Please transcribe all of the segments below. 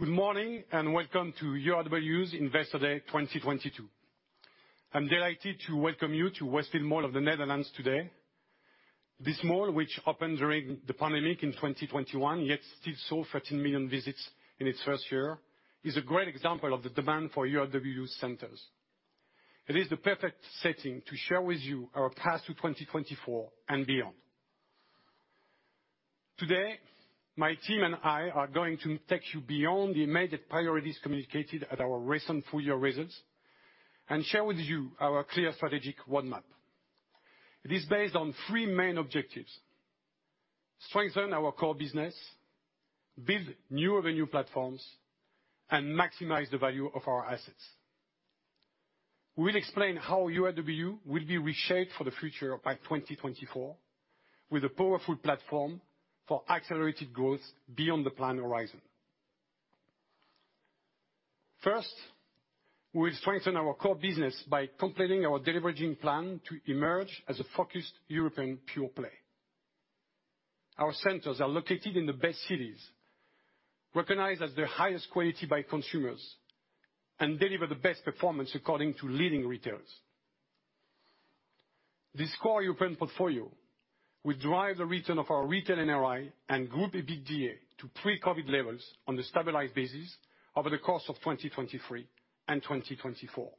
Good morning, and welcome to URW's Investor Day 2022. I'm delighted to welcome you to Westfield Mall of the Netherlands today. This mall, which opened during the pandemic in 2021, yet still saw 13 million visits in its first year, is a great example of the demand for URW centers. It is the perfect setting to share with you our path to 2024 and beyond. Today, my team and I are going to take you beyond the immediate priorities communicated at our recent full year results and share with you our clear strategic roadmap. It is based on three main objectives, strengthen our core business, build new revenue platforms, and maximize the value of our assets. We'll explain how URW will be reshaped for the future by 2024, with a powerful platform for accelerated growth beyond the plan horizon. First, we'll strengthen our core business by completing our deleveraging plan to emerge as a focused European pure play. Our centers are located in the best cities, recognized as the highest quality by consumers and deliver the best performance according to leading retailers. This core European portfolio will drive the return of our retail NRI and group EBITDA to pre-COVID levels on a stabilized basis over the course of 2023 and 2024.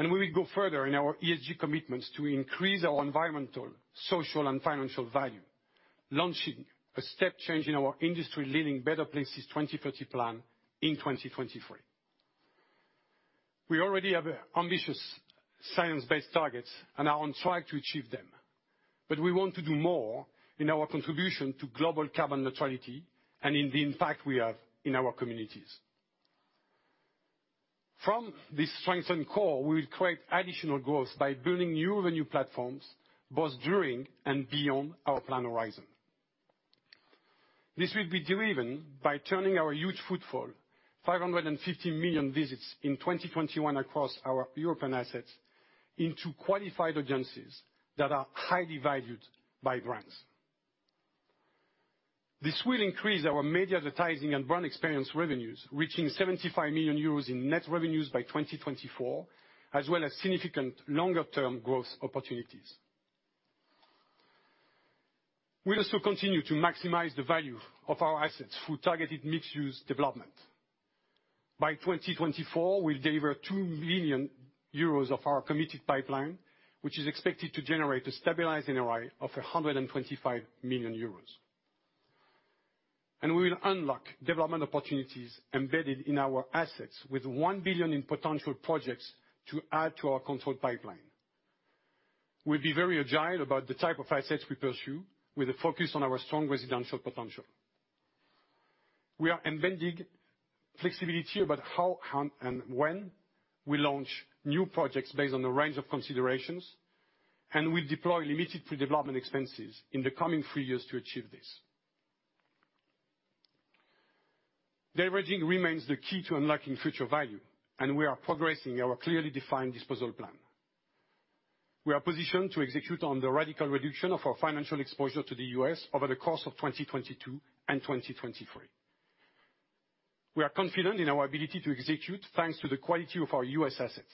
We will go further in our ESG commitments to increase our environmental, social, and financial value, launching a step change in our industry-leading Better Places 2030 plan in 2023. We already have ambitious science-based targets and are on track to achieve them, but we want to do more in our contribution to global carbon neutrality and in the impact we have in our communities. From this strengthened core, we will create additional growth by building new revenue platforms both during and beyond our plan horizon. This will be driven by turning our huge footfall, 550 million visits in 2021 across our European assets, into qualified agencies that are highly valued by brands. This will increase our media advertising and brand experience revenues, reaching 75 million euros in net revenues by 2024, as well as significant longer term growth opportunities. We also continue to maximize the value of our assets through targeted mixed-use development. By 2024, we'll deliver 2 million euros of our committed pipeline, which is expected to generate a stabilized NRI of 125 million euros. We will unlock development opportunities embedded in our assets with 1 billion in potential projects to add to our controlled pipeline. We'll be very agile about the type of assets we pursue, with a focus on our strong residential potential. We are embedding flexibility about how and when we launch new projects based on a range of considerations, and we deploy limited pre-development expenses in the coming three years to achieve this. Deleveraging remains the key to unlocking future value, and we are progressing our clearly defined disposal plan. We are positioned to execute on the radical reduction of our financial exposure to the U.S. over the course of 2022 and 2023. We are confident in our ability to execute, thanks to the quality of our U.S. assets,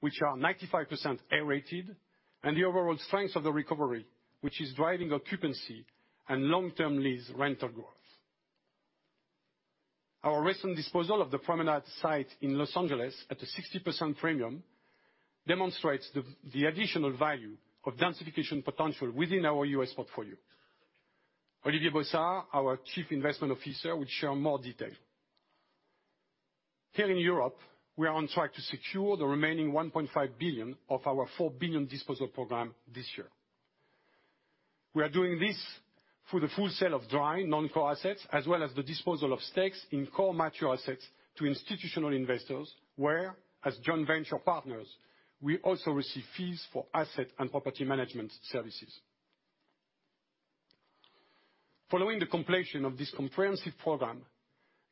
which are 95% A-rated, and the overall strength of the recovery, which is driving occupancy and long-term lease rental growth. Our recent disposal of the Promenade site in Los Angeles at a 60% premium demonstrates the additional value of densification potential within our U.S. portfolio. Olivier Bossard, our Chief Investment Officer, will share more detail. Here in Europe, we are on track to secure the remaining 1.5 billion of our 4 billion disposal program this year. We are doing this through the full sale of dry non-core assets, as well as the disposal of stakes in core mature assets to institutional investors, where, as joint venture partners, we also receive fees for asset and property management services. Following the completion of this comprehensive program,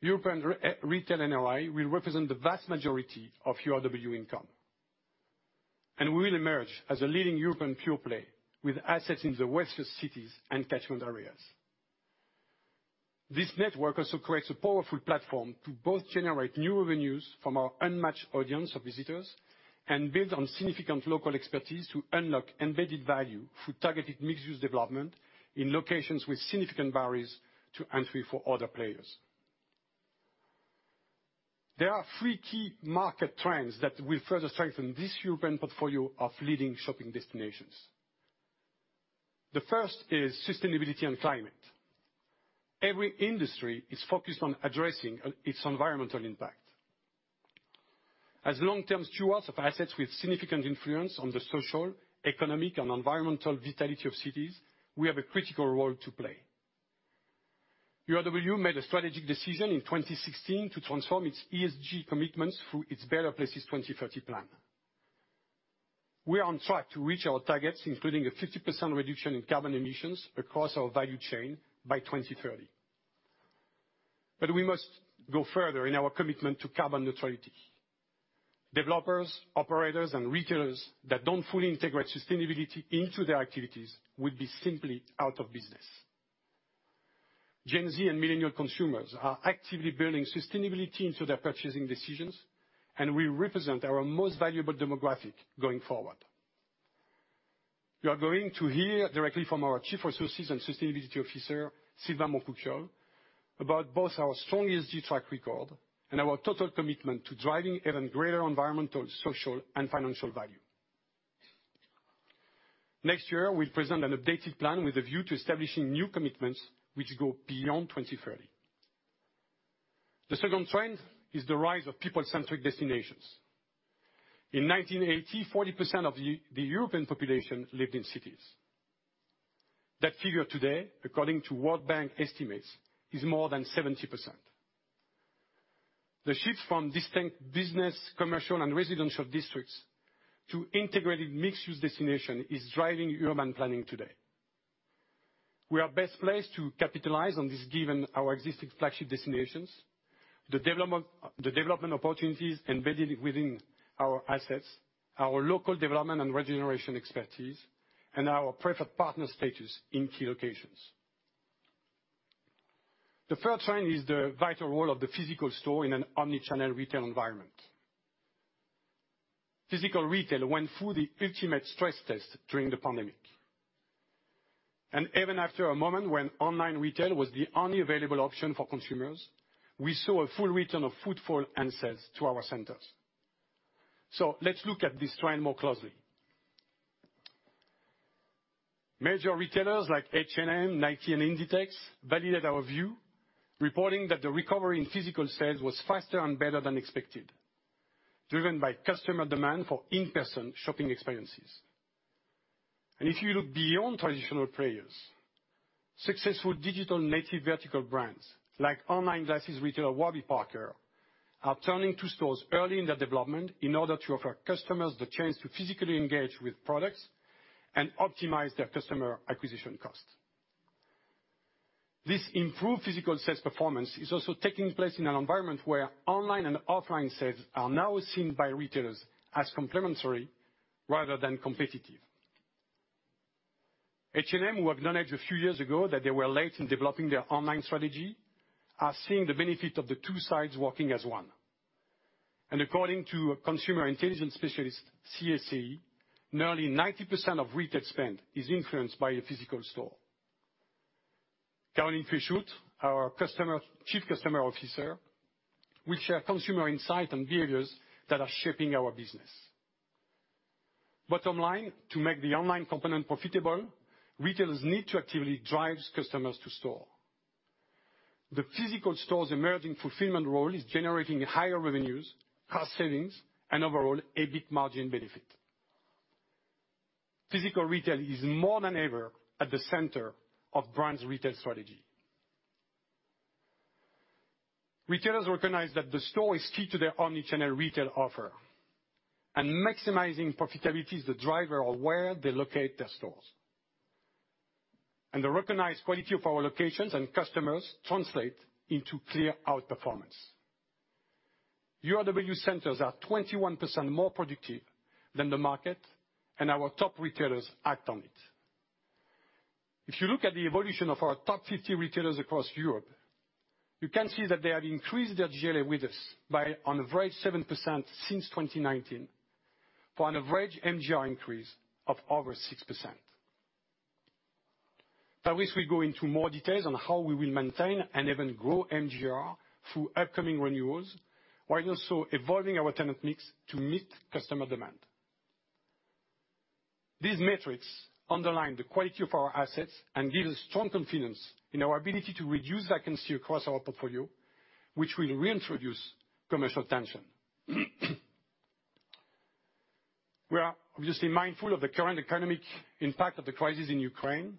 European retail NRI will represent the vast majority of URW income, and we will emerge as a leading European pure play with assets in the wealthiest cities and catchment areas. This network also creates a powerful platform to both generate new revenues from our unmatched audience of visitors and build on significant local expertise to unlock embedded value through targeted mixed-use development in locations with significant barriers to entry for other players. There are three key market trends that will further strengthen this European portfolio of leading shopping destinations. The first is sustainability and climate. Every industry is focused on addressing its environmental impact. As long-term stewards of assets with significant influence on the social, economic, and environmental vitality of cities, we have a critical role to play. URW made a strategic decision in 2016 to transform its ESG commitments through its Better Places 2030 plan. We are on track to reach our targets, including a 50% reduction in carbon emissions across our value chain by 2030. We must go further in our commitment to carbon neutrality. Developers, operators, and retailers that don't fully integrate sustainability into their activities will be simply out of business. Gen Z and Millennial consumers are actively building sustainability into their purchasing decisions, and will represent our most valuable demographic going forward. You are going to hear directly from our Chief Resources and Sustainability Officer, Sylvain Montcouquiol, about both our strongest track record and our total commitment to driving even greater environmental, social, and financial value. Next year, we present an updated plan with a view to establishing new commitments which go beyond 2030. The second trend is the rise of people-centric destinations. In 1980, 40% of the European population lived in cities. That figure today, according to World Bank estimates, is more than 70%. The shift from distinct business, commercial, and residential districts to integrated mixed-use destination is driving urban planning today. We are best placed to capitalize on this, given our existing flagship destinations, the development opportunities embedded within our assets, our local development and regeneration expertise, and our preferred partner status in key locations. The third trend is the vital role of the physical store in an omni-channel retail environment. Physical retail went through the ultimate stress test during the pandemic, and even after a moment when online retail was the only available option for consumers, we saw a full return of footfall and sales to our centers. Let's look at this trend more closely. Major retailers like H&M, Nike, and Inditex validate our view, reporting that the recovery in physical sales was faster and better than expected, driven by customer demand for in-person shopping experiences. If you look beyond traditional players, successful digital-native vertical brands, like online glasses retailer Warby Parker, are turning to stores early in their development in order to offer customers the chance to physically engage with products and optimize their customer acquisition costs. This improved physical sales performance is also taking place in an environment where online and offline sales are now seen by retailers as complementary rather than competitive. H&M, who acknowledged a few years ago that they were late in developing their online strategy, are seeing the benefit of the two sides working as one. According to a consumer intelligence specialist, CACI, nearly 90% of retail spend is influenced by a physical store. Caroline Puechoultres, our Chief Customer Officer, will share consumer insight and behaviors that are shaping our business. Bottom line, to make the online component profitable, retailers need to actively drive customers to store. The physical store's emerging fulfillment role is generating higher revenues, cost savings, and overall EBIT margin benefit. Physical retail is more than ever at the center of brands' retail strategy. Retailers recognize that the store is key to their omni-channel retail offer, and maximizing profitability is the driver of where they locate their stores. The recognized quality of our locations and customers translate into clear outperformance. URW centers are 21% more productive than the market, and our top retailers act on it. If you look at the evolution of our top 50 retailers across Europe, you can see that they have increased their GLA with us by on average 7% since 2019, for an average MGR increase of over 6%. Paris will go into more details on how we will maintain and even grow MGR through upcoming renewals, while also evolving our tenant mix to meet customer demand. These metrics underline the quality of our assets and give us strong confidence in our ability to reduce vacancy across our portfolio, which will reintroduce commercial tension. We are obviously mindful of the current economic impact of the crisis in Ukraine,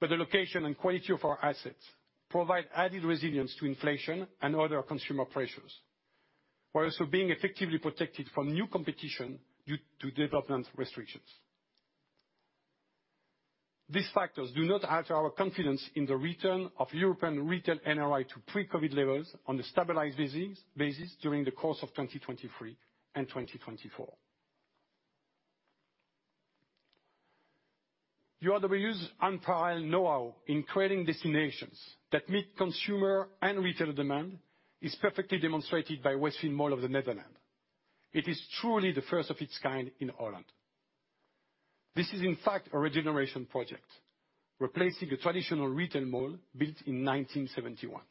but the location and quality of our assets provide added resilience to inflation and other consumer pressures, while also being effectively protected from new competition due to development restrictions. These factors do not alter our confidence in the return of European retail NRI to pre-COVID levels on a stabilized business basis during the course of 2023 and 2024. URW's unparalleled know-how in creating destinations that meet consumer and retailer demand is perfectly demonstrated by Westfield Mall of the Netherlands. It is truly the first of its kind in Holland. This is, in fact, a regeneration project, replacing a traditional retail mall built in 1971.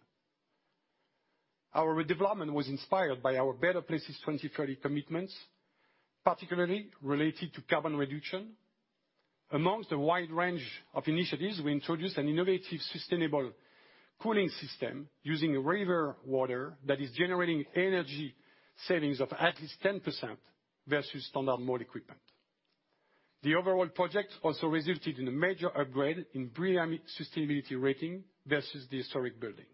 Our redevelopment was inspired by our Better Places 2030 commitments, particularly related to carbon reduction. Among a wide range of initiatives, we introduced an innovative, sustainable cooling system using river water that is generating energy savings of at least 10% versus standard mall equipment. The overall project also resulted in a major upgrade in BREEAM sustainability rating versus the historic building.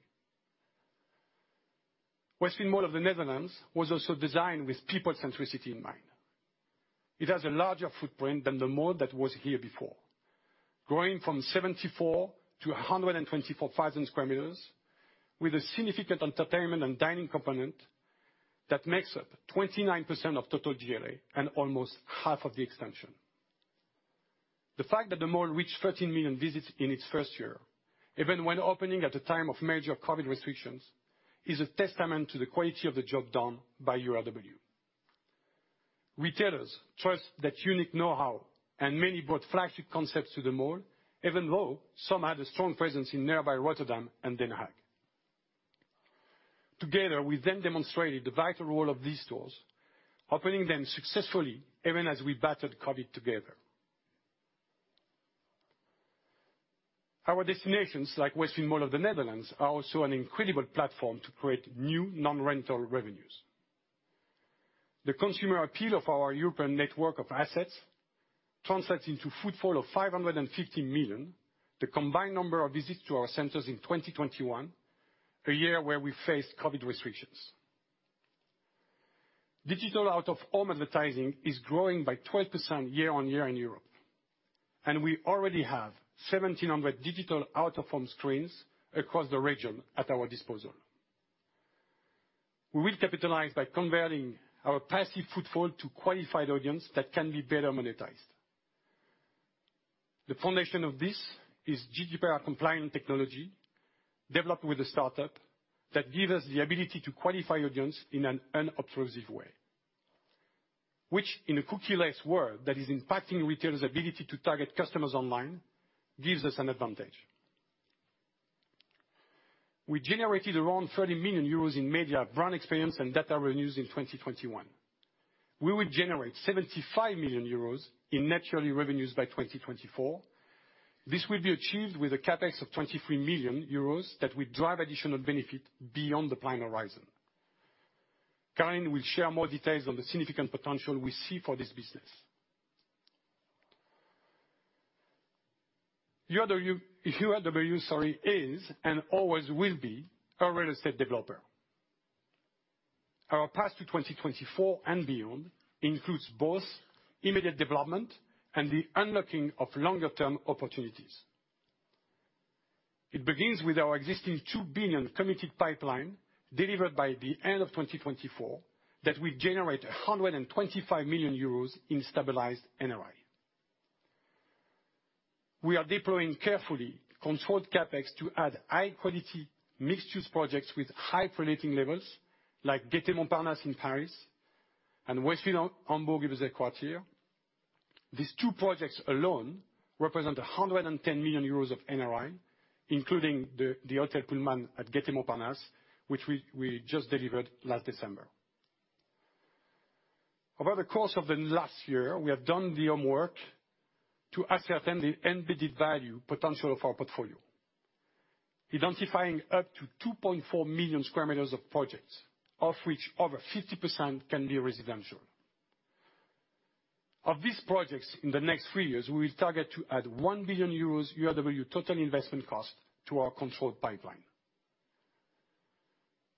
Westfield Mall of the Netherlands was also designed with people centricity in mind. It has a larger footprint than the mall that was here before. Growing from 74,000 sq m-124,000 sq m, with a significant entertainment and dining component that makes up 29% of total GLA and almost half of the extension. The fact that the mall reached 13 million visits in its first year, even when opening at the time of major COVID restrictions, is a testament to the quality of the job done by URW. Retailers trust that unique know-how, and many brought flagship concepts to the mall, even though some had a strong presence in nearby Rotterdam and The Hague. Together, we then demonstrated the vital role of these stores, opening them successfully, even as we battled COVID together. Our destinations, like Westfield Mall of the Netherlands, are also an incredible platform to create new non-rental revenues. The consumer appeal of our European network of assets translates into footfall of 550 million, the combined number of visits to our centers in 2021, a year where we faced COVID restrictions. Digital out-of-home advertising is growing by 12% year-over-year in Europe, and we already have 1,700 digital out-of-home screens across the region at our disposal. We will capitalize by converting our passive footfall to qualified audience that can be better monetized. The foundation of this is GDPR-compliant technology developed with a start-up that give us the ability to qualify audience in an unobtrusive way, which in a cookie-less world that is impacting retailers' ability to target customers online, gives us an advantage. We generated around 30 million euros in media brand experience and data revenues in 2021. We will generate 75 million euros in net yearly revenues by 2024. This will be achieved with a CapEx of 23 million euros that will drive additional benefit beyond the plan horizon. Olivier will share more details on the significant potential we see for this business. URW is and always will be a real estate developer. Our path to 2024 and beyond includes both immediate development and the unlocking of longer term opportunities. It begins with our existing 2 billion committed pipeline delivered by the end of 2024, that will generate 125 million euros in stabilized NOI. We are deploying carefully controlled CapEx to add high-quality mixed-use projects with high pre-letting levels, like Gaîté Montparnasse in Paris and Westfield Hamburg-Überseequartier. These two projects alone represent 110 million euros of NOI, including the Hotel Pullman at Gaîté Montparnasse, which we just delivered last December. Over the course of the last year, we have done the homework to ascertain the embedded value potential of our portfolio, identifying up to 2.4 million sq m of projects, of which over 50% can be residential. Of these projects in the next three years, we will target to add 1 billion euros URW total investment cost to our controlled pipeline.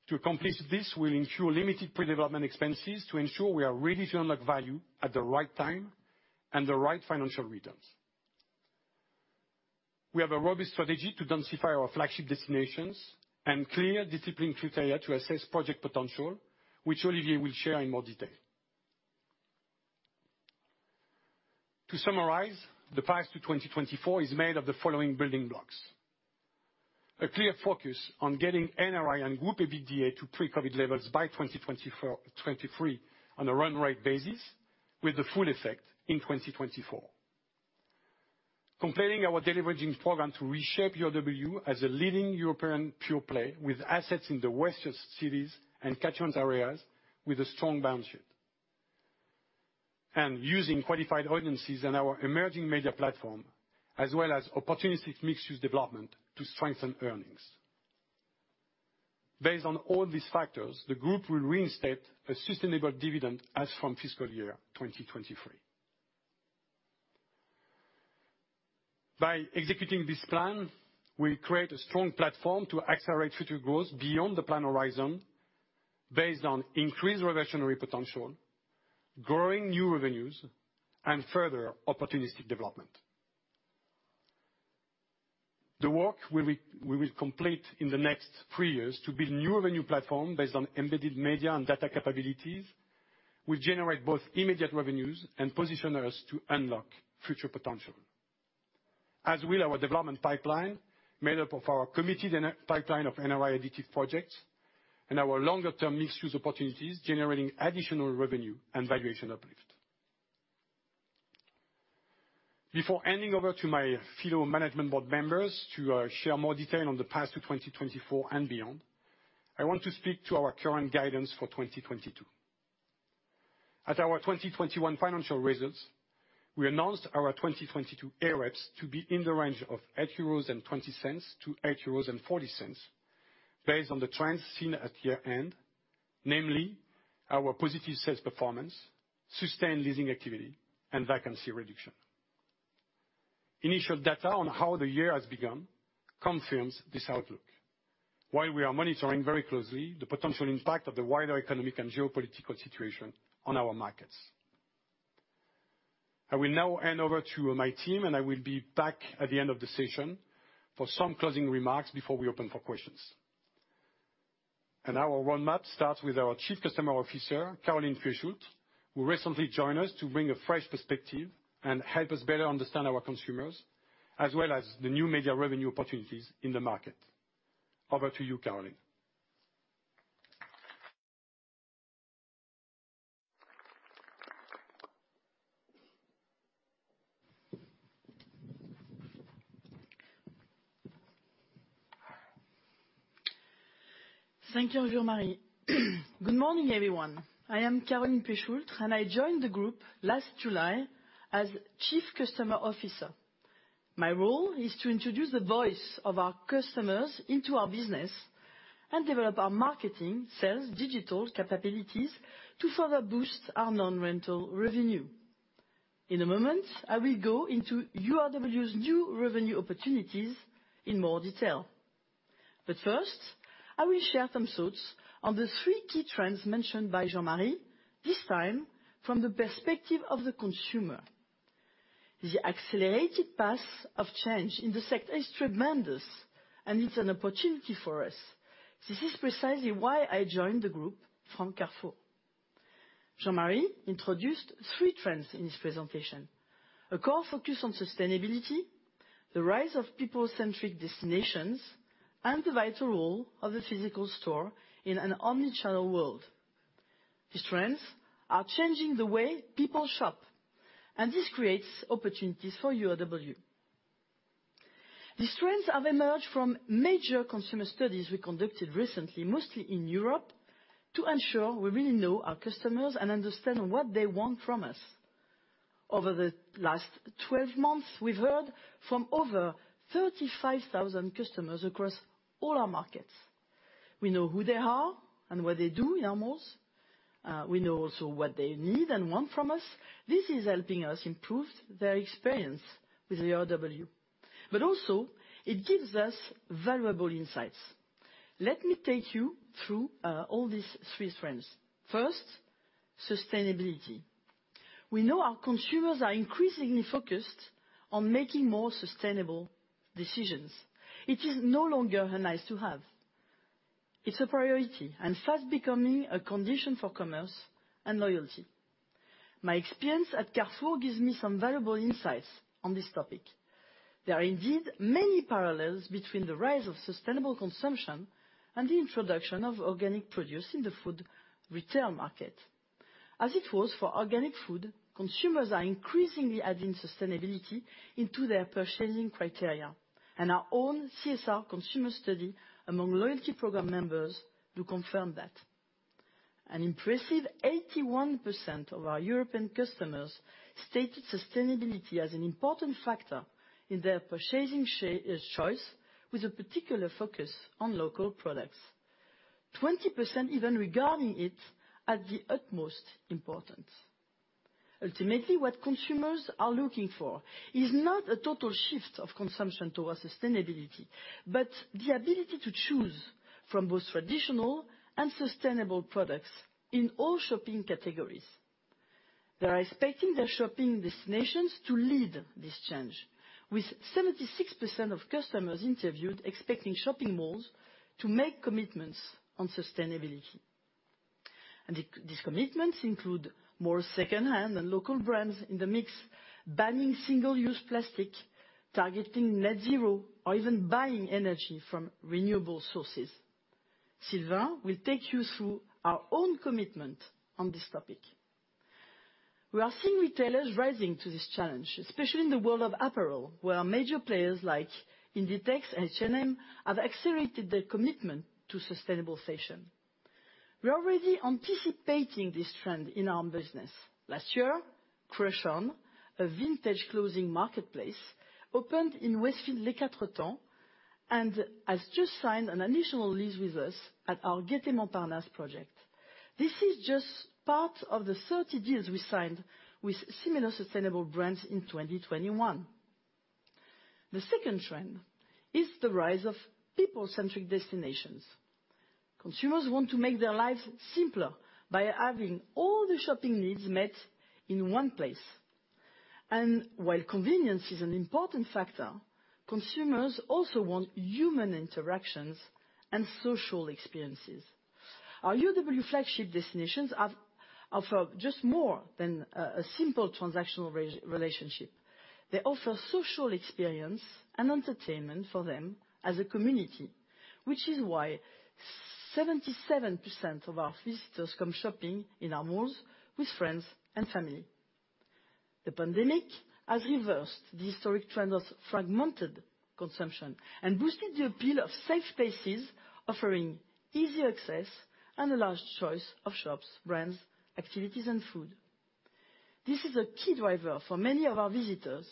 To accomplish this, we'll ensure limited pre-development expenses to ensure we are ready to unlock value at the right time and the right financial returns. We have a robust strategy to densify our flagship destinations and clear discipline criteria to assess project potential, which Olivier will share in more detail. To summarize, the path to 2024 is made of the following building blocks: a clear focus on getting NOI and group EBITDA to pre-COVID levels by 2024, 2023 on a run rate basis, with the full effect in 2024. Completing our deleveraging program to reshape URW as a leading European pure play with assets in the wealthiest cities and catchment areas with a strong balance sheet. Using qualified audiences and our emerging media platform, as well as opportunistic mixed-use development to strengthen earnings. Based on all these factors, the group will reinstate a sustainable dividend as from fiscal year 2023. By executing this plan, we create a strong platform to accelerate future growth beyond the plan horizon based on increased revolutionary potential, growing new revenues, and further opportunistic development. The work we will complete in the next three years to build new revenue platform based on embedded media and data capabilities will generate both immediate revenues and position us to unlock future potential. As will our development pipeline, made up of our committed pipeline of NOI-additive projects and our longer term mixed-use opportunities, generating additional revenue and valuation uplift. Before handing over to my fellow management board members to share more detail on the path to 2024 and beyond, I want to speak to our current guidance for 2022. At our 2021 financial results, we announced our 2022 AREPs to be in the range of 8.20-8.40 euros based on the trends seen at year-end, namely our positive sales performance, sustained leasing activity, and vacancy reduction. Initial data on how the year has begun confirms this outlook. While we are monitoring very closely the potential impact of the wider economic and geopolitical situation on our markets. I will now hand over to my team, and I will be back at the end of the session for some closing remarks before we open for questions. Our roadmap starts with our Chief Customer Officer, Caroline Puechoultres, who recently joined us to bring a fresh perspective and help us better understand our consumers, as well as the new media revenue opportunities in the market. Over to you, Caroline. Thank you, Jean-Marie. Good morning, everyone. I am Caroline Puechoultres, and I joined the group last July as Chief Customer Officer. My role is to introduce the voice of our customers into our business and develop our marketing, sales, digital capabilities to further boost our non-rental revenue. In a moment, I will go into URW's new revenue opportunities in more detail. First, I will share some thoughts on the three key trends mentioned by Jean-Marie, this time from the perspective of the consumer. The accelerated path of change in the sector is tremendous, and it's an opportunity for us. This is precisely why I joined the group from Carrefour. Jean-Marie introduced three trends in his presentation: a core focus on sustainability, the rise of people-centric destinations, and the vital role of the physical store in an omni-channel world. These trends are changing the way people shop, and this creates opportunities for URW. These trends have emerged from major consumer studies we conducted recently, mostly in Europe, to ensure we really know our customers and understand what they want from us. Over the last 12 months, we've heard from over 35,000 customers across all our markets. We know who they are and what they do in our malls. We know also what they need and want from us. This is helping us improve their experience with URW, but also it gives us valuable insights. Let me take you through all these three trends. First, sustainability. We know our consumers are increasingly focused on making more sustainable decisions. It is no longer a nice-to-have. It's a priority and fast becoming a condition for commerce and loyalty. My experience at Carrefour gives me some valuable insights on this topic. There are indeed many parallels between the rise of sustainable consumption and the introduction of organic produce in the food retail market. As it was for organic food, consumers are increasingly adding sustainability into their purchasing criteria, and our own CSR consumer study among loyalty program members do confirm that. An impressive 81% of our European customers stated sustainability as an important factor in their purchasing choice, with a particular focus on local products. 20% even regarding it at the utmost importance. Ultimately, what consumers are looking for is not a total shift of consumption towards sustainability, but the ability to choose from both traditional and sustainable products in all shopping categories. They are expecting their shopping destinations to lead this change, with 76% of customers interviewed expecting shopping malls to make commitments on sustainability. These commitments include more secondhand and local brands in the mix, banning single-use plastic, targeting net zero, or even buying energy from renewable sources. Sylvain will take you through our own commitment on this topic. We are seeing retailers rising to this challenge, especially in the world of apparel, where major players like Inditex and H&M have accelerated their commitment to sustainable fashion. We are already anticipating this trend in our business. Last year, Creston, a vintage clothing marketplace, opened in Westfield Les Quatre Temps and has just signed an additional lease with us at our Gaîté Montparnasse project. This is just part of the 30 deals we signed with similar sustainable brands in 2021. The second trend is the rise of people-centric destinations. Consumers want to make their lives simpler by having all their shopping needs met in one place. While convenience is an important factor, consumers also want human interactions and social experiences. Our URW flagship destinations are for just more than a simple transactional relationship. They offer social experience and entertainment for them as a community, which is why 77% of our visitors come shopping in our malls with friends and family. The pandemic has reversed the historic trend of fragmented consumption and boosted the appeal of safe spaces offering easy access and a large choice of shops, brands, activities, and food. This is a key driver for many of our visitors,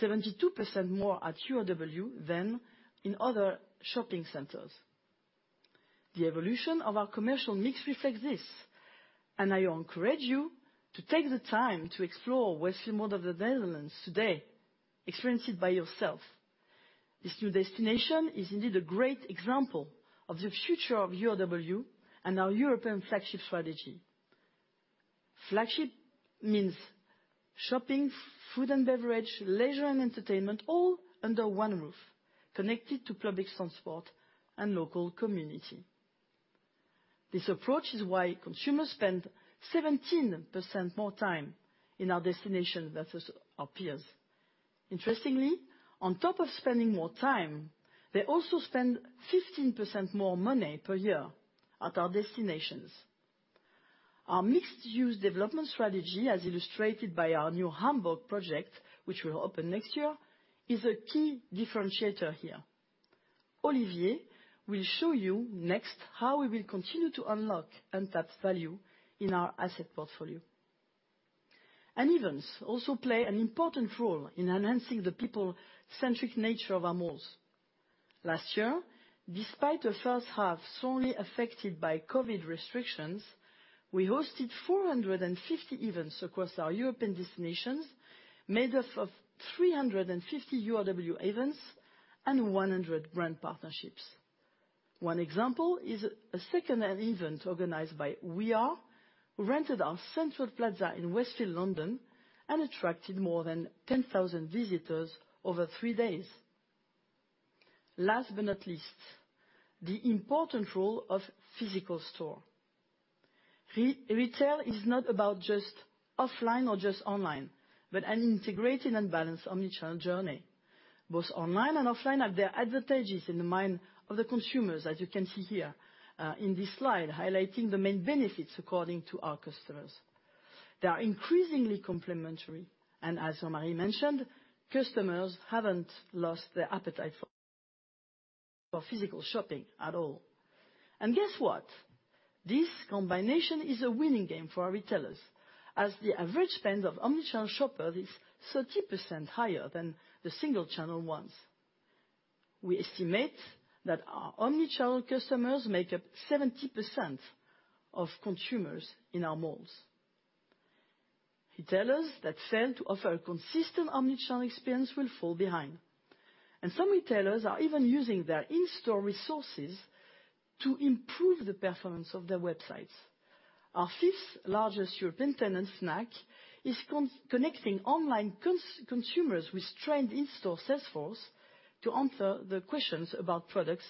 72% more at URW than in other shopping centers. The evolution of our commercial mix reflects this. I encourage you to take the time to explore Westfield London developments today. Experience it by yourself. This new destination is indeed a great example of the future of URW and our European flagship strategy. Flagship means shopping, food and beverage, leisure and entertainment all under one roof, connected to public transport and local community. This approach is why consumers spend 17% more time in our destination versus our peers. Interestingly, on top of spending more time, they also spend 15% more money per year at our destinations. Our mixed use development strategy, as illustrated by our new Hamburg project, which will open next year, is a key differentiator here. Olivier will show you next how we will continue to unlock untapped value in our asset portfolio. Events also play an important role in enhancing the people-centric nature of our malls. Last year, despite a first half sorely affected by COVID restrictions, we hosted 450 events across our European destinations, made up of 350 URW events and 100 brand partnerships. One example is a second event organized by We Are FSTVL that rented our central plaza in Westfield London and attracted more than 10,000 visitors over three days. Last but not least, the important role of physical stores. Re-retail is not about just offline or just online, but an integrated and balanced omni-channel journey. Both online and offline have their advantages in the mind of the consumers, as you can see here, in this slide, highlighting the main benefits according to our customers. They are increasingly complementary, and as Marie mentioned, customers haven't lost their appetite for physical shopping at all. Guess what? This combination is a winning game for our retailers, as the average spend of omni-channel shopper is 30% higher than the single channel ones. We estimate that our omni-channel customers make up 70% of consumers in our malls. Retailers that fail to offer a consistent omni-channel experience will fall behind. Some retailers are even using their in-store resources to improve the performance of their websites. Our fifth-largest European tenant, Snack, is connecting online consumers with trained in-store sales force to answer the questions about products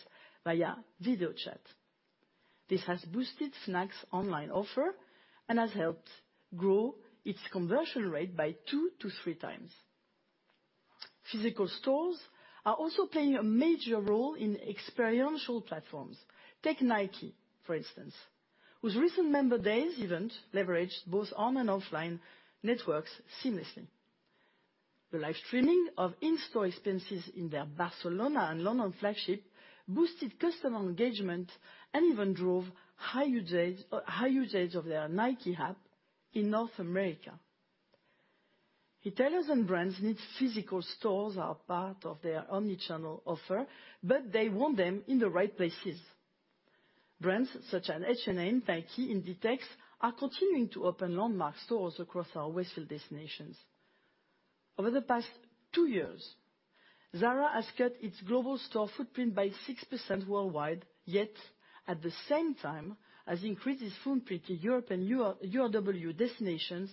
via video chat. This has boosted Snack's online offer and has helped grow its conversion rate by 2x-3x Physical stores are also playing a major role in experiential platforms. Take Nike, for instance, whose recent Member Days event leveraged both online and offline networks seamlessly. The live streaming of in-store experiences in their Barcelona and London flagship boosted customer engagement and even drove high usage of their Nike app in North America. Retailers and brands need physical stores as part of their omni-channel offer, but they want them in the right places. Brands such as H&M, Nike, Inditex are continuing to open landmark stores across our Westfield destinations. Over the past two years, Zara has cut its global store footprint by 6% worldwide, yet at the same time has increased its footprint in Europe and URW destinations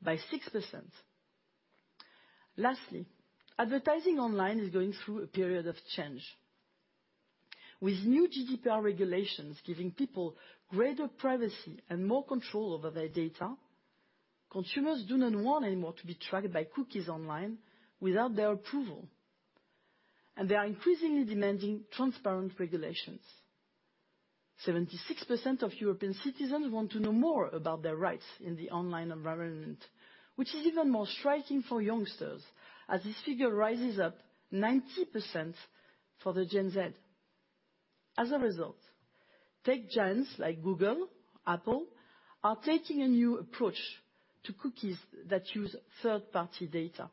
by 6%. Lastly, advertising online is going through a period of change. With new GDPR regulations giving people greater privacy and more control over their data, consumers do not want any more to be tracked by cookies online without their approval, and they are increasingly demanding transparent regulations. 76% of European citizens want to know more about their rights in the online environment, which is even more striking for youngsters, as this figure rises up 90% for the Gen Z. As a result, tech giants like Google, Apple are taking a new approach to cookies that use third-party data.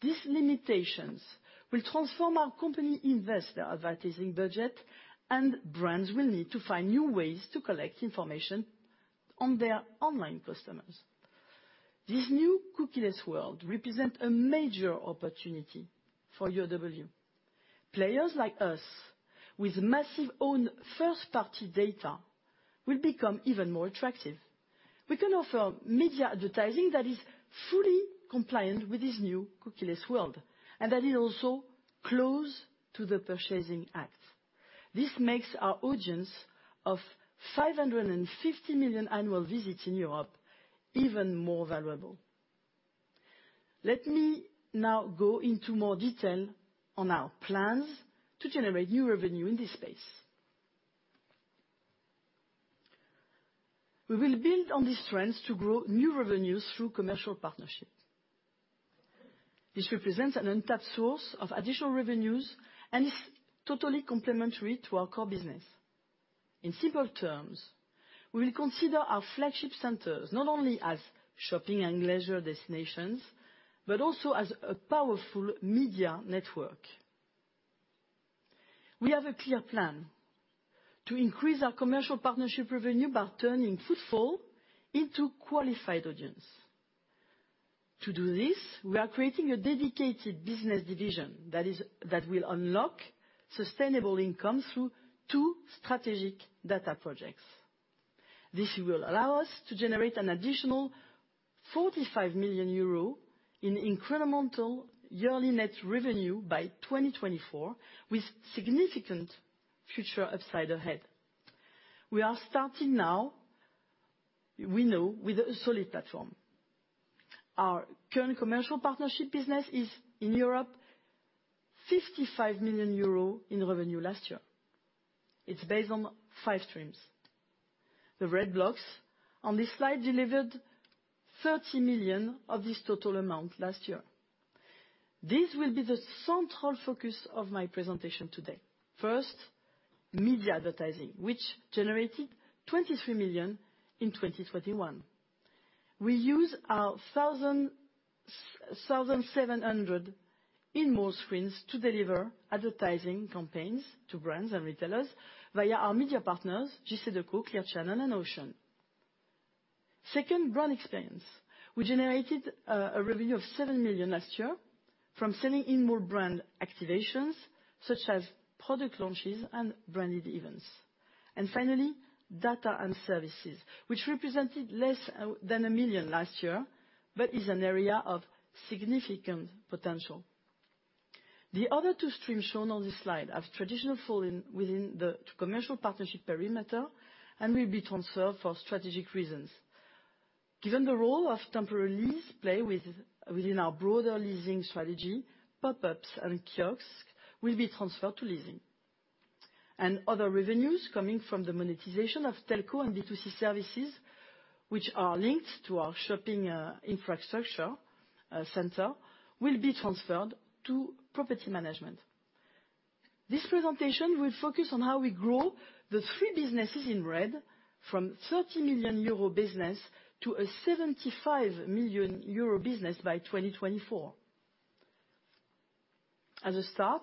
These limitations will transform how companies invest their advertising budget, and brands will need to find new ways to collect information on their online customers. This new cookieless world represents a major opportunity for URW. Players like us with massive own first-party data will become even more attractive. We can offer media advertising that is fully compliant with this new cookieless world, and that is also close to the purchasing act. This makes our audience of 550 million annual visits in Europe even more valuable. Let me now go into more detail on our plans to generate new revenue in this space. We will build on these trends to grow new revenues through commercial partnerships. This represents an untapped source of additional revenues and is totally complementary to our core business. In simple terms, we will consider our flagship centers, not only as shopping and leisure destinations, but also as a powerful media network. We have a clear plan to increase our commercial partnership revenue by turning footfall into qualified audience. To do this, we are creating a dedicated business division that will unlock sustainable income through two strategic data projects. This will allow us to generate an additional 45 million euro in incremental yearly net revenue by 2024, with significant future upside ahead. We are starting now, we know, with a solid platform. Our current commercial partnership business is in Europe, 55 million euros in revenue last year. It's based on five streams. The red blocks on this slide delivered 30 million of this total amount last year. This will be the central focus of my presentation today. First, media advertising, which generated 23 million in 2021. We use our 1,700 and more screens to deliver advertising campaigns to brands and retailers via our media partners, JCDecaux, Clear Channel and Ocean. Second, brand experience. We generated a revenue of 7 million last year from selling in-mall brand activations such as product launches and branded events. Finally, data and services, which represented less than 1 million last year, but is an area of significant potential. The other two streams shown on this slide have traditionally fallen within the commercial partnership perimeter and will be transferred for strategic reasons. Given the role of temporary lease play within our broader leasing strategy, pop-ups and kiosks will be transferred to leasing. Other revenues coming from the monetization of telco and D2C services, which are linked to our shopping infrastructure center, will be transferred to property management. This presentation will focus on how we grow the three businesses in red from 30 million euro business to a 75 million euro business by 2024. As a start,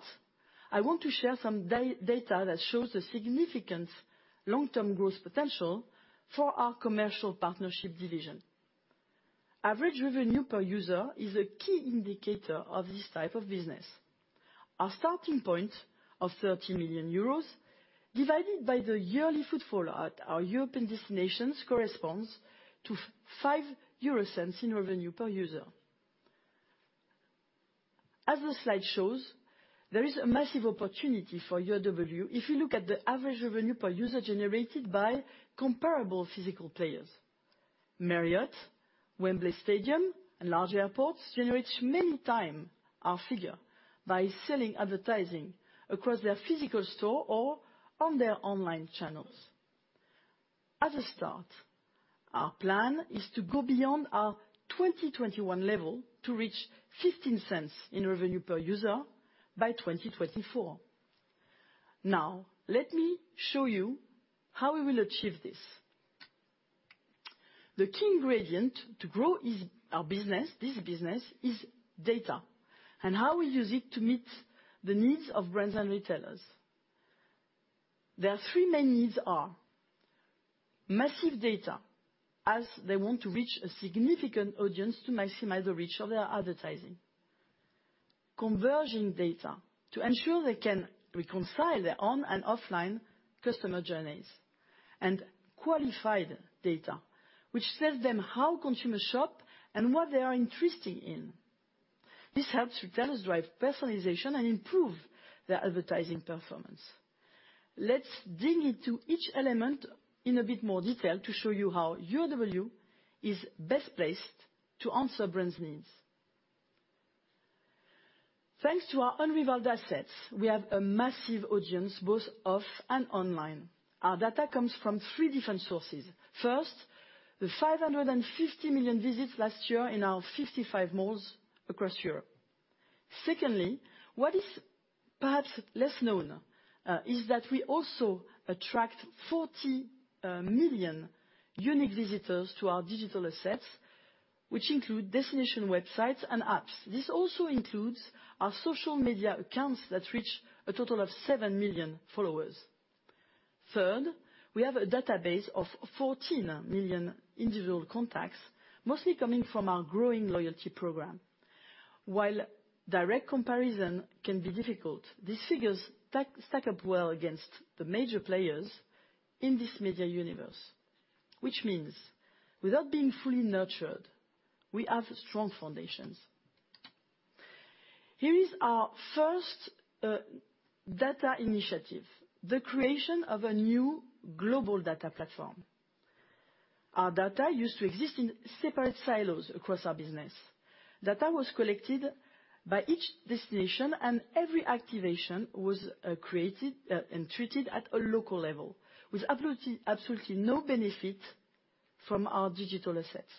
I want to share some data that shows the significant long-term growth potential for our commercial partnership division. Average revenue per user is a key indicator of this type of business. Our starting point of 30 million euros divided by the yearly footfall at our European destinations corresponds to 0.05 in revenue per user. As the slide shows, there is a massive opportunity for URW if you look at the average revenue per user generated by comparable physical players. Marriott, Wembley Stadium, and large airports generate many times our figure by selling advertising across their physical store or on their online channels. As a start, our plan is to go beyond our 2021 level to reach $0.15 in revenue per user by 2024. Now, let me show you how we will achieve this. The key ingredient to grow our business, this business, is data and how we use it to meet the needs of brands and retailers. There are three main needs: mass reach, as they want to reach a significant audience to maximize the reach of their advertising; converging data to ensure they can reconcile their on- and offline customer journeys. Qualified data, which tells them how consumers shop and what they are interested in. This helps retailers drive personalization and improve their advertising performance. Let's dig into each element in a bit more detail to show you how URW is best placed to answer brands' needs. Thanks to our unrivaled assets, we have a massive audience, both offline and online. Our data comes from three different sources. First, the 550 million visits last year in our 55 malls across Europe. Secondly, what is perhaps less known, is that we also attract 40 million unique visitors to our digital assets, which include destination websites and apps. This also includes our social media accounts that reach a total of 7 million followers. Third, we have a database of 14 million individual contacts, mostly coming from our growing loyalty program. While direct comparison can be difficult, these figures stack up well against the major players in this media universe, which means without being fully nurtured, we have strong foundations. Here is our first data initiative, the creation of a new global data platform. Our data used to exist in separate silos across our business. Data was collected by each destination, and every activation was created and treated at a local level with absolutely no benefit from our digital assets.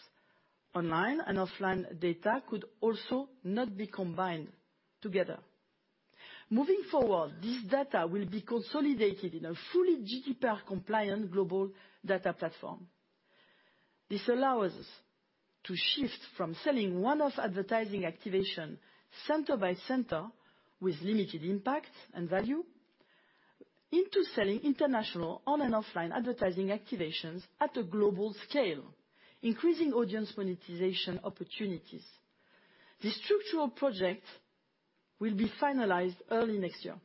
Online and offline data could also not be combined together. Moving forward, this data will be consolidated in a fully GDPR compliant global data platform. This allows us to shift from selling one-off advertising activation center by center with limited impact and value into selling international on and offline advertising activations at a global scale, increasing audience monetization opportunities. This structural project will be finalized early next year.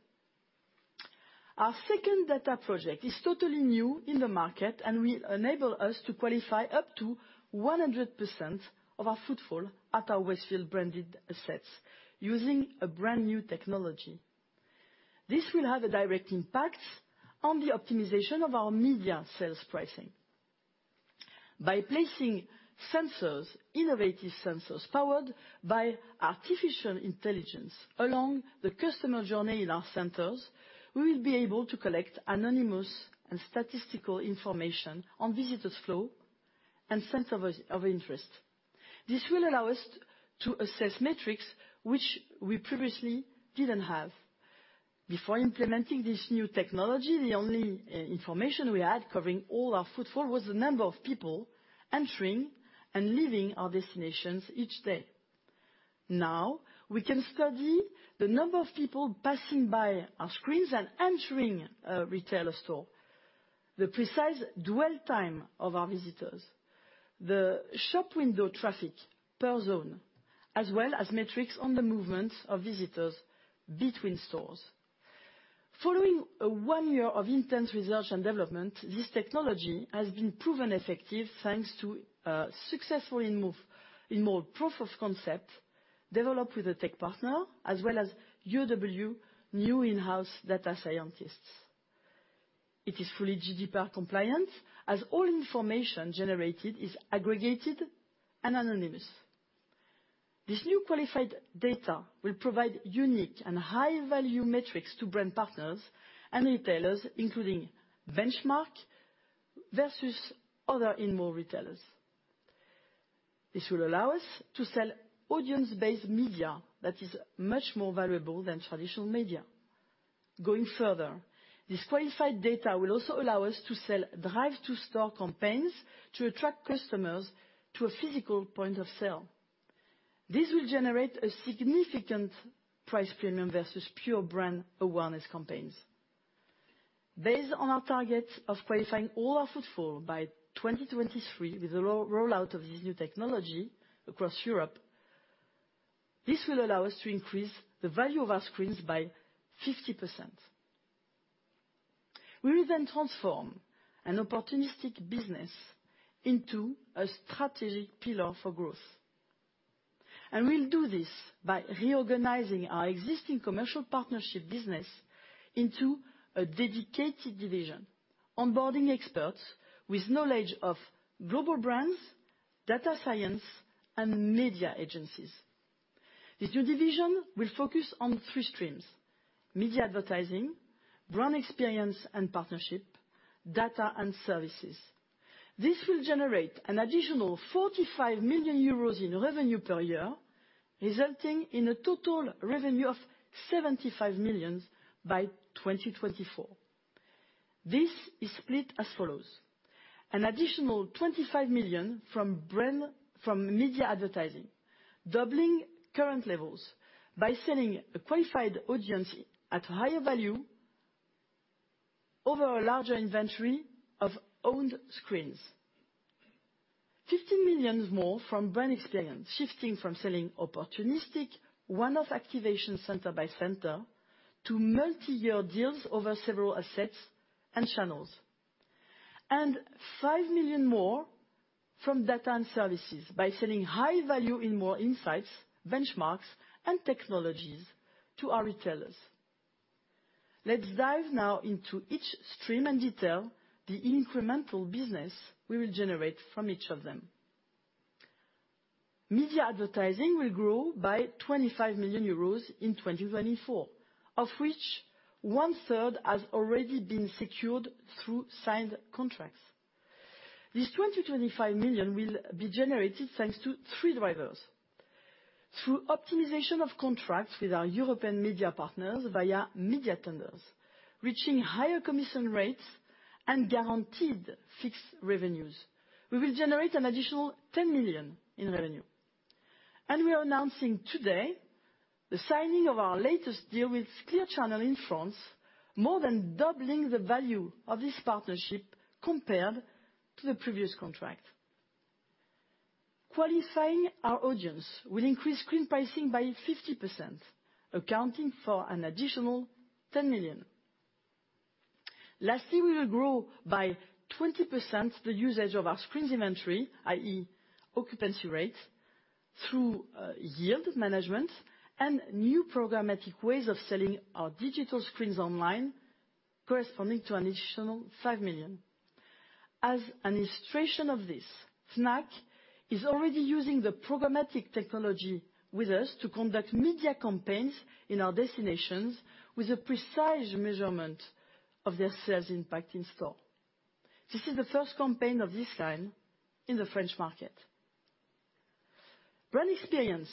Our second data project is totally new in the market, and will enable us to qualify up to 100% of our footfall at our Westfield branded assets using a brand new technology. This will have a direct impact on the optimization of our media sales pricing. By placing sensors, innovative sensors, powered by artificial intelligence along the customer journey in our centers, we will be able to collect anonymous and statistical information on visitors flow and center of interest. This will allow us to assess metrics which we previously didn't have. Before implementing this new technology, the only information we had covering all our footfall was the number of people entering and leaving our destinations each day. Now we can study the number of people passing by our screens and entering a retailer store, the precise dwell time of our visitors, the shop window traffic per zone, as well as metrics on the movement of visitors between stores. Following one year of intense research and development, this technology has been proven effective, thanks to successful in-mall proof of concept developed with a tech partner as well as URW new in-house data scientists. It is fully GDPR compliant as all information generated is aggregated and anonymous. This new qualified data will provide unique and high value metrics to brand partners and retailers, including benchmark versus other in-mall retailers. This will allow us to sell audience-based media that is much more valuable than traditional media. Going further, this qualified data will also allow us to sell drive to store campaigns to attract customers to a physical point of sale. This will generate a significant price premium versus pure brand awareness campaigns. Based on our target of qualifying all our footfall by 2023 with the rollout of this new technology across Europe, this will allow us to increase the value of our screens by 50%. We will then transform an opportunistic business into a strategic pillar for growth. We'll do this by reorganizing our existing commercial partnership business into a dedicated division, onboarding experts with knowledge of global brands, data science, and media agencies. This new division will focus on three streams, media advertising, brand experience and partnership, data and services. This will generate an additional 45 million euros in revenue per year, resulting in a total revenue of 75 million by 2024. This is split as follows. An additional 25 million from media advertising, doubling current levels by selling a qualified audience at higher value over a larger inventory of owned screens. 15 million more from brand experience, shifting from selling opportunistic one-off activation center by center to multiyear deals over several assets and channels. 5 million more from data and services by selling high value in more insights, benchmarks, and technologies to our retailers. Let's dive now into each stream and detail the incremental business we will generate from each of them. Media advertising will grow by 25 million euros in 2024, of which one-third has already been secured through signed contracts. This 25 million will be generated thanks to three drivers. Through optimization of contracts with our European media partners via media tenders, reaching higher commission rates and guaranteed fixed revenues, we will generate an additional 10 million in revenue. We are announcing today the signing of our latest deal with Clear Channel in France, more than doubling the value of this partnership compared to the previous contract. Qualifying our audience will increase screen pricing by 50%, accounting for an additional 10 million. Lastly, we will grow by 20% the usage of our screens inventory, i.e. occupancy rate, through yield management and new programmatic ways of selling our digital screens online, corresponding to an additional 5 million. As an illustration of this, Snack is already using the programmatic technology with us to conduct media campaigns in our destinations with a precise measurement of their sales impact in store. This is the first campaign of this kind in the French market. Brand experience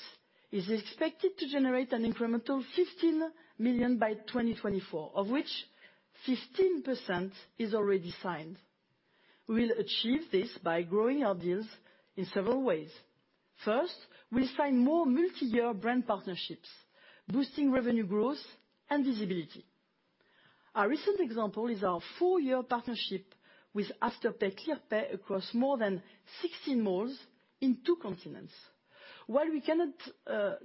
is expected to generate an incremental 15 million by 2024, of which 15% is already signed. We'll achieve this by growing our deals in several ways. First, we sign more multiyear brand partnerships, boosting revenue growth and visibility. A recent example is our four-year partnership with Afterpay, Clearpay across more than 16 malls in two continents. While we cannot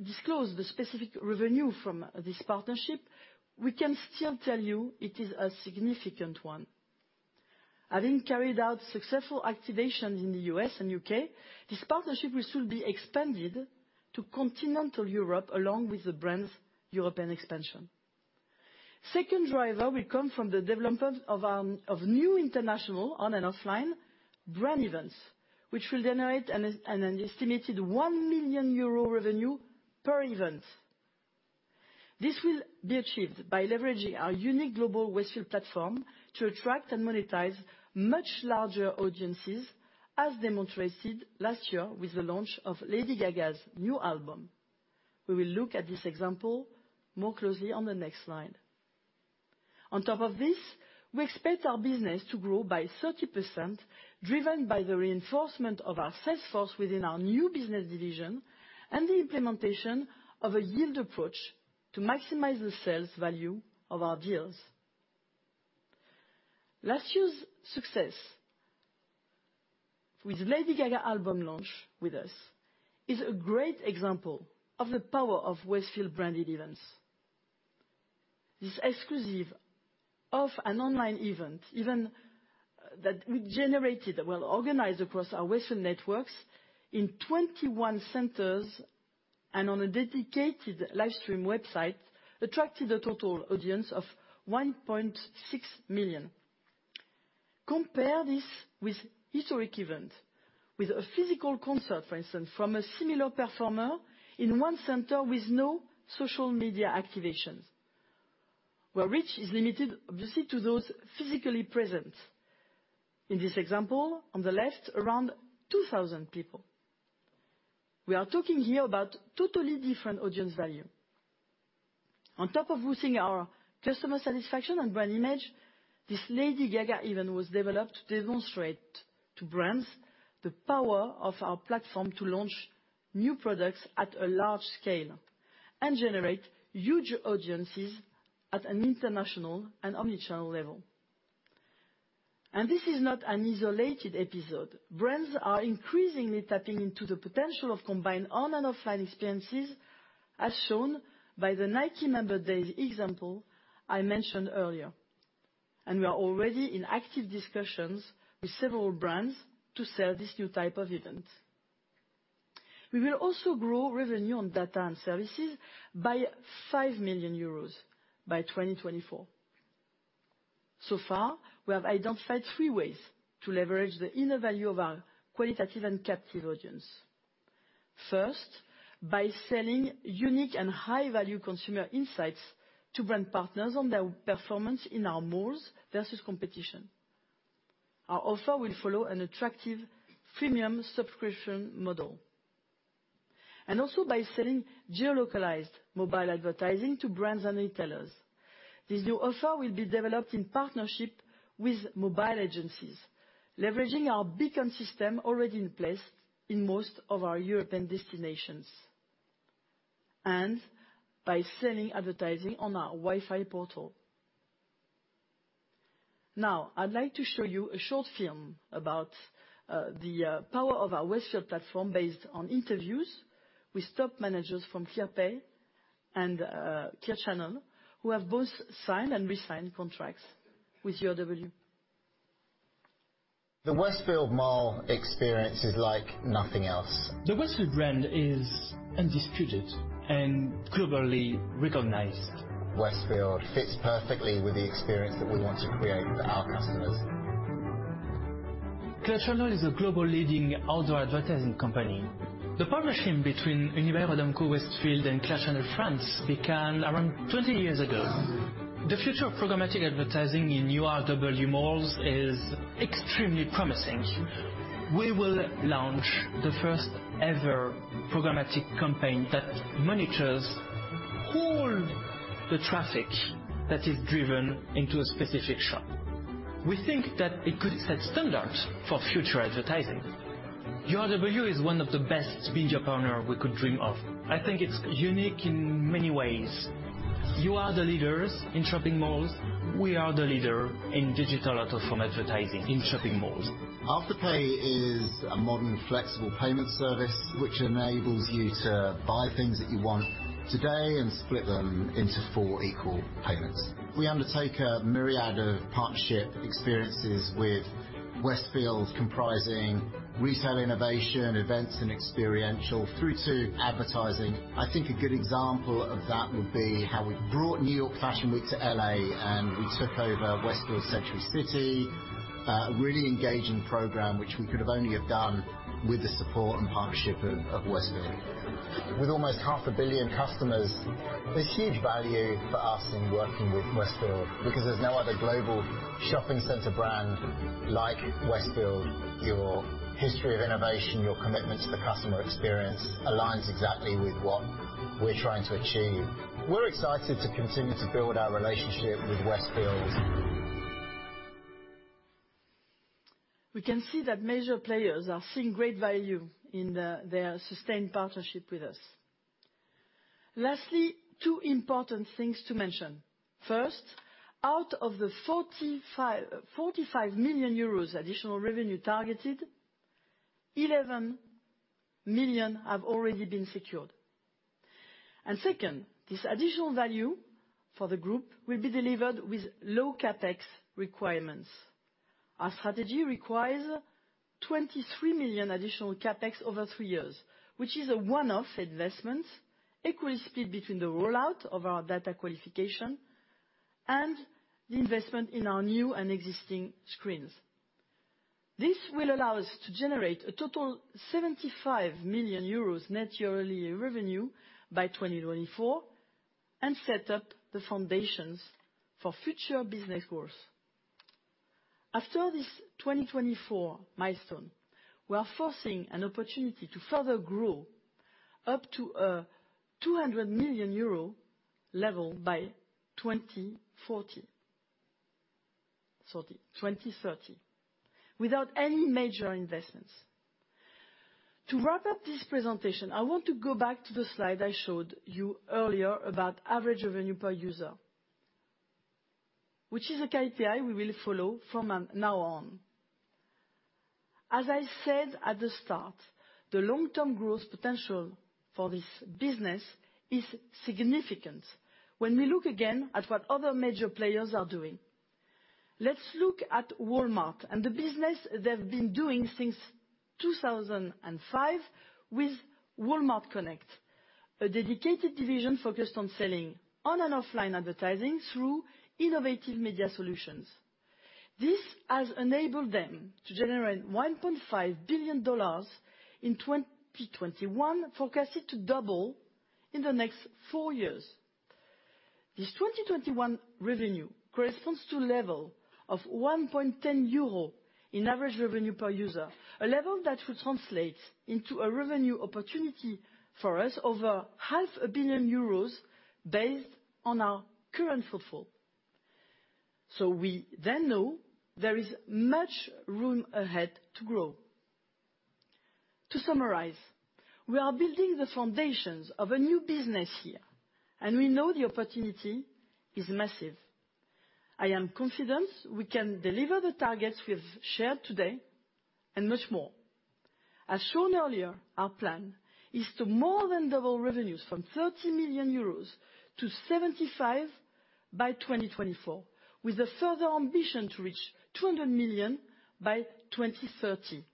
disclose the specific revenue from this partnership, we can still tell you it is a significant one. Having carried out successful activation in the U.S. and U.K., this partnership will soon be expanded to continental Europe along with the brand's European expansion. Second driver will come from the development of new international online/offline brand events, which will generate an estimated 1 million euro revenue per event. This will be achieved by leveraging our unique global Westfield platform to attract and monetize much larger audiences, as demonstrated last year with the launch of Lady Gaga's new album. We will look at this example more closely on the next slide. On top of this, we expect our business to grow by 30%, driven by the reinforcement of our sales force within our new business division and the implementation of a yield approach to maximize the sales value of our deals. Last year's success with Lady Gaga album launch with us is a great example of the power of Westfield branded events. This exclusive offline and online event that we organized across our Westfield networks in 21 centers and on a dedicated livestream website attracted a total audience of 1.6 million. Compare this with historic event, with a physical concert, for instance, from a similar performer in one center with no social media activations, where reach is limited, obviously, to those physically present. In this example, on the left, around 2,000 people. We are talking here about totally different audience value. On top of boosting our customer satisfaction and brand image, this Lady Gaga event was developed to demonstrate to brands the power of our platform to launch new products at a large scale and generate huge audiences at an international and omnichannel level. This is not an isolated episode. Brands are increasingly tapping into the potential of combined on and offline experiences, as shown by the Nike Member Days example I mentioned earlier, and we are already in active discussions with several brands to sell this new type of event. We will also grow revenue on data and services by 5 million euros by 2024. So far, we have identified three ways to leverage the inner value of our qualitative and captive audience. First, by selling unique and high-value consumer insights to brand partners on their performance in our malls versus competition. Our offer will follow an attractive freemium subscription model. Also by selling geo-localized mobile advertising to brands and retailers. This new offer will be developed in partnership with mobile agencies, leveraging our beacon system already in place in most of our European destinations, and by selling advertising on our Wi-Fi portal. Now, I'd like to show you a short film about the power of our Westfield platform based on interviews with top managers from Clearpay and Clear Channel, who have both signed and re-signed contracts with URW. The Westfield Mall experience is like nothing else. The Westfield brand is undisputed and globally recognized. Westfield fits perfectly with the experience that we want to create for our customers. Clear Channel is a global leading outdoor advertising company. The partnership between Unibail-Rodamco-Westfield and Clear Channel France began around 20 years ago. The future of programmatic advertising in URW malls is extremely promising. We will launch the first ever programmatic campaign that monitors all the traffic that is driven into a specific shop. We think that it could set standards for future advertising. URW is one of the best major partner we could dream of. I think it's unique in many ways. You are the leaders in shopping malls. We are the leader in digital out-of-home advertising in shopping malls. Afterpay is a modern, flexible payment service which enables you to buy things that you want today and split them into four equal payments. We undertake a myriad of partnership experiences with Westfield, comprising retail innovation, events and experiential through to advertising. I think a good example of that would be how we brought New York Fashion Week to L.A., and we took over Westfield Century City. A really engaging program which we could have only done with the support and partnership of Westfield. With almost 500 million customers, there's huge value for us in working with Westfield, because there's no other global shopping center brand like Westfield. Your history of innovation, your commitment to the customer experience aligns exactly with what we're trying to achieve. We're excited to continue to build our relationship with Westfield. We can see that major players are seeing great value in their sustained partnership with us. Lastly, two important things to mention. First, out of the 45 million euros additional revenue targeted, 11 million have already been secured. Second, this additional value for the group will be delivered with low CapEx requirements. Our strategy requires 23 million additional CapEx over three years, which is a one-off investment, equally split between the rollout of our data qualification and the investment in our new and existing screens. This will allow us to generate a total 75 million euros net yearly revenue by 2024, and set up the foundations for future business growth. After this 2024 milestone, we foresee an opportunity to further grow up to 200 million euro level by 2030, without any major investments. To wrap up this presentation, I want to go back to the slide I showed you earlier about average revenue per user, which is a KPI we will follow from now on. As I said at the start, the long-term growth potential for this business is significant when we look again at what other major players are doing. Let's look at Walmart and the business they've been doing since 2005 with Walmart Connect, a dedicated division focused on selling on and offline advertising through innovative media solutions. This has enabled them to generate $1.5 billion in 2021, forecasted to double in the next four years. This 2021 revenue corresponds to a level of 1.10 euro in average revenue per user. A level that will translate into a revenue opportunity for us over 500 million euros based on our current footfall. We then know there is much room ahead to grow. To summarize, we are building the foundations of a new business here, and we know the opportunity is massive. I am confident we can deliver the targets we have shared today and much more. As shown earlier, our plan is to more than double revenues from 30 million-75 million euros by 2024, with the further ambition to reach 200 million by 2030.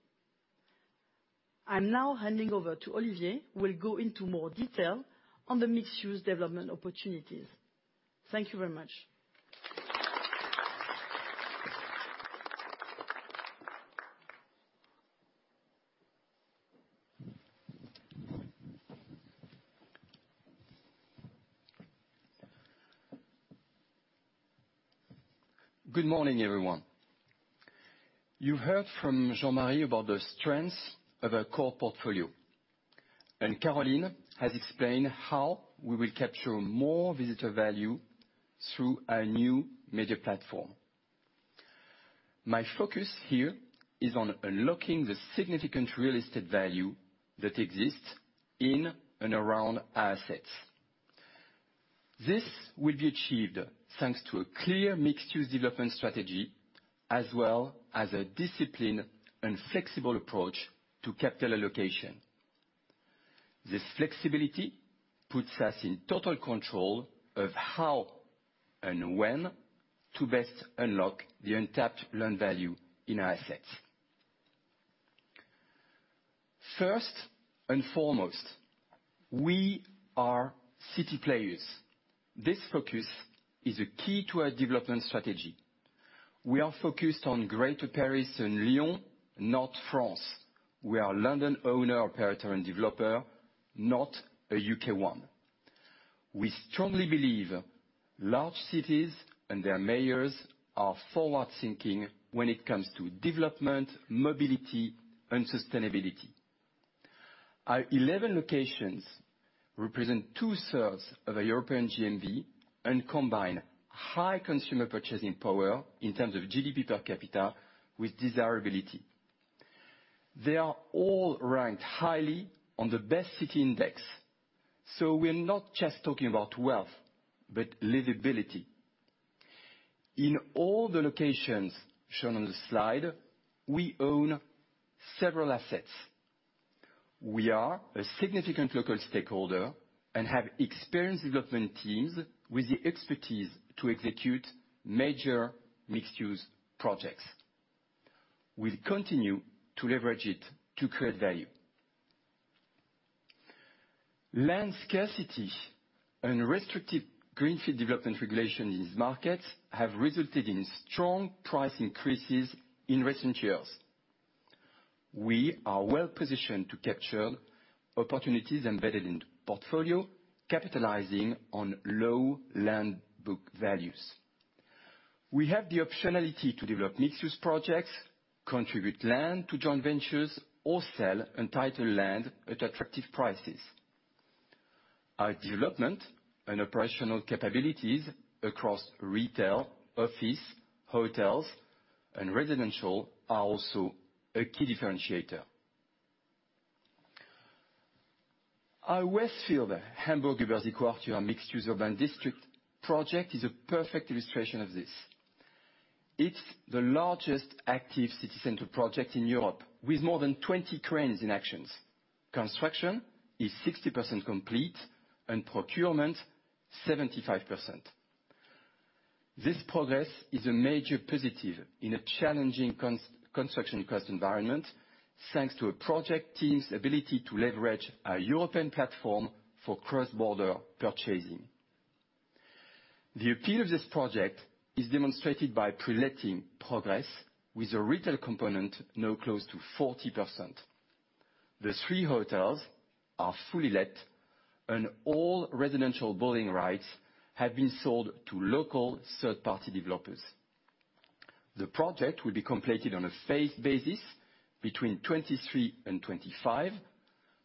I'm now handing over to Olivier, who will go into more detail on the mixed-use development opportunities. Thank you very much. Good morning, everyone. You heard from Jean-Marie about the strengths of our core portfolio, and Caroline has explained how we will capture more visitor value through our new media platform. My focus here is on unlocking the significant real estate value that exists in and around our assets. This will be achieved thanks to a clear mixed-use development strategy, as well as a disciplined and flexible approach to capital allocation. This flexibility puts us in total control of how and when to best unlock the untapped land value in our assets. First and foremost, we are city players. This focus is a key to our development strategy. We are focused on Greater Paris and Lyon, not France. We are a London owner, operator, and developer, not a U.K. one. We strongly believe large cities and their mayors are forward-thinking when it comes to development, mobility, and sustainability. Our 11 locations represent two-thirds of our European GMV, and combine high consumer purchasing power in terms of GDP per capita with desirability. They are all ranked highly on the best city index, so we're not just talking about wealth, but livability. In all the locations shown on the slide, we own several assets. We are a significant local stakeholder and have experienced development teams with the expertise to execute major mixed-use projects. We'll continue to leverage it to create value. Land scarcity and restrictive greenfield development regulations in these markets have resulted in strong price increases in recent years. We are well positioned to capture opportunities embedded in portfolio, capitalizing on low land book values. We have the optionality to develop mixed-use projects, contribute land to joint ventures, or sell entitled land at attractive prices. Our development and operational capabilities across retail, office, hotels, and residential are also a key differentiator. Our Westfield Hamburg-Überseequartier, our mixed-use urban district project is a perfect illustration of this. It's the largest active city center project in Europe, with more than 20 cranes in action. Construction is 60% complete and procurement 75%. This progress is a major positive in a challenging construction cost environment, thanks to a project team's ability to leverage our European platform for cross-border purchasing. The appeal of this project is demonstrated by pre-letting progress with a retail component now close to 40%. The three hotels are fully let, and all residential building rights have been sold to local third-party developers. The project will be completed on a phased basis between 2023 and 2025,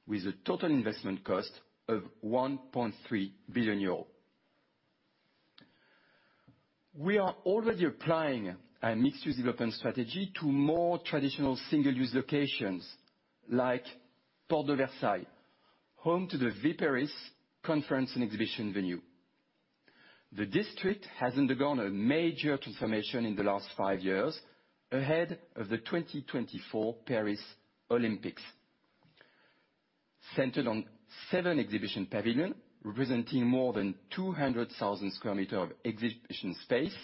with a total investment cost of 1.3 billion euros. We are already applying a mixed-use development strategy to more traditional single-use locations, like Porte de Versailles, home to the Viparis conference and exhibition venue. The district has undergone a major transformation in the last five years ahead of the 2024 Paris Olympics. Centered on seven exhibition pavilion, representing more than 200,00 sq m of exhibition space,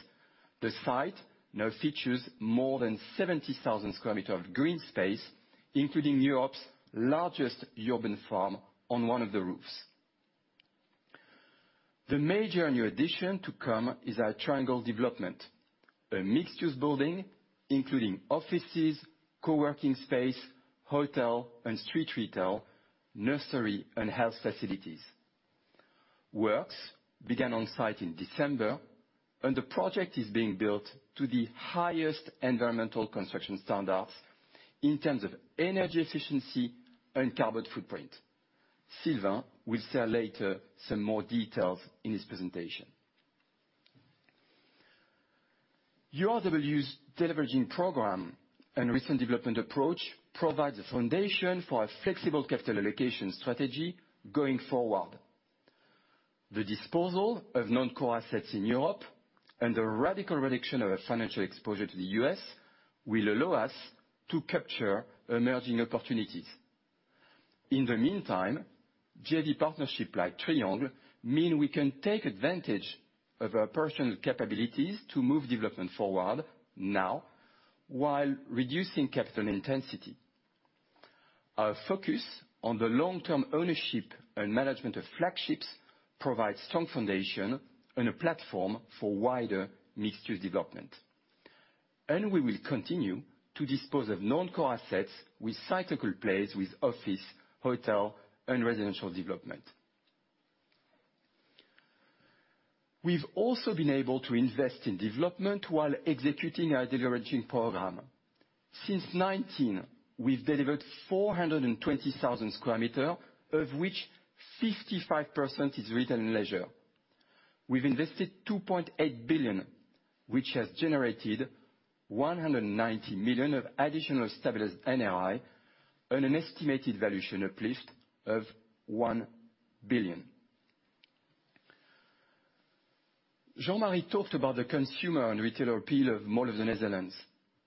the site now features more than 70,000 sq m of green space, including Europe's largest urban farm on one of the roofs. The major new addition to come is our Triangle development, a mixed-use building, including offices, co-working space, hotel, and street retail, nursery, and health facilities. Works began on site in December, and the project is being built to the highest environmental construction standards in terms of energy efficiency and carbon footprint. Sylvain will share later some more details in his presentation. URW's deleveraging program and recent development approach provides a foundation for a flexible capital allocation strategy going forward. The disposal of non-core assets in Europe and the radical reduction of our financial exposure to the U.S. will allow us to capture emerging opportunities. In the meantime, JV partnership like Triangle mean we can take advantage of our personal capabilities to move development forward now while reducing capital intensity. Our focus on the long-term ownership and management of flagships provides strong foundation and a platform for wider mixed-use development. We will continue to dispose of non-core assets with cyclical plays with office, hotel, and residential development. We've also been able to invest in development while executing our deleveraging program. Since 2019, we've delivered 420,000 sq m, of which 55% is retail and leisure. We've invested 2.8 billion, which has generated 190 million of additional stabilized NOI on an estimated valuation uplift of 1 billion. Jean-Marie talked about the consumer and retail appeal of Mall of the Netherlands,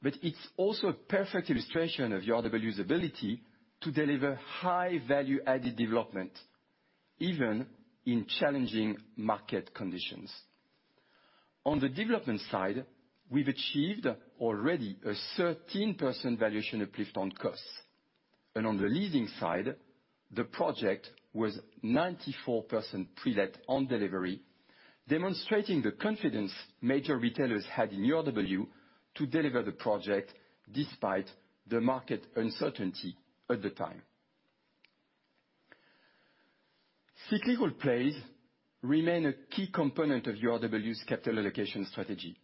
but it's also a perfect illustration of URW's ability to deliver high value-added development, even in challenging market conditions. On the development side, we've achieved already a 13% valuation uplift on costs. On the leasing side, the project was 94% pre-let on delivery, demonstrating the confidence major retailers had in URW to deliver the project despite the market uncertainty at the time. Cyclical plays remain a key component of URW's capital allocation strategy.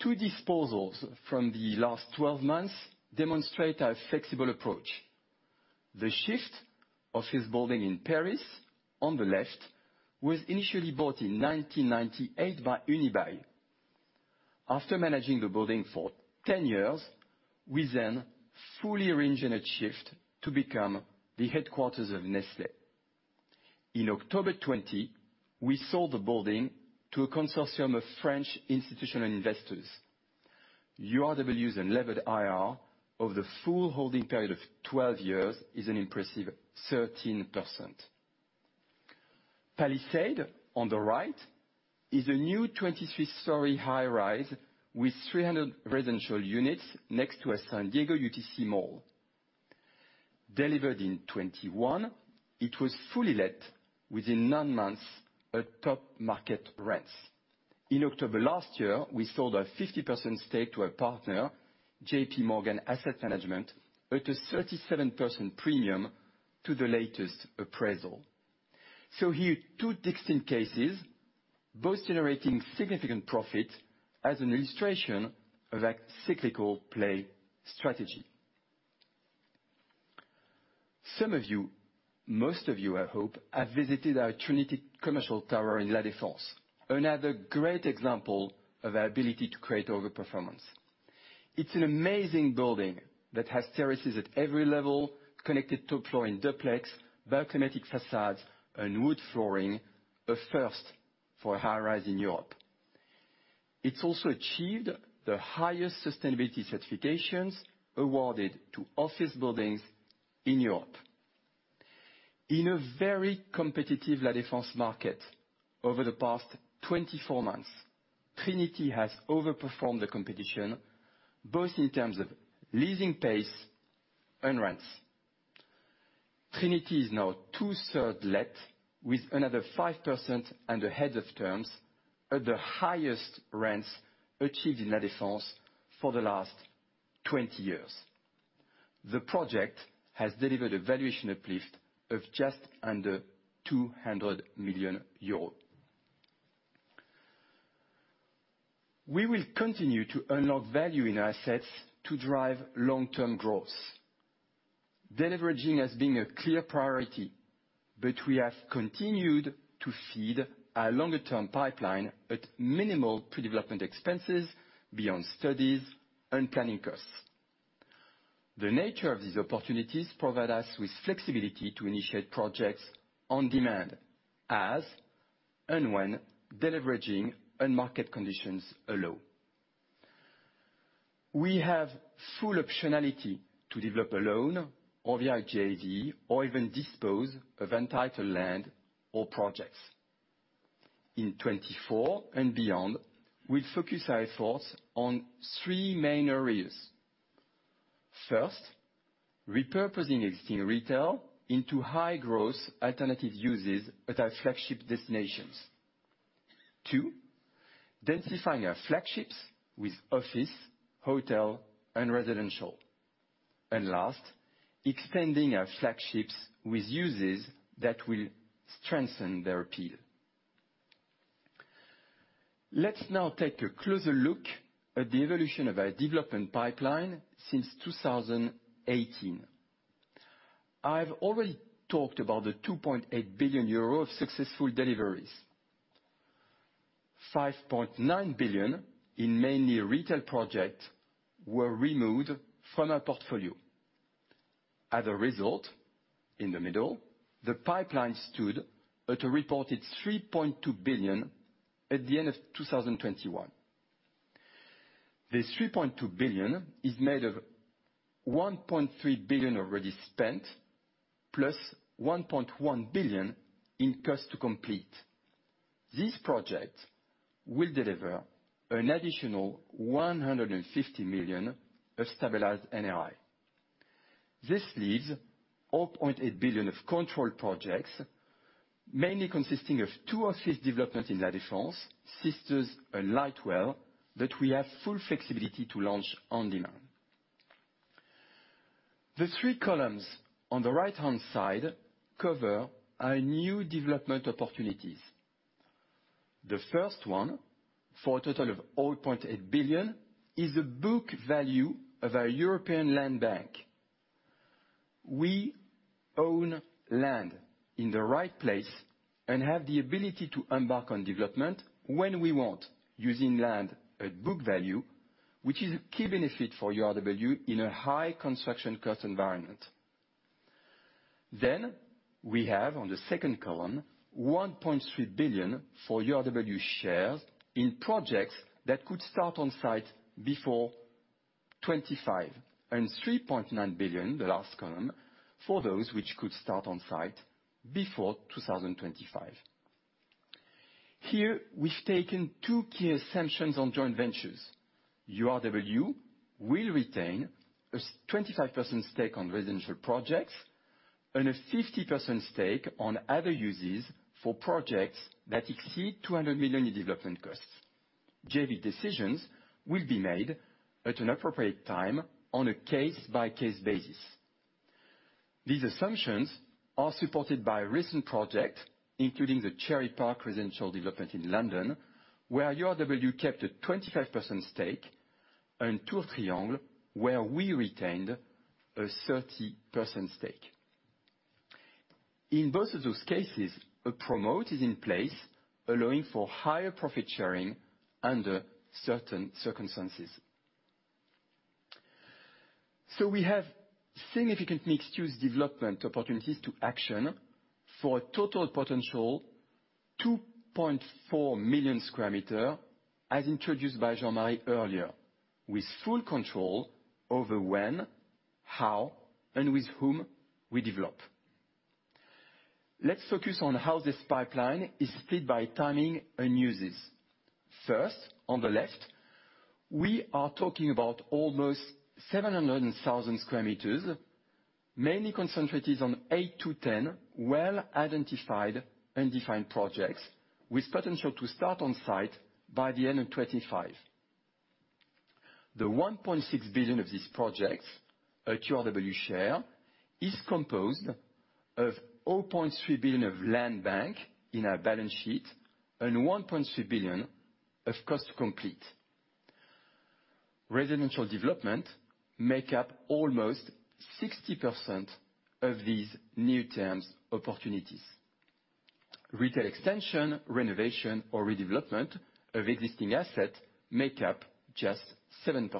Two disposals from the last 12 months demonstrate our flexible approach. The SHiFT office building in Paris, on the left, was initially bought in 1998 by Unibail. After managing the building for 10 years, we then fully re-engineered SHiFT to become the headquarters of Nestlé. In October 2020, we sold the building to a consortium of French institutional investors. URW's unlevered IRR over the full holding period of 12 years is an impressive 13%. Palisade, on the right, is a new 23-story high-rise with 300 residential units next to a San Diego UTC mall. Delivered in 2021, it was fully let within nine months at top market rents. In October last year, we sold our 50% stake to our partner, JPMorgan Asset Management, at a 37% premium to the latest appraisal. Here, two distinct cases, both generating significant profit as an illustration of that cyclical play strategy. Some of you, most of you, I hope, have visited our Trinity commercial tower in La Défense, another great example of our ability to create over-performance. It's an amazing building that has terraces at every level, connected top floor and duplex, bioclimatic facades, and wood flooring. A first for a high-rise in Europe. It's also achieved the highest sustainability certifications awarded to office buildings in Europe. In a very competitive La Défense market over the past 24 months, Trinity has overperformed the competition, both in terms of leasing pace and rents. Trinity is now two-thirds let, with another 5% under heads of terms at the highest rents achieved in La Défense for the last 20 years. The project has delivered a valuation uplift of just under 200 million euros. We will continue to unlock value in our assets to drive long-term growth. Deleveraging has been a clear priority, but we have continued to feed our longer term pipeline at minimal pre-development expenses beyond studies and planning costs. The nature of these opportunities provide us with flexibility to initiate projects on demand as and when deleveraging and market conditions allow. We have full optionality to develop alone or via JV, or even dispose of entitled land or projects. In 2024 and beyond, we'll focus our efforts on three main areas. First, repurposing existing retail into high growth alternative uses at our flagship destinations. Two, densifying our flagships with office, hotel, and residential. Last, extending our flagships with uses that will strengthen their appeal. Let's now take a closer look at the evolution of our development pipeline since 2018. I've already talked about the 2.8 billion euro of successful deliveries. 5.9 billion in mainly retail projects were removed from our portfolio. As a result, in the middle, the pipeline stood at a reported 3.2 billion at the end of 2021. This 3.2 billion is made of 1.3 billion already spent, plus 1.1 billion in cost to complete. This project will deliver an additional 150 million of stabilized NOI. This leaves 0.8 billion of controlled projects, mainly consisting of two office developments in La Défense, Sisters and Lightwell, that we have full flexibility to launch on demand. The three columns on the right-hand side cover our new development opportunities. The first one, for a total of 0.8 billion, is the book value of our European land bank. We own land in the right place and have the ability to embark on development when we want, using land at book value, which is a key benefit for URW in a high construction cost environment. We have, on the second column, 1.3 billion for URW shares in projects that could start on site before 2025. 3.9 billion, the last column, for those which could start on site before 2025. Here, we've taken two key assumptions on joint ventures. URW will retain a 25% stake on residential projects and a 50% stake on other uses for projects that exceed 200 million in development costs. JV decisions will be made at an appropriate time on a case-by-case basis. These assumptions are supported by recent projects, including the Cherry Park residential development in London, where URW kept a 25% stake, and Tour Triangle, where we retained a 30% stake. In both of those cases, a promote is in place, allowing for higher profit sharing under certain circumstances. We have significant mixed-use development opportunities to action for a total potential 2.4 million sq m, as introduced by Jean-Marie earlier, with full control over when, how, and with whom we develop. Let's focus on how this pipeline is split by timing and uses. First, on the left, we are talking about almost 700,000 sq m, mainly concentrated on eight to ten well-identified and defined projects, with potential to start on site by the end of 2025. The 1.6 billion of these projects at URW share is composed of 0.3 billion of land bank in our balance sheet and 1.3 billion of costs to complete. Residential development makes up almost 60% of these new term opportunities. Retail extension, renovation, or redevelopment of existing assets makes up just 7%.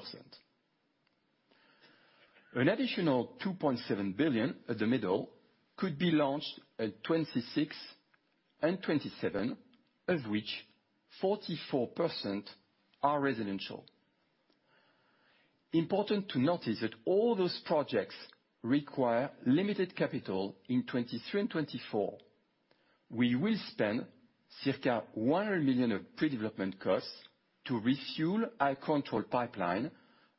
An additional 2.7 billion at the midpoint could be launched in 2026 and 2027, of which 44% are residential. Important to notice that all those projects require limited capital in 2023 and 2024. We will spend circa 100 million of pre-development costs to fuel our development pipeline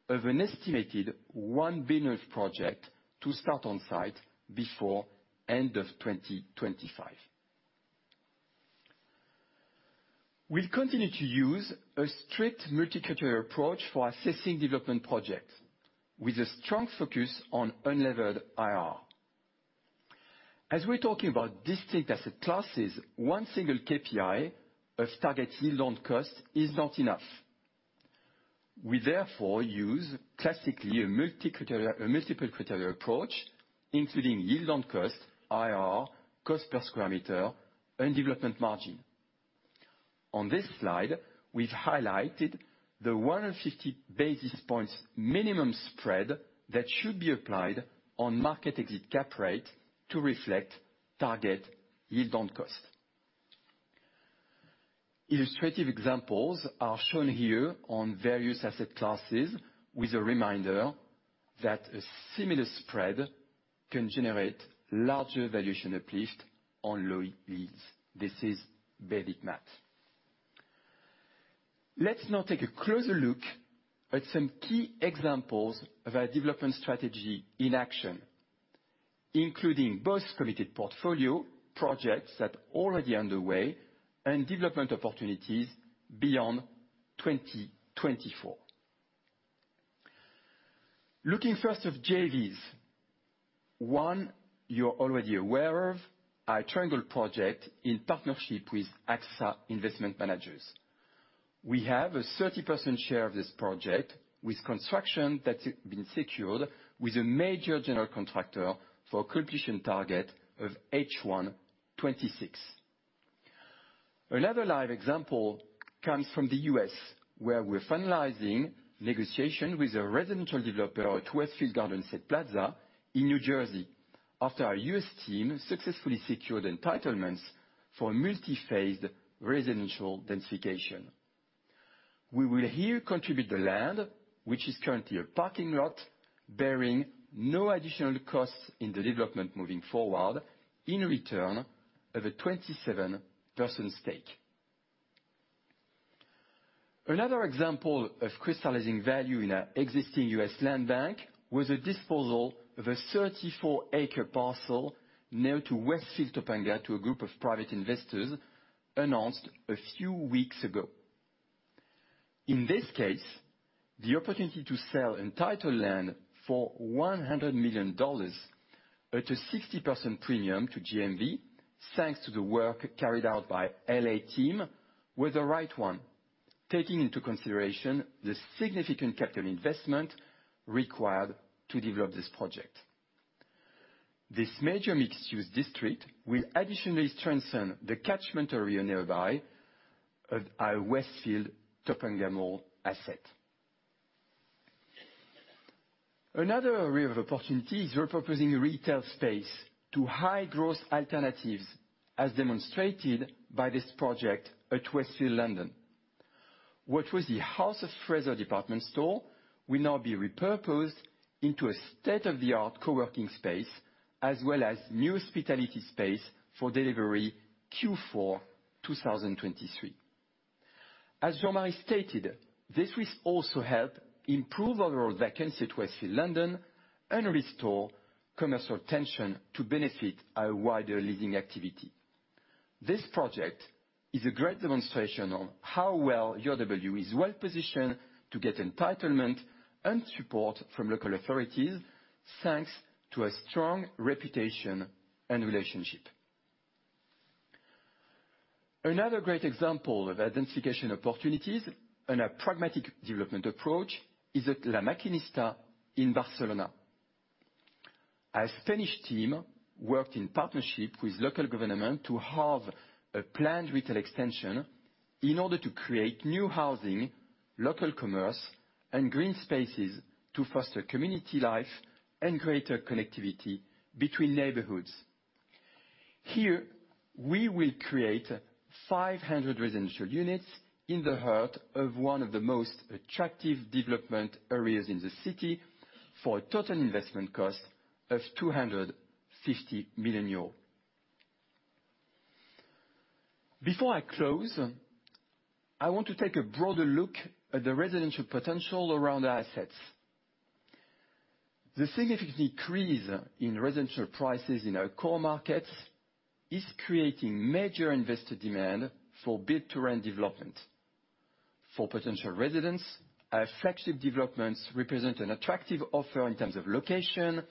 of an estimated 1 billion of projects to start on site before end of 2025. We'll continue to use a strict multi-criteria approach for assessing development projects with a strong focus on unlevered IRR. As we're talking about distinct asset classes, one single KPI of target yield on cost is not enough. We therefore use classically a multi-criteria, a multiple criteria approach, including yield on cost, IRR, cost per square meter, and development margin. On this slide, we've highlighted the 150 basis points minimum spread that should be applied on market exit cap rate to reflect target yield on cost. Illustrative examples are shown here on various asset classes with a reminder that a similar spread can generate larger valuation uplift on low yields. This is basic math. Let's now take a closer look at some key examples of our development strategy in action, including both committed portfolio projects that are already underway and development opportunities beyond 2024. Looking first at JVs. One, you're already aware of our Triangle project in partnership with AXA Investment Managers. We have a 30% share of this project with construction that's been secured with a major general contractor for completion target of H1 2026. Another live example comes from the U.S., where we're finalizing negotiation with a residential developer at Westfield Garden State Plaza in New Jersey after our U.S. team successfully secured entitlements for multi-phased residential densification. We will here contribute the land, which is currently a parking lot, bearing no additional costs in the development moving forward in return of a 27% stake. Another example of crystallizing value in our existing U.S. land bank was a disposal of a 34-acre parcel near to Westfield Topanga to a group of private investors announced a few weeks ago. In this case, the opportunity to sell entitled land for $100 million at a 60% premium to GMV, thanks to the work carried out by L.A. team, was the right one, taking into consideration the significant capital investment required to develop this project. This major mixed-use district will additionally strengthen the catchment area nearby of our Westfield Topanga Mall asset. Another area of opportunity is repurposing retail space to high growth alternatives, as demonstrated by this project at Westfield London. What was the House of Fraser department store will now be repurposed into a state-of-the-art co-working space, as well as new hospitality space for delivery Q4 2023. As Jeremy stated, this will also help improve overall vacancy at Westfield London and restore commercial tension to benefit our wider living activity. This project is a great demonstration on how well URW is well-positioned to get entitlement and support from local authorities, thanks to a strong reputation and relationship. Another great example of identification opportunities and a pragmatic development approach is at La Maquinista in Barcelona. Our Spanish team worked in partnership with local government to have a planned retail extension in order to create new housing, local commerce, and green spaces to foster community life and greater connectivity between neighborhoods. We will create 500 residential units in the heart of one of the most attractive development areas in the city for a total investment cost of 250 million euros. Before I close, I want to take a broader look at the residential potential around our assets. The significant increase in residential prices in our core markets is creating major investor demand for build-to-rent development. For potential residents, our flagship developments represent an attractive offer in terms of location,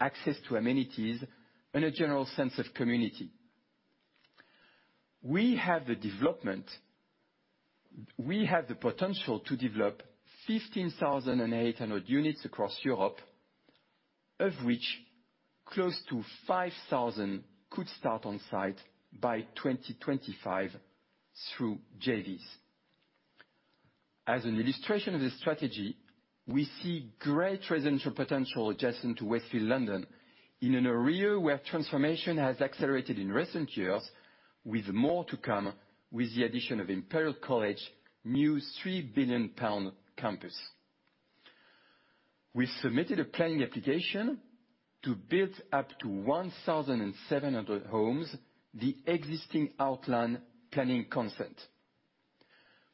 access to amenities, and a general sense of community. We have the potential to develop 15,800 units across Europe, of which close to 5,000 could start on site by 2025 through JVs. As an illustration of this strategy, we see great residential potential adjacent to Westfield London in an area where transformation has accelerated in recent years, with more to come with the addition of Imperial College London new 3 billion pound campus. We submitted a planning application to build up to 1,700 homes, the existing outline planning consent.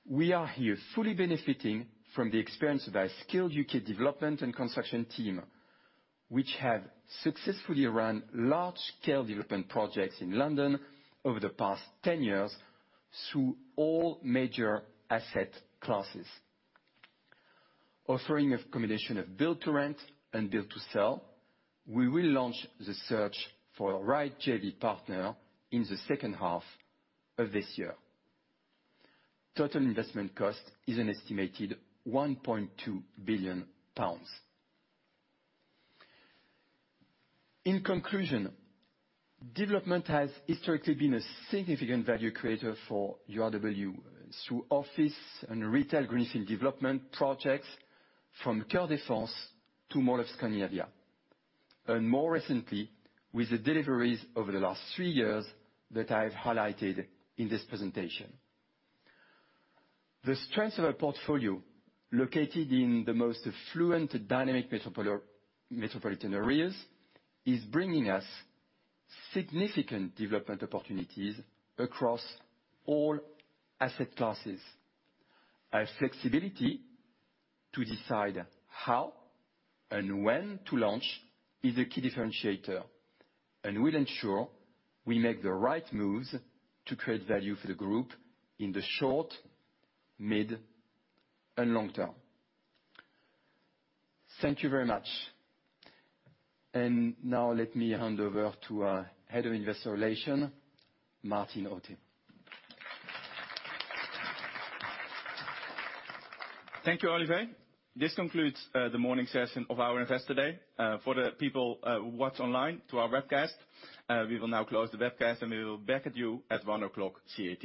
We are here fully benefiting from the experience of our skilled U.K. development and construction team, which have successfully run large-scale development projects in London over the past 10 years through all major asset classes. Offering a combination of build-to-rent and build-to-sell, we will launch the search for the right JV partner in the second half of this year. Total investment cost is an estimated 1.2 billion pounds. In conclusion, development has historically been a significant value creator for URW through office and retail greenfield development projects from Coeur Défense to Mall of Scandinavia, and more recently, with the deliveries over the last three years that I have highlighted in this presentation. The strength of our portfolio, located in the most affluent, dynamic metropolitan areas, is bringing us significant development opportunities across all asset classes. Our flexibility to decide how and when to launch is a key differentiator, and will ensure we make the right moves to create value for the group in the short, mid, and long term. Thank you very much. Now let me hand over to our Head of Investor Relations, Maarten Otte. Thank you, Olivier. This concludes the morning session of our Investor Roadshow. For the people who watch online to our webcast, we will now close the webcast, and we will be back at you at one o'clock CET.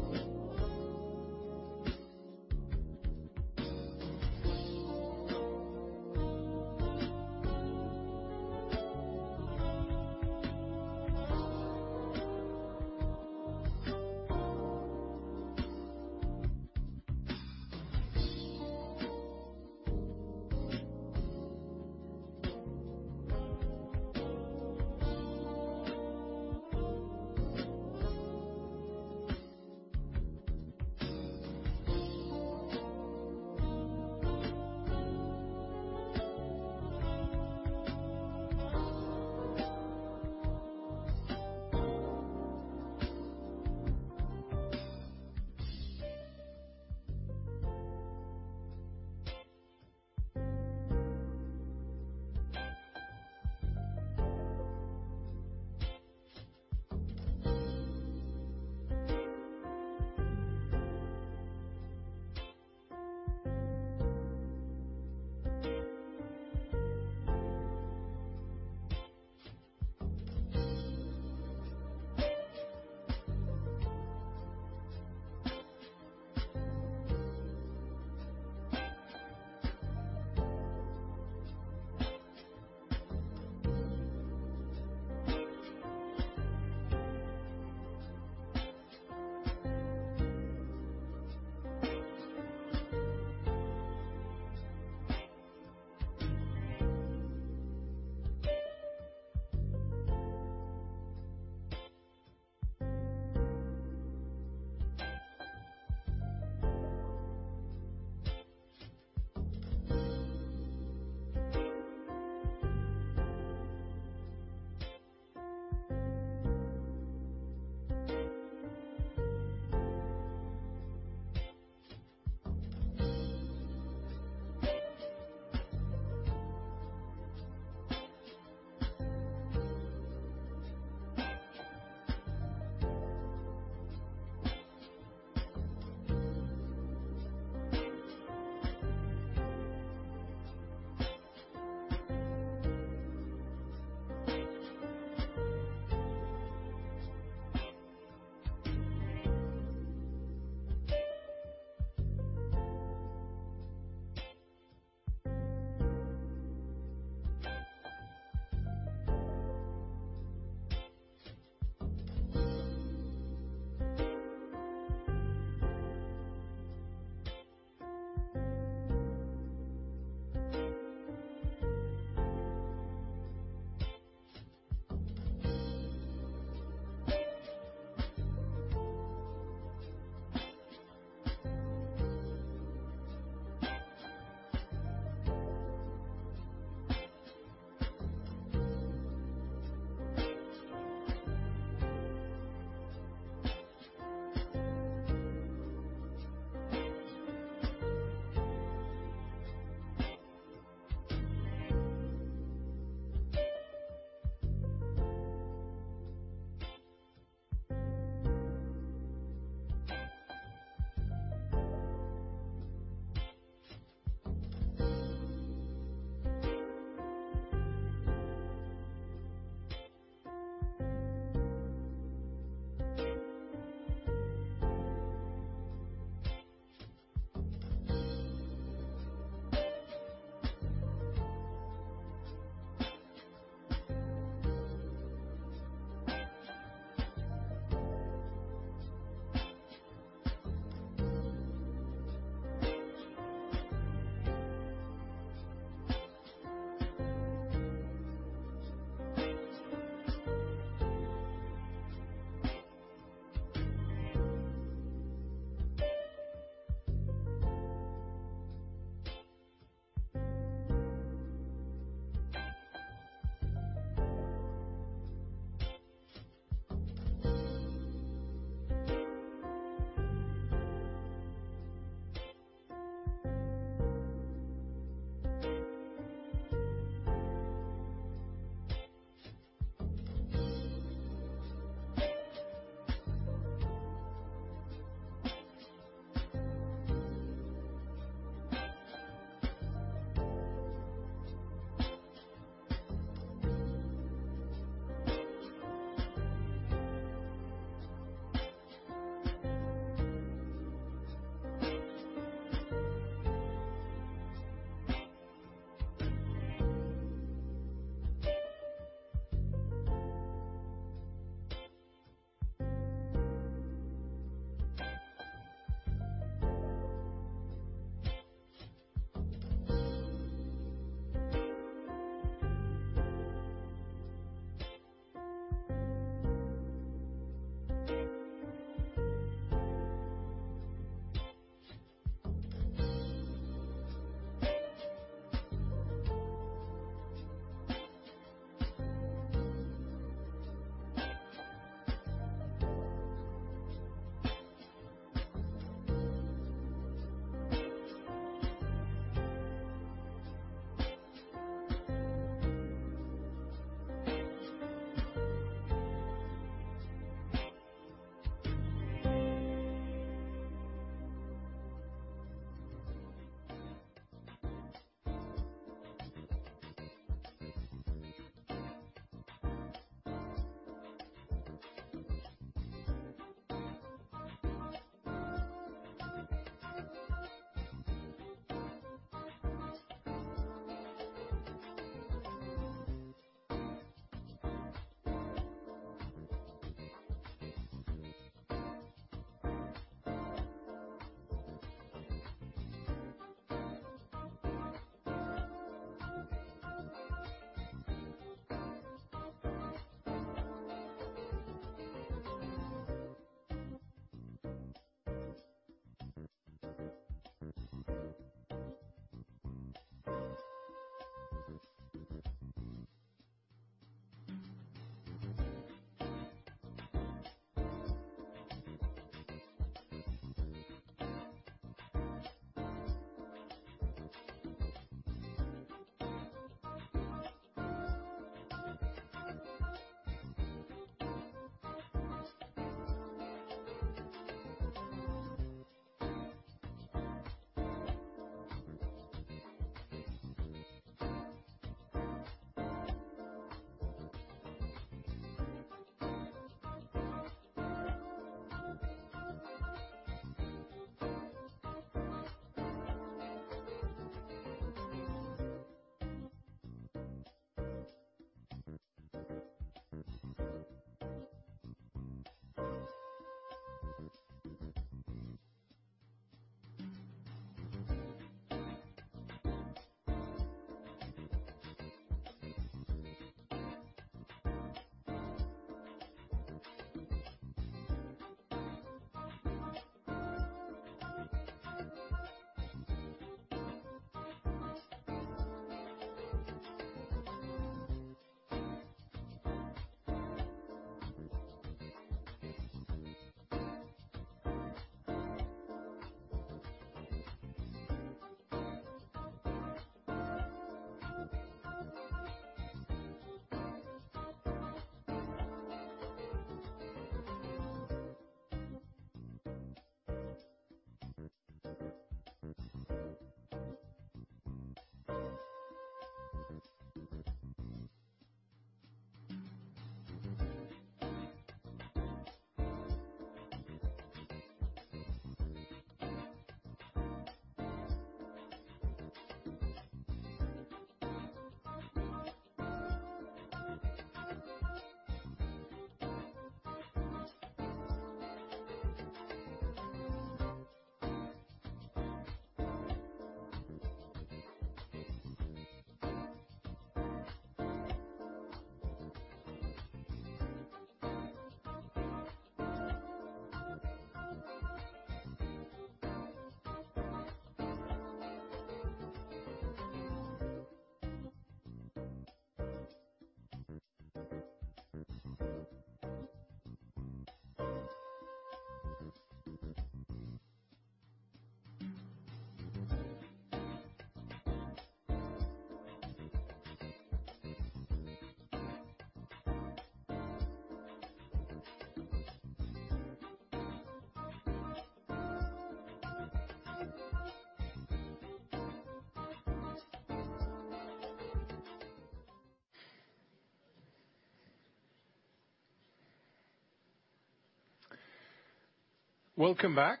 Welcome back.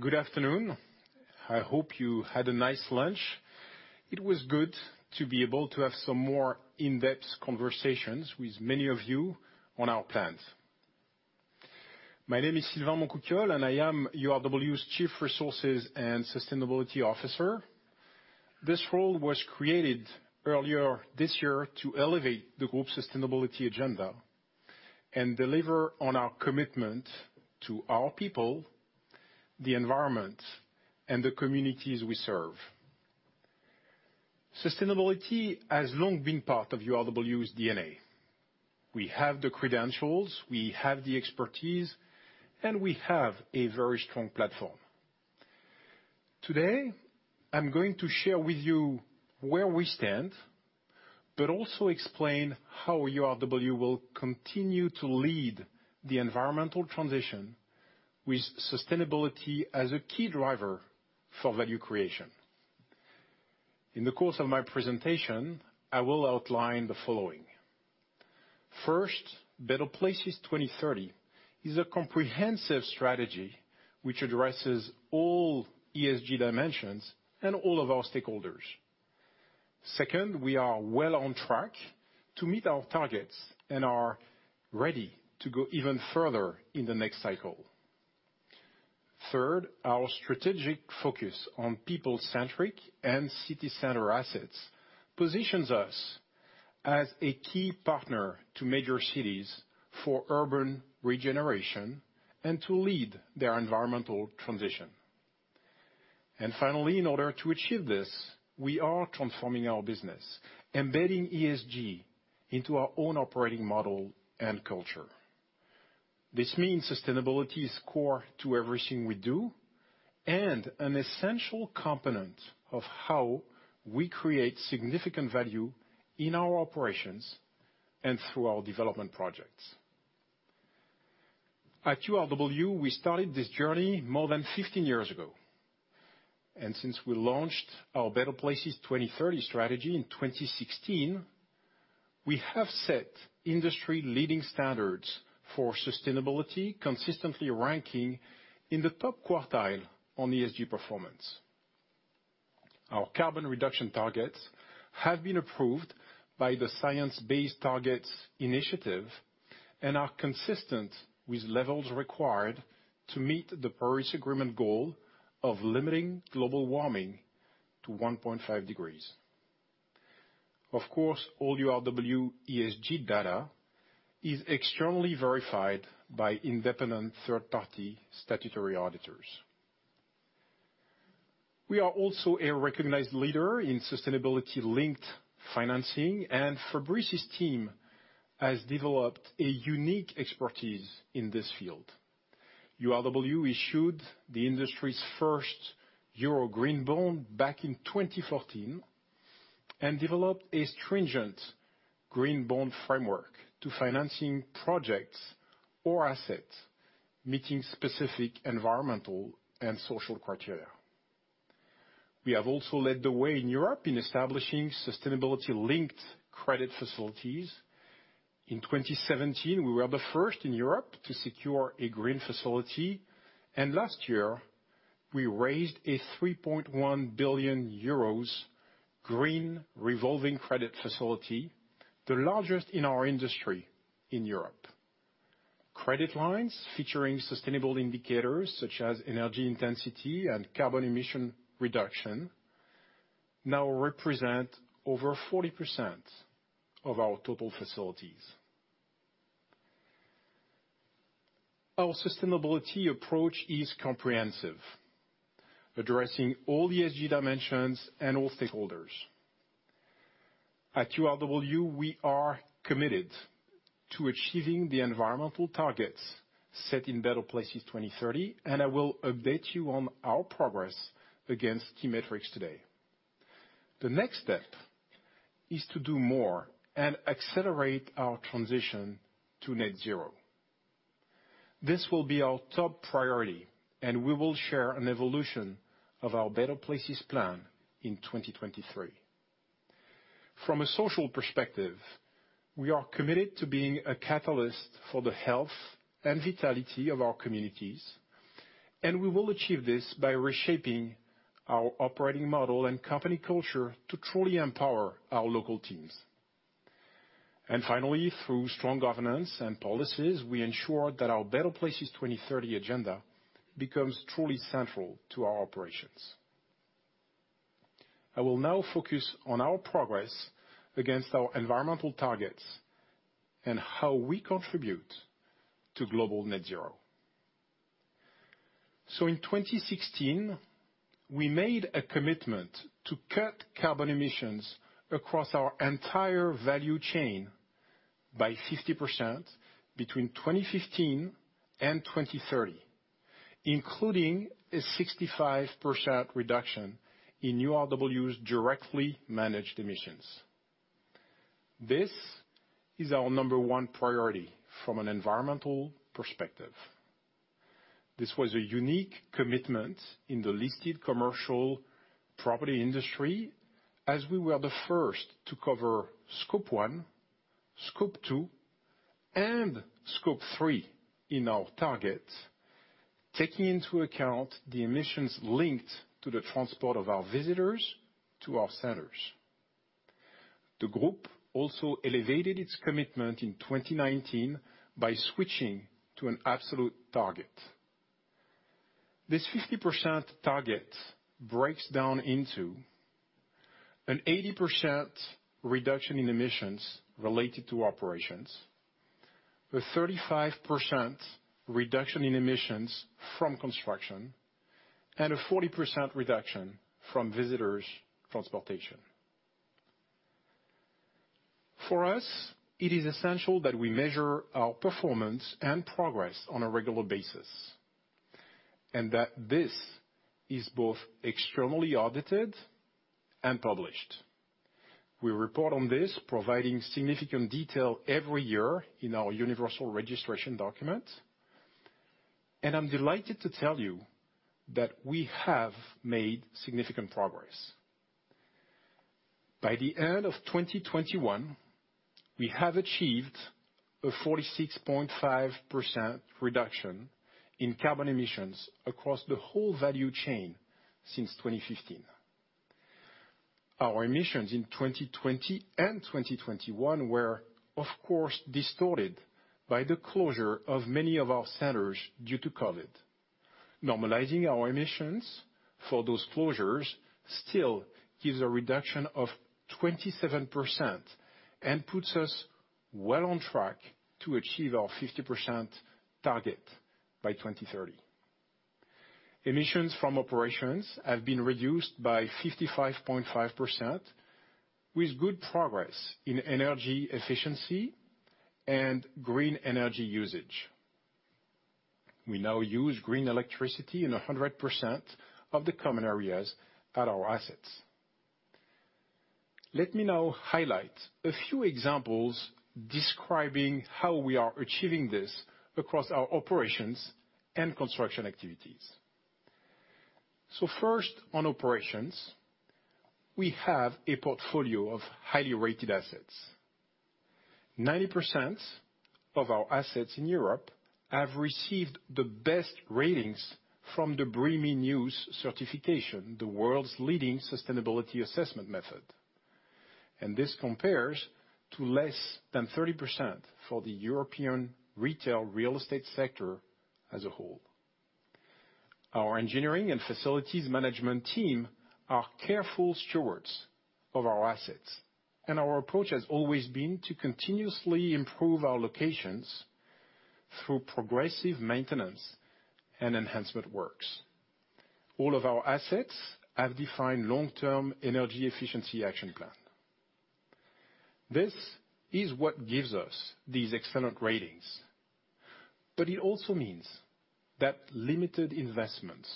Good afternoon. I hope you had a nice lunch. It was good to be able to have some more in-depth conversations with many of you on our plans. My name is Sylvain Montcouquiol, and I am URW's Chief Resources and Sustainability Officer. This role was created earlier this year to elevate the group's sustainability agenda and deliver on our commitment to our people, the environment, and the communities we serve. Sustainability has long been part of URW's DNA. We have the credentials, we have the expertise, and we have a very strong platform. Today, I'm going to share with you where we stand, but also explain how URW will continue to lead the environmental transition with sustainability as a key driver for value creation. In the course of my presentation, I will outline the following. First, Better Places 2030 is a comprehensive strategy which addresses all ESG dimensions and all of our stakeholders. Second, we are well on track to meet our targets and are ready to go even further in the next cycle. Third, our strategic focus on people-centric and city center assets positions us as a key partner to major cities for urban regeneration and to lead their environmental transition. Finally, in order to achieve this, we are transforming our business, embedding ESG into our own operating model and culture. This means sustainability is core to everything we do, and an essential component of how we create significant value in our operations and through our development projects. At URW, we started this journey more than 15 years ago. Since we launched our Better Places 2030 strategy in 2016, we have set industry-leading standards for sustainability, consistently ranking in the top quartile on ESG performance. Our carbon reduction targets have been approved by the Science Based Targets initiative and are consistent with levels required to meet the Paris Agreement goal of limiting global warming to 1.5 degrees. Of course, all URW ESG data is externally verified by independent third party statutory auditors. We are also a recognized leader in sustainability-linked financing, and Fabrice's team has developed a unique expertise in this field. URW issued the industry's first Euro green bond back in 2014 and developed a stringent green bond framework to financing projects or assets, meeting specific environmental and social criteria. We have also led the way in Europe in establishing sustainability-linked credit facilities. In 2017, we were the first in Europe to secure a green facility, and last year, we raised a 3.1 billion euros green revolving credit facility, the largest in our industry in Europe. Credit lines featuring sustainable indicators such as energy intensity and carbon emission reduction now represent over 40% of our total facilities. Our sustainability approach is comprehensive, addressing all ESG dimensions and all stakeholders. At URW, we are committed to achieving the environmental targets set in Better Places 2030, and I will update you on our progress against key metrics today. The next step is to do more and accelerate our transition to net zero. This will be our top priority, and we will share an evolution of our Better Places plan in 2023. From a social perspective, we are committed to being a catalyst for the health and vitality of our communities, and we will achieve this by reshaping our operating model and company culture to truly empower our local teams. Finally, through strong governance and policies, we ensure that our Better Places 2030 agenda becomes truly central to our operations. I will now focus on our progress against our environmental targets and how we contribute to global net zero. In 2016, we made a commitment to cut carbon emissions across our entire value chain by 60% between 2015 and 2030, including a 65% reduction in URW's directly managed emissions. This is our number one priority from an environmental perspective. This was a unique commitment in the listed commercial property industry as we were the first to cover Scope 1, Scope 2, and Scope 3 in our target, taking into account the emissions linked to the transport of our visitors to our centers. The group also elevated its commitment in 2019 by switching to an absolute target. This 50% target breaks down into an 80% reduction in emissions related to operations, a 35% reduction in emissions from construction, and a 40% reduction from visitors transportation. For us, it is essential that we measure our performance and progress on a regular basis, and that this is both externally audited and published. We report on this, providing significant detail every year in our universal registration document, and I'm delighted to tell you that we have made significant progress. By the end of 2021, we have achieved a 46.5% reduction in carbon emissions across the whole value chain since 2015. Our emissions in 2020 and 2021 were, of course, distorted by the closure of many of our centers due to COVID. Normalizing our emissions for those closures still gives a reduction of 27% and puts us well on track to achieve our 50% target by 2030. Emissions from operations have been reduced by 55.5% with good progress in energy efficiency and green energy usage. We now use green electricity in 100% of the common areas at our assets. Let me now highlight a few examples describing how we are achieving this across our operations and construction activities. First, on operations, we have a portfolio of highly rated assets. 90% of our assets in Europe have received the best ratings from the BREEAM In-Use certification, the world's leading sustainability assessment method. This compares to less than 30% for the European retail real estate sector as a whole. Our engineering and facilities management team are careful stewards of our assets, and our approach has always been to continuously improve our locations through progressive maintenance and enhancement works. All of our assets have defined long-term energy efficiency action plan. This is what gives us these excellent ratings, but it also means that limited investments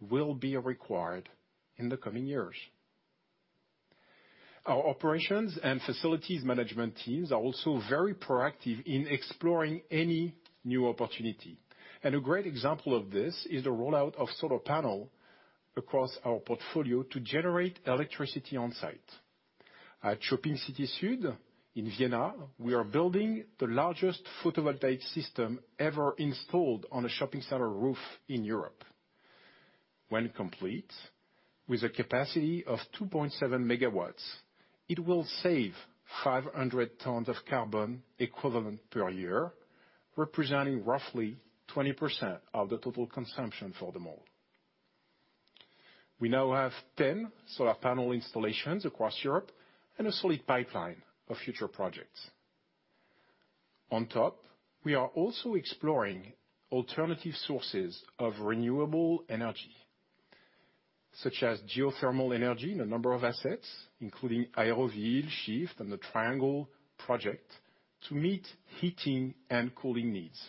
will be required in the coming years. Our operations and facilities management teams are also very proactive in exploring any new opportunity. A great example of this is the rollout of solar panel across our portfolio to generate electricity on-site. At Shopping City Sud in Vienna, we are building the largest photovoltaic system ever installed on a shopping center roof in Europe. When complete, with a capacity of 2.7 MW, it will save 500 tons of carbon equivalent per year, representing roughly 20% of the total consumption for the mall. We now have 10 solar panel installations across Europe and a solid pipeline of future projects. On top, we are also exploring alternative sources of renewable energy, such as geothermal energy in a number of assets, including Aéroville, SHiFT, and the Triangle project, to meet heating and cooling needs,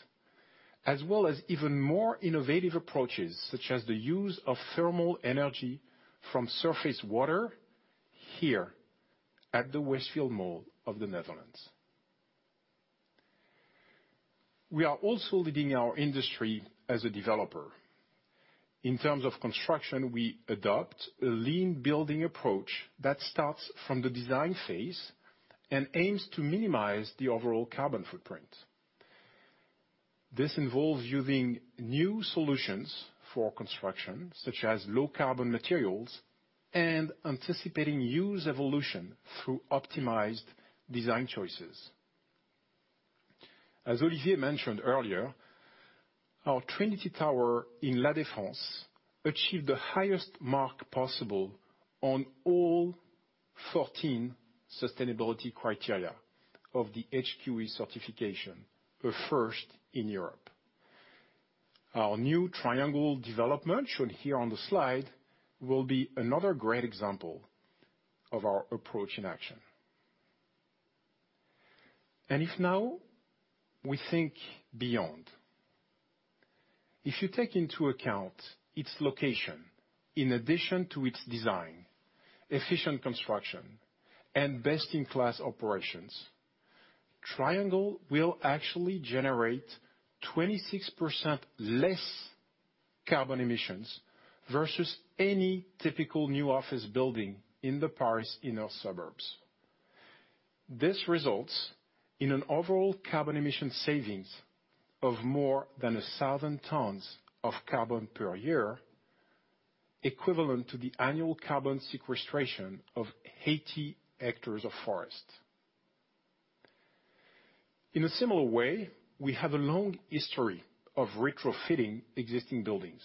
as well as even more innovative approaches, such as the use of thermal energy from surface water here at the Westfield Mall of the Netherlands. We are also leading our industry as a developer. In terms of construction, we adopt a lean building approach that starts from the design phase and aims to minimize the overall carbon footprint. This involves using new solutions for construction, such as low carbon materials and anticipating use evolution through optimized design choices. As Olivier mentioned earlier, our Trinity Tower in La Défense achieved the highest mark possible on all 14 sustainability criteria of the HQE certification, a first in Europe. Our new Triangle development, shown here on the slide, will be another great example of our approach in action. If we now think beyond, if you take into account its location, in addition to its design, efficient construction, and best-in-class operations, Triangle will actually generate 26% less carbon emissions versus any typical new office building in the Paris inner suburbs. This results in an overall carbon emission savings of more than 1,000 tons of carbon per year, equivalent to the annual carbon sequestration of 80 hectares of forest. In a similar way, we have a long history of retrofitting existing buildings.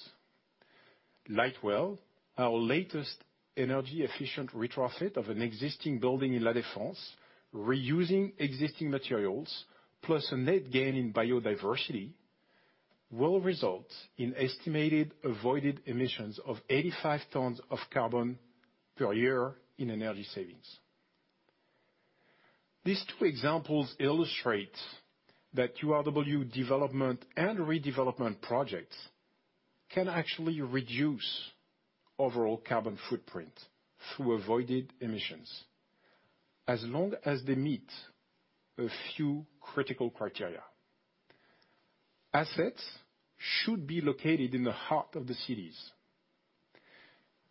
Lightwell, our latest energy-efficient retrofit of an existing building in La Défense, reusing existing materials, plus a net gain in biodiversity, will result in estimated avoided emissions of 85 tons of carbon per year in energy savings. These two examples illustrate that URW development and redevelopment projects can actually reduce overall carbon footprint through avoided emissions as long as they meet a few critical criteria. Assets should be located in the heart of the cities,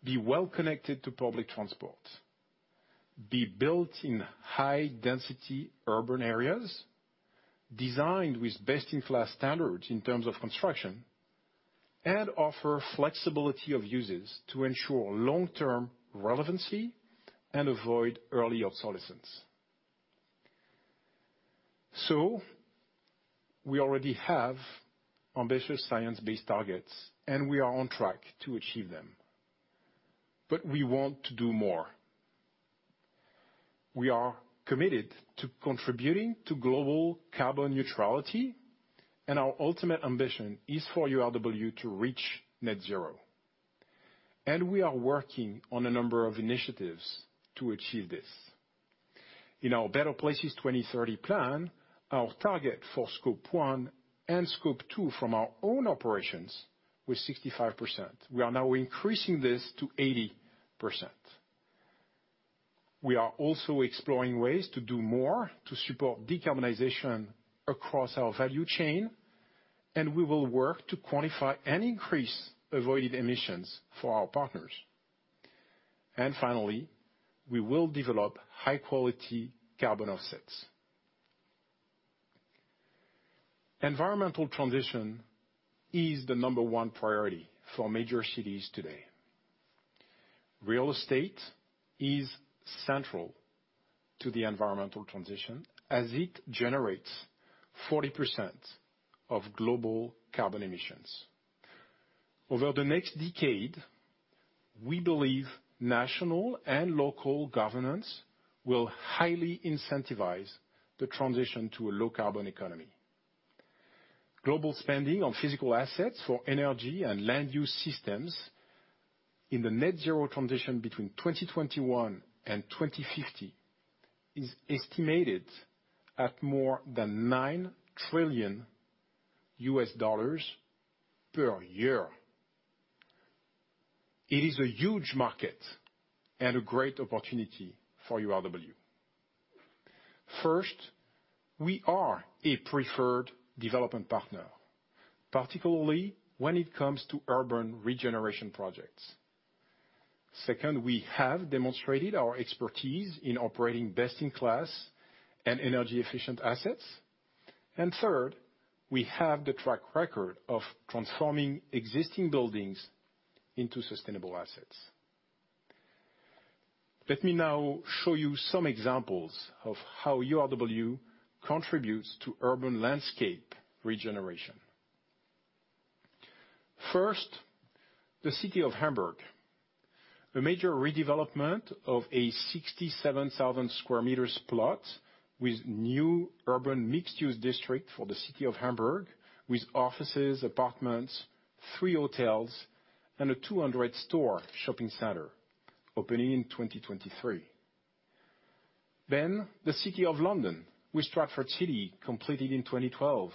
be well connected to public transport, be built in high density urban areas, designed with best-in-class standards in terms of construction, and offer flexibility of uses to ensure long-term relevancy and avoid early obsolescence. We already have ambitious Science-based Targets, and we are on track to achieve them. We want to do more. We are committed to contributing to global carbon neutrality, and our ultimate ambition is for URW to reach net zero. We are working on a number of initiatives to achieve this. In our Better Places 2030 plan, our target for Scope 1 and Scope 2 from our own operations was 65%. We are now increasing this to 80%. We are also exploring ways to do more to support decarbonization across our value chain, and we will work to quantify and increase avoided emissions for our partners. Finally, we will develop high-quality carbon offsets. Environmental transition is the number one priority for major cities today. Real estate is central to the environmental transition as it generates 40% of global carbon emissions. Over the next decade, we believe national and local governments will highly incentivize the transition to a low carbon economy. Global spending on physical assets for energy and land use systems in the net zero transition between 2021 and 2050 is estimated at more than $9 trillion per year. It is a huge market and a great opportunity for URW. First, we are a preferred development partner, particularly when it comes to urban regeneration projects. Second, we have demonstrated our expertise in operating best in class and energy-efficient assets. Third, we have the track record of transforming existing buildings into sustainable assets. Let me now show you some examples of how URW contributes to urban landscape regeneration. First, the city of Hamburg, a major redevelopment of a 67,000 sq m plot with new urban mixed-use district for the city of Hamburg with offices, apartments, three hotels and a 200-store shopping center opening in 2023. Then the city of London with Stratford City completed in 2012.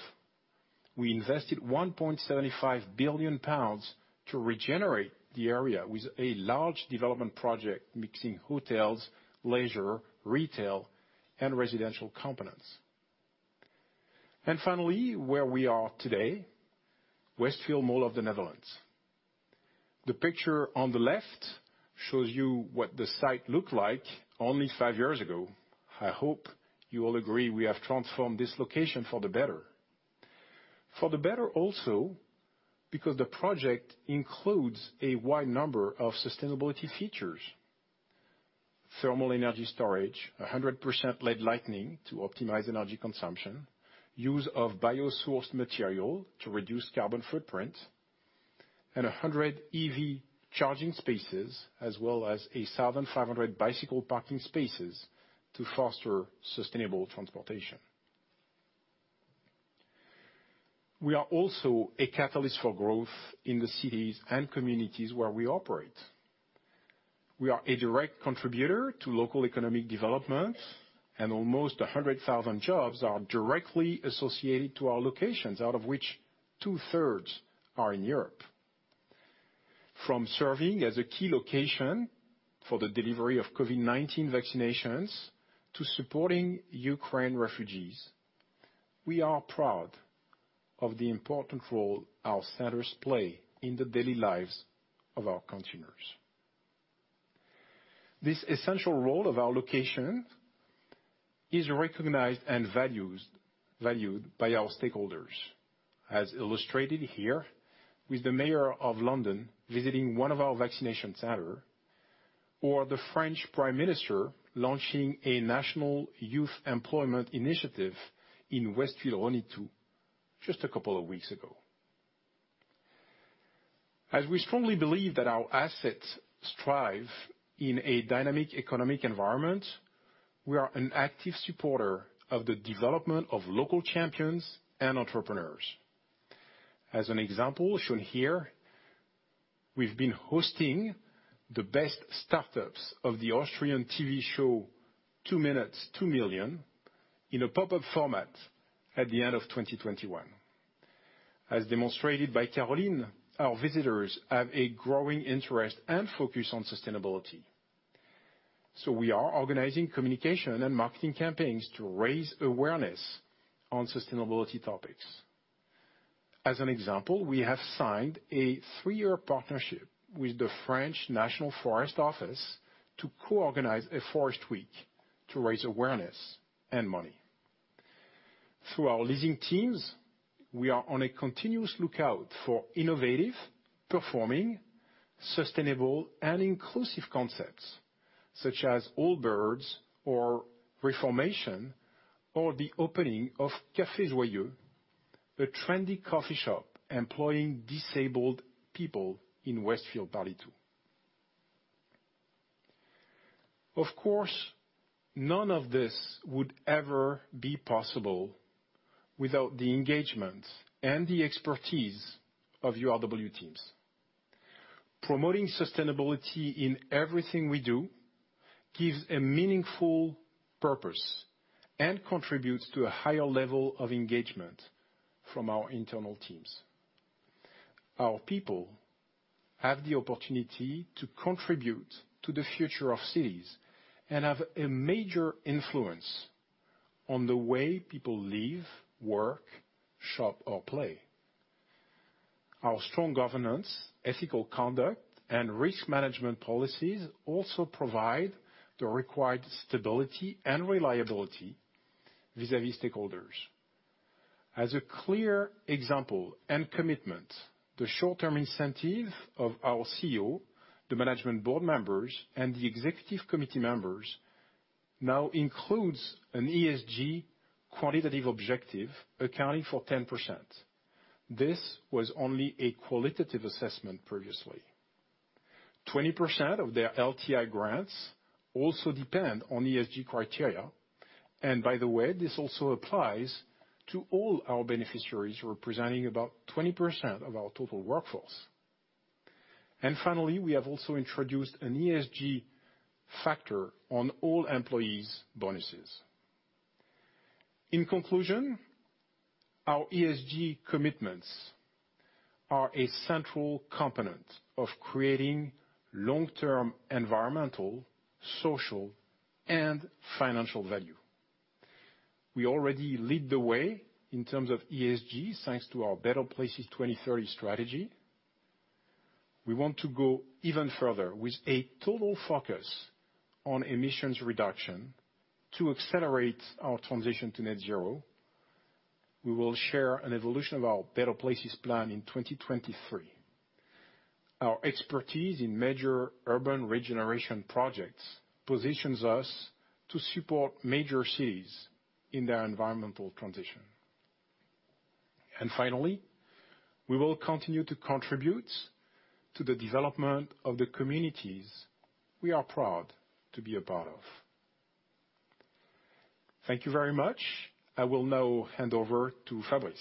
We invested 1.75 billion pounds to regenerate the area with a large development project mixing hotels, leisure, retail, and residential components. Finally, where we are today, Westfield Mall of the Netherlands. The picture on the left shows you what the site looked like only five years ago. I hope you all agree we have transformed this location for the better. For the better also because the project includes a wide number of sustainability features. Thermal energy storage, 100% LED lighting to optimize energy consumption, use of bio-sourced material to reduce carbon footprint, and 100 EV charging spaces, as well as 7,500 bicycle parking spaces to foster sustainable transportation. We are also a catalyst for growth in the cities and communities where we operate. We are a direct contributor to local economic development, and almost 100,000 jobs are directly associated to our locations, out of which 2/3 Are in Europe. From serving as a key location for the delivery of COVID-19 vaccinations to supporting Ukraine refugees, we are proud of the important role our centers play in the daily lives of our consumers. This essential role of our location is recognized and valued by our stakeholders, as illustrated here with the Mayor of London visiting one of our vaccination centers or the French Prime Minister launching a national youth employment initiative in Westfield Rosny 2 just a couple of weeks ago. We strongly believe that our assets strive in a dynamic economic environment, we are an active supporter of the development of local champions and entrepreneurs. As an example shown here, we've been hosting the best startups of the Austrian TV show 2 Minuten 2 Millionen in a pop-up format at the end of 2021. As demonstrated by Caroline, our visitors have a growing interest and focus on sustainability. We are organizing communication and marketing campaigns to raise awareness on sustainability topics. As an example, we have signed a three-year partnership with the French National Forest Office to co-organize a forest week to raise awareness and money. Through our leasing teams, we are on a continuous lookout for innovative, performing, sustainable, and inclusive concepts such as Allbirds or Reformation, or the opening of Café Joyeux, a trendy coffee shop employing disabled people in Westfield Paris. Of course, none of this would ever be possible without the engagement and the expertise of URW teams. Promoting sustainability in everything we do gives a meaningful purpose and contributes to a higher level of engagement from our internal teams. Our people have the opportunity to contribute to the future of cities, and have a major influence on the way people live, work, shop, or play. Our strong governance, ethical conduct, and risk management policies also provide the required stability and reliability vis-à-vis stakeholders. As a clear example and commitment, the short-term incentive of our CEO, the management board members, and the executive committee members now includes an ESG qualitative objective accounting for 10%. This was only a qualitative assessment previously. 20% of their LTI grants also depend on ESG criteria, and by the way, this also applies to all our beneficiaries, representing about 20% of our total workforce. Finally, we have also introduced an ESG factor on all employees' bonuses. In conclusion, our ESG commitments are a central component of creating long-term environmental, social, and financial value. We already lead the way in terms of ESG, thanks to our Better Places 2030 strategy. We want to go even further with a total focus on emissions reduction to accelerate our transition to net zero. We will share an evolution of our Better Places plan in 2023. Our expertise in major urban regeneration projects positions us to support major cities in their environmental transition. Finally, we will continue to contribute to the development of the communities we are proud to be a part of. Thank you very much. I will now hand over to Fabrice.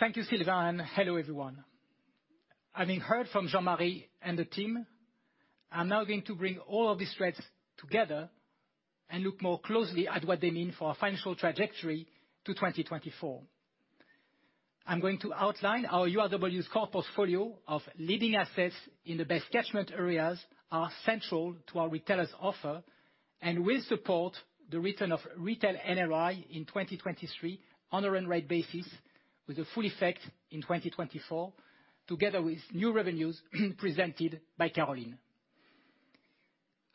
Thank you, Sylvain. Hello, everyone. Having heard from Jean-Marie and the team, I'm now going to bring all of these threads together and look more closely at what they mean for our financial trajectory to 2024. I'm going to outline our URW's core portfolio of leading assets in the best catchment areas are central to our retailers' offer, and will support the return of retail NRI in 2023 on a run-rate basis, with the full effect in 2024, together with new revenues presented by Caroline.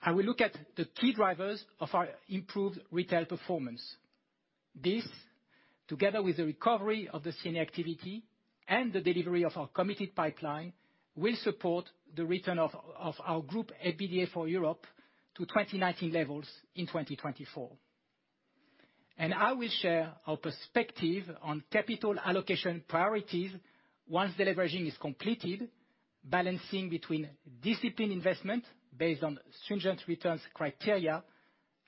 I will look at the key drivers of our improved retail performance. This, together with the recovery of the scene activity and the delivery of our committed pipeline, will support the return of our group EBITDA for Europe to 2019 levels in 2024. I will share our perspective on capital allocation priorities once the deleveraging is completed, balancing between disciplined investment based on stringent returns criteria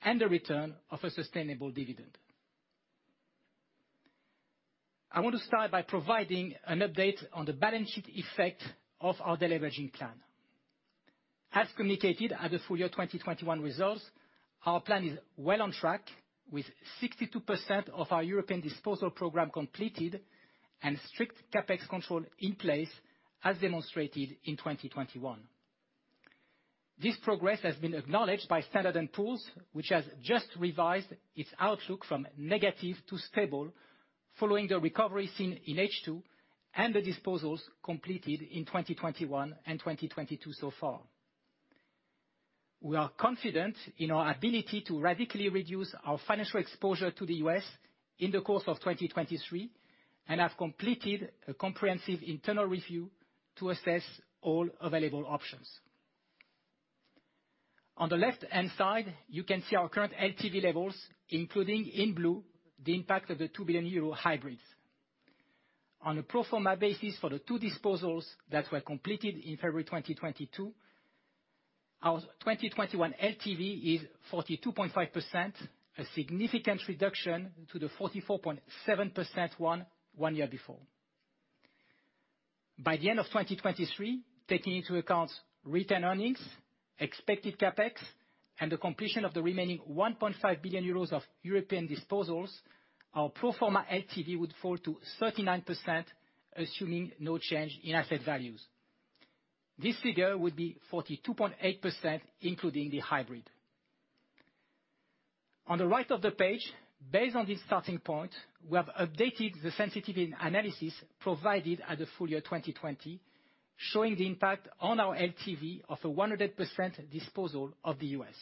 and the return of a sustainable dividend. I want to start by providing an update on the balance sheet effect of our deleveraging plan. As communicated at the full year 2021 results, our plan is well on track, with 62% of our European disposal program completed and strict CapEx control in place as demonstrated in 2021. This progress has been acknowledged by Standard & Poor's, which has just revised its outlook from negative to stable following the recovery seen in H2 and the disposals completed in 2021 and 2022 so far. We are confident in our ability to radically reduce our financial exposure to the U.S. in the course of 2023, and have completed a comprehensive internal review to assess all available options. On the left-hand side, you can see our current LTV levels, including in blue, the impact of the 2 billion euro hybrids. On a pro forma basis for the two disposals that were completed in February 2022, our 2021 LTV is 42.5%, a significant reduction to the 44.7% one year before. By the end of 2023, taking into account return earnings, expected CapEx, and the completion of the remaining 1.5 billion euros of European disposals, our pro forma LTV would fall to 39%, assuming no change in asset values. This figure would be 42.8%, including the hybrid. On the right of the page, based on this starting point, we have updated the sensitivity analysis provided at the full year 2020, showing the impact on our LTV of a 100% disposal of the U.S.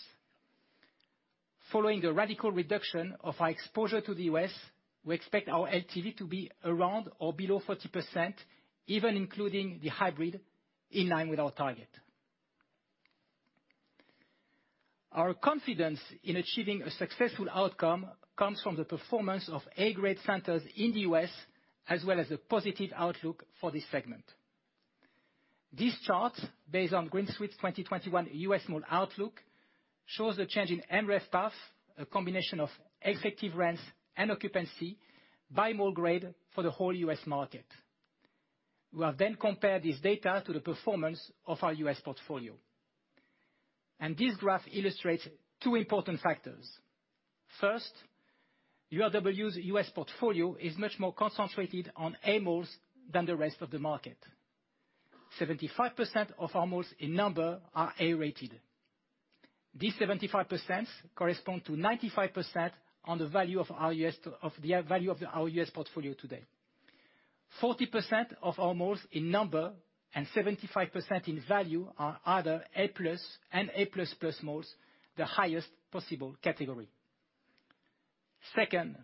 Following the radical reduction of our exposure to the U.S., we expect our LTV to be around or below 40%, even including the hybrid in line with our target. Our confidence in achieving a successful outcome comes from the performance of A grade centers in the U.S., as well as the positive outlook for this segment. This chart, based on Green Street's 2021 U.S. Mall outlook, shows the change in MGR path, a combination of effective rents and occupancy by mall grade for the whole U.S. market. We have then compared this data to the performance of our U.S. portfolio. This graph illustrates two important factors. First, URW's U.S. portfolio is much more concentrated on A malls than the rest of the market. 75% of our malls in number are A-rated. This 75% correspond to 95% on the value of our U.S., of the value of our U.S. portfolio today. 40% of our malls in number, and 75% in value are either A+ and A++ malls, the highest possible category. Second,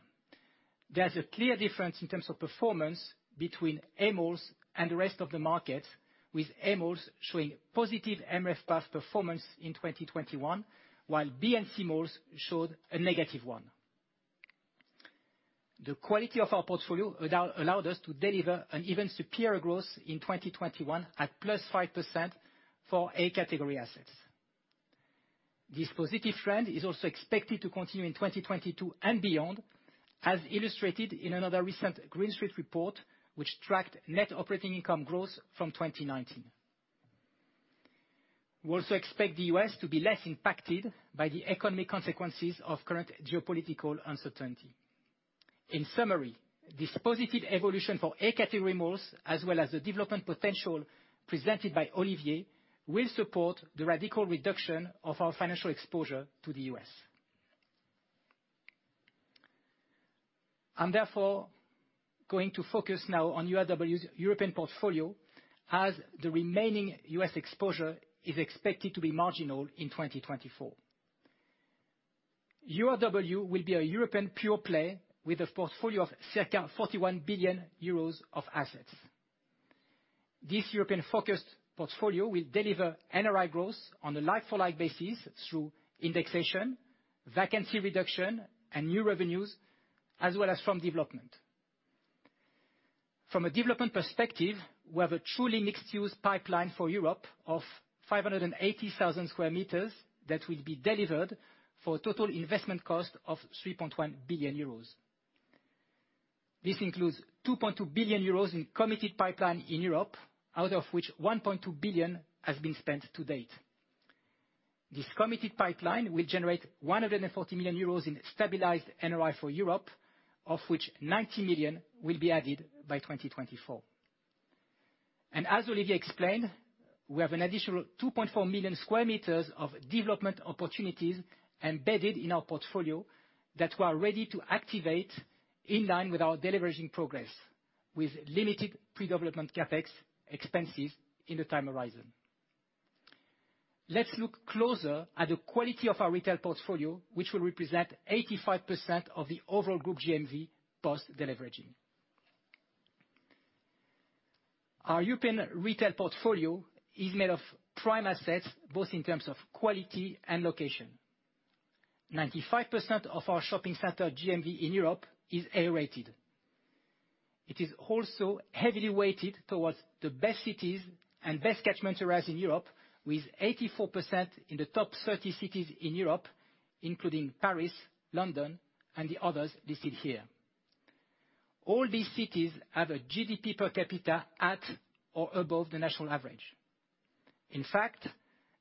there's a clear difference in terms of performance between A malls and the rest of the market, with A malls showing positive MRES path performance in 2021, while B and C malls showed a negative one. The quality of our portfolio allowed us to deliver an even superior growth in 2021 at +5% for A category assets. This positive trend is also expected to continue in 2022 and beyond, as illustrated in another recent Green Street report, which tracked net operating income growth from 2019. We also expect the U.S. to be less impacted by the economic consequences of current geopolitical uncertainty. In summary, this positive evolution for A category malls, as well as the development potential presented by Olivier, will support the radical reduction of our financial exposure to the U.S. I'm therefore going to focus now on URW's European portfolio, as the remaining U.S. exposure is expected to be marginal in 2024. URW will be a European pure play with a portfolio of circa 41 billion euros of assets. This European-focused portfolio will deliver NRI growth on a like-for-like basis through indexation, vacancy reduction, and new revenues, as well as from development. From a development perspective, we have a truly mixed-use pipeline for Europe of 580,000 sq m that will be delivered for total investment cost of 3.1 billion euros. This includes 2.2 billion euros in committed pipeline in Europe, out of which 1.2 billion has been spent to date. This committed pipeline will generate 140 million euros in stabilized NRI for Europe, of which 90 million will be added by 2024. As Olivier explained, we have an additional 2.4 million sq m of development opportunities embedded in our portfolio that we are ready to activate in line with our deleveraging progress, with limited pre-development CapEx expenses in the time horizon. Let's look closer at the quality of our retail portfolio, which will represent 85% of the overall group GMV post-deleveraging. Our European retail portfolio is made of prime assets, both in terms of quality and location. 95% of our shopping center GMV in Europe is A-rated. It is also heavily weighted towards the best cities and best catchment areas in Europe, with 84% in the top 30 cities in Europe, including Paris, London, and the others listed here. All these cities have a GDP per capita at or above the national average. In fact,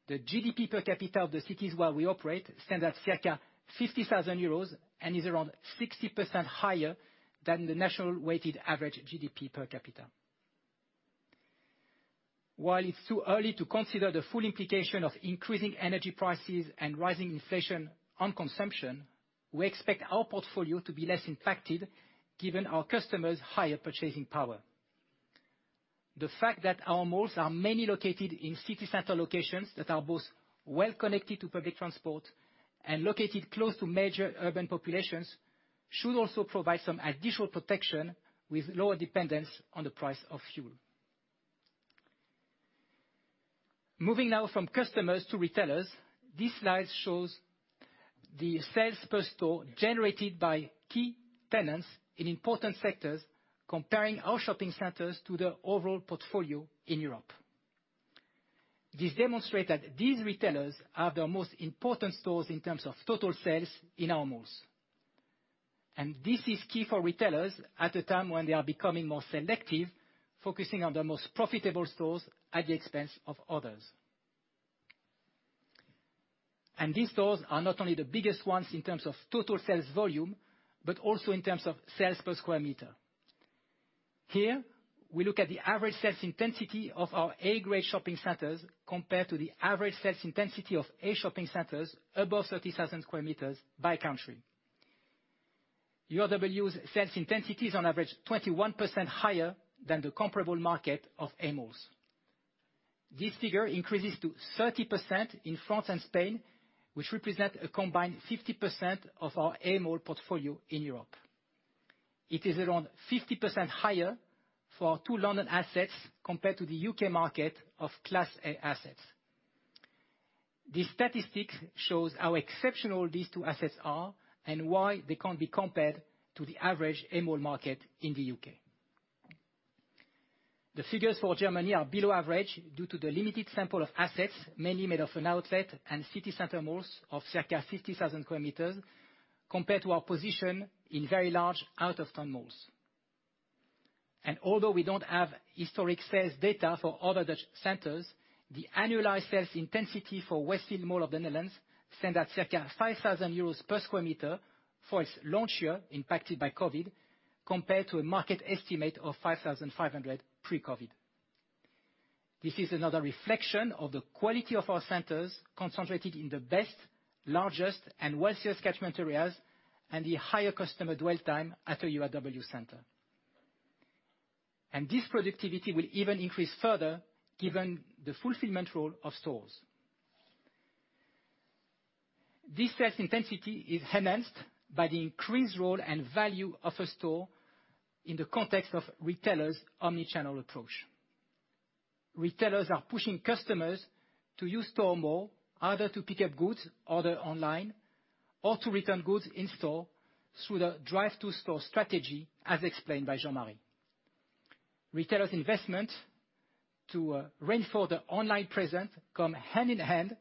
the GDP per capita of the cities where we operate stands at circa 50,000 euros and is around 60% higher than the national weighted average GDP per capita. While it's too early to consider the full implication of increasing energy prices and rising inflation on consumption, we expect our portfolio to be less impacted given our customers' higher purchasing power. The fact that our malls are mainly located in city center locations that are both well connected to public transport and located close to major urban populations should also provide some additional protection with lower dependence on the price of fuel. Moving now from customers to retailers, this slide shows the sales per store generated by key tenants in important sectors, comparing our shopping centers to the overall portfolio in Europe. This demonstrates that these retailers have the most important stores in terms of total sales in our malls. This is key for retailers at a time when they are becoming more selective, focusing on their most profitable stores at the expense of others. These stores are not only the biggest ones in terms of total sales volume, but also in terms of sales per square meter. Here, we look at the average sales intensity of our A grade shopping centers compared to the average sales intensity of A shopping centers above 30,000 sq m by country. URW's sales intensity is on average 21% higher than the comparable market of A malls. This figure increases to 30% in France and Spain, which represent a combined 50% of our A mall portfolio in Europe. It is around 50% higher for our two London assets compared to the U.K. market of class A assets. This statistic shows how exceptional these two assets are and why they can't be compared to the average A mall market in the U.K. The figures for Germany are below average due to the limited sample of assets, mainly made of an outlet and city center malls of circa 50,000 sq m compared to our position in very large out-of-town malls. Although we don't have historic sales data for other Dutch centers, the annualized sales intensity for Westfield Mall of the Netherlands stands at circa 5,000 euros per sq m for its launch year impacted by COVID, compared to a market estimate of 5,500 per sq m pre-COVID. This is another reflection of the quality of our centers concentrated in the best, largest, and wealthiest catchment areas and the higher customer dwell time at a URW center. This productivity will even increase further given the fulfillment role of stores. This sales intensity is enhanced by the increased role and value of a store in the context of retailers omnichannel approach. Retailers are pushing customers to use stores more, either to pick up goods ordered online or to return goods in store through the drive-to-store strategy, as explained by Jean-Marie. Retailers investment to reinforce their online presence come hand in hand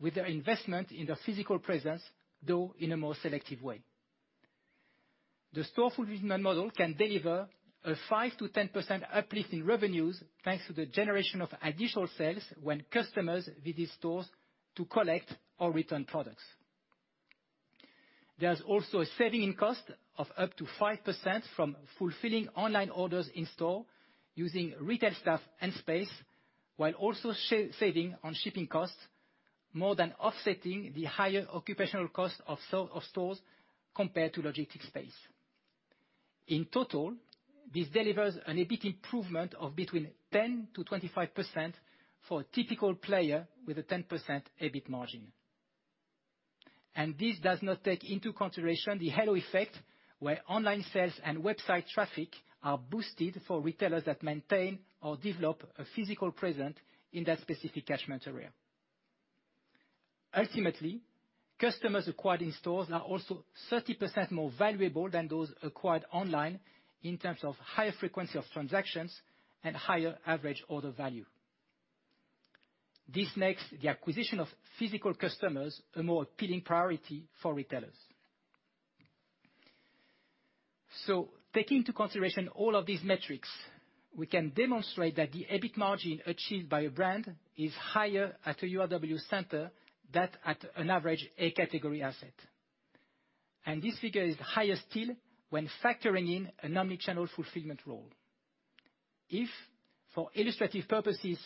with their investment in their physical presence, though in a more selective way. The store fulfillment model can deliver a 5%-10% uplift in revenues, thanks to the generation of additional sales when customers visit stores to collect or return products. There's also a saving in cost of up to 5% from fulfilling online orders in-store using retail staff and space, while also saving on shipping costs, more than offsetting the higher occupational cost of stores compared to logistics space. In total, this delivers an EBIT improvement of between 10%-25% for a typical player with a 10% EBIT margin. This does not take into consideration the halo effect where online sales and website traffic are boosted for retailers that maintain or develop a physical presence in that specific catchment area. Ultimately, customers acquired in stores are also 30% more valuable than those acquired online in terms of higher frequency of transactions and higher average order value. This makes the acquisition of physical customers a more appealing priority for retailers. Taking into consideration all of these metrics, we can demonstrate that the EBIT margin achieved by a brand is higher at a URW center than at an average A category asset. This figure is higher still when factoring in an omnichannel fulfillment role. If, for illustrative purposes,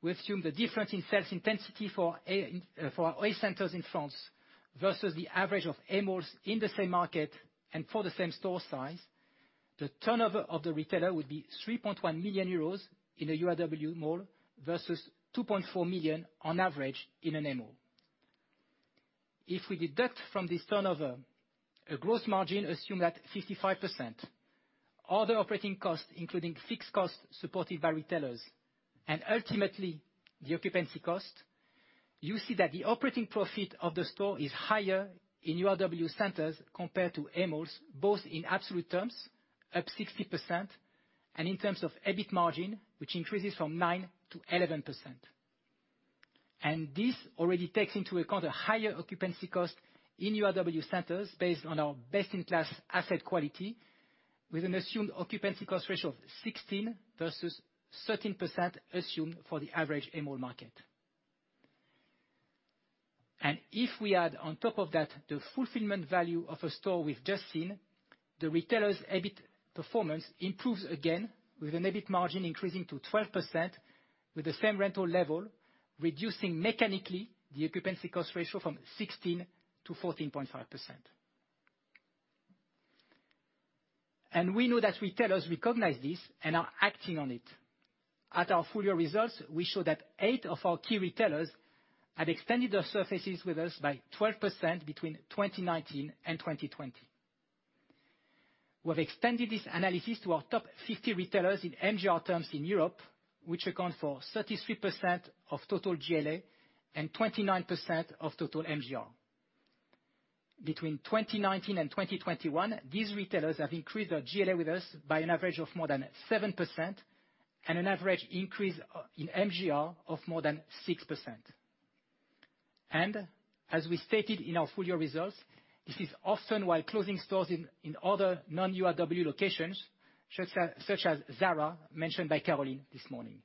we assume the difference in sales intensity for A, for our A centers in France versus the average of A malls in the same market and for the same store size, the turnover of the retailer would be 3.1 million euros in a URW mall versus 2.4 million on average in an A mall. If we deduct from this turnover a gross margin assumed at 55%, other operating costs, including fixed costs supported by retailers and ultimately the occupancy cost, you see that the operating profit of the store is higher in URW centers compared to A malls, both in absolute terms, up 60%, and in terms of EBIT margin, which increases from 9%-11%. This already takes into account a higher occupancy cost in URW centers based on our best-in-class asset quality with an assumed occupancy cost ratio of 16 versus 13% assumed for the average A mall market. If we add on top of that the fulfillment value of a store we've just seen, the retailer's EBIT performance improves again, with an EBIT margin increasing to 12% with the same rental level, reducing mechanically the occupancy cost ratio from 16%-4.5%. We know that retailers recognize this and are acting on it. At our full-year results, we show that eight of our key retailers had extended their surfaces with us by 12% between 2019 and 2020. We have extended this analysis to our top 50 retailers in MGR terms in Europe, which account for 33% of total GLA and 29% of total MGR. Between 2019 and 2021, these retailers have increased their GLA with us by an average of more than 7% and an average increase in MGR of more than 6%. As we stated in our full-year results, this is often while closing stores in other non-URW locations, such as Zara, mentioned by Caroline this morning.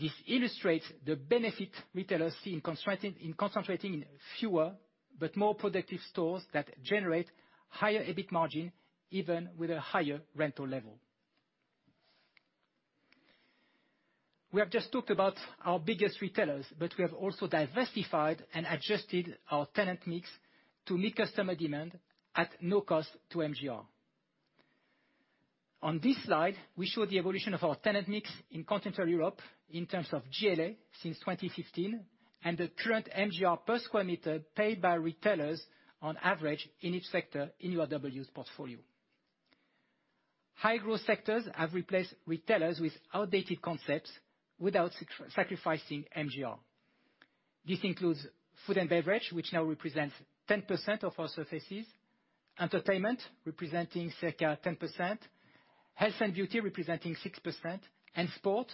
This illustrates the benefit retailers see in concentrating in fewer but more productive stores that generate higher EBIT margin, even with a higher rental level. We have just talked about our biggest retailers, but we have also diversified and adjusted our tenant mix to meet customer demand at no cost to MGR. On this slide, we show the evolution of our tenant mix in Continental Europe in terms of GLA since 2016, and the current MGR per square meter paid by retailers on average in each sector in URW's portfolio. High-growth sectors have replaced retailers with outdated concepts without sacrificing MGR. This includes food and beverage, which now represents 10% of our surfaces, entertainment, representing circa 10%, health and beauty, representing 6%, and sport,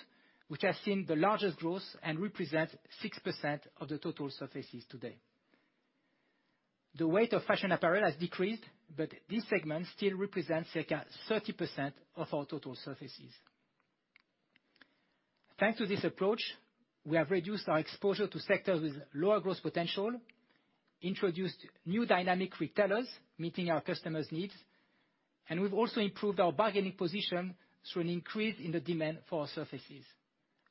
which has seen the largest growth and represents 6% of the total surfaces today. The weight of fashion apparel has decreased, but this segment still represents circa 30% of our total surfaces. Thanks to this approach, we have reduced our exposure to sectors with lower growth potential, introduced new dynamic retailers, meeting our customers' needs, and we've also improved our bargaining position through an increase in the demand for our surfaces,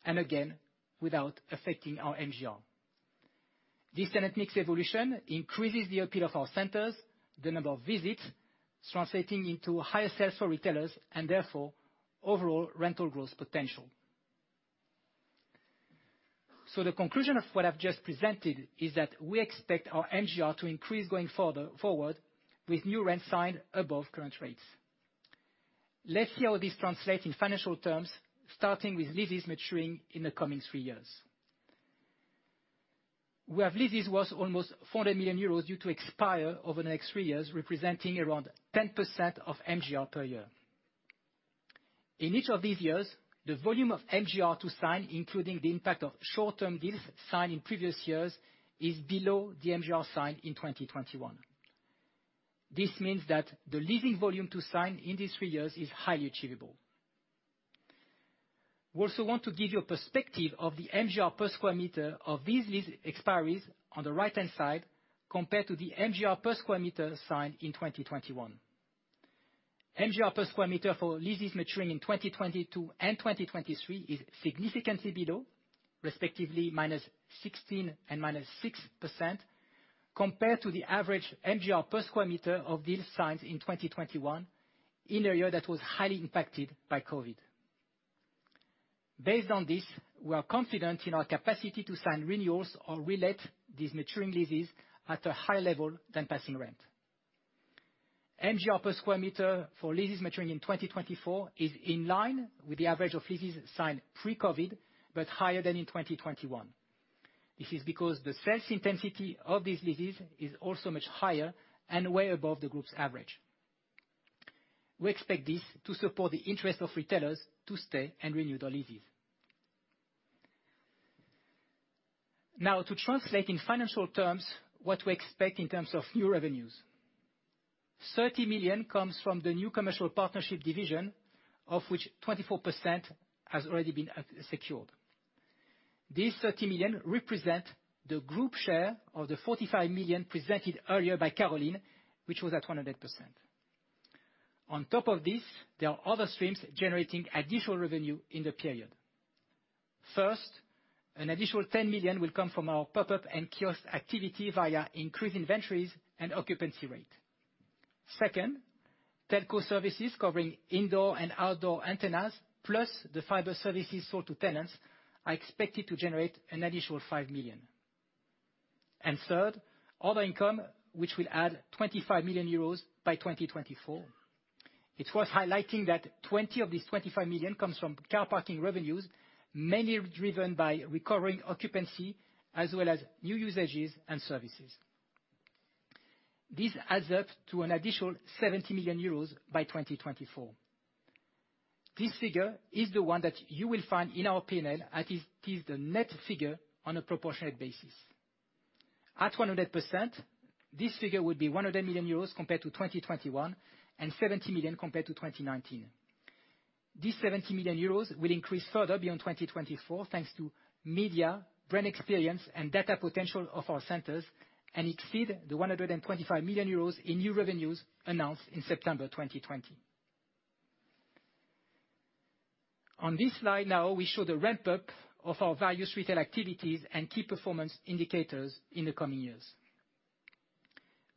and again, without affecting our MGR. This tenant mix evolution increases the appeal of our centers, the number of visits, translating into higher sales for retailers and therefore overall rental growth potential. The conclusion of what I've just presented is that we expect our MGR to increase going further forward with new rents signed above current rates. Let's see how this translates in financial terms, starting with leases maturing in the coming three years. We have leases worth almost 400 million euros due to expire over the next three years, representing around 10% of MGR per year. In each of these years, the volume of MGR to sign, including the impact of short-term deals signed in previous years, is below the MGR signed in 2021. This means that the leasing volume to sign in these three years is highly achievable. We also want to give you a perspective of the MGR per square meter of these lease expiries on the right-hand side compared to the MGR per square meter signed in 2021. MGR per square meter for leases maturing in 2022 and 2023 is significantly below, respectively -16% and -6%, compared to the average MGR per square meter of deals signed in 2021, in a year that was highly impacted by COVID. Based on this, we are confident in our capacity to sign renewals or relet these maturing leases at a higher level than passing rent. MGR per sq m for leases maturing in 2024 is in line with the average of leases signed pre-COVID, but higher than in 2021. This is because the sales intensity of these leases is also much higher and way above the group's average. We expect this to support the interest of retailers to stay and renew their leases. Now to translate in financial terms what we expect in terms of new revenues. 30 million comes from the new commercial partnership division, of which 24% has already been secured. This thirty million represent the group share of the 45 million presented earlier by Caroline, which was at 100%. On top of this, there are other streams generating additional revenue in the period. First, an additional 10 million will come from our pop-up and kiosk activity via increased inventories and occupancy rate. Second, telco services covering indoor and outdoor antennas, plus the fiber services sold to tenants, are expected to generate an additional 5 million. Third, other income, which will add 25 million euros by 2024. It's worth highlighting that 20 of these 25 million comes from car parking revenues, mainly driven by recovering occupancy as well as new usages and services. This adds up to an additional 70 million euros by 2024. This figure is the one that you will find in our P&L, as it is the net figure on a proportionate basis. At 100%, this figure would be 100 million euros compared to 2021 and 70 million compared to 2019. This 70 million euros will increase further beyond 2024, thanks to media, brand experience, and data potential of our centers, and exceed the 125 million euros in new revenues announced in September 2020. On this slide now, we show the ramp-up of our various retail activities and key performance indicators in the coming years.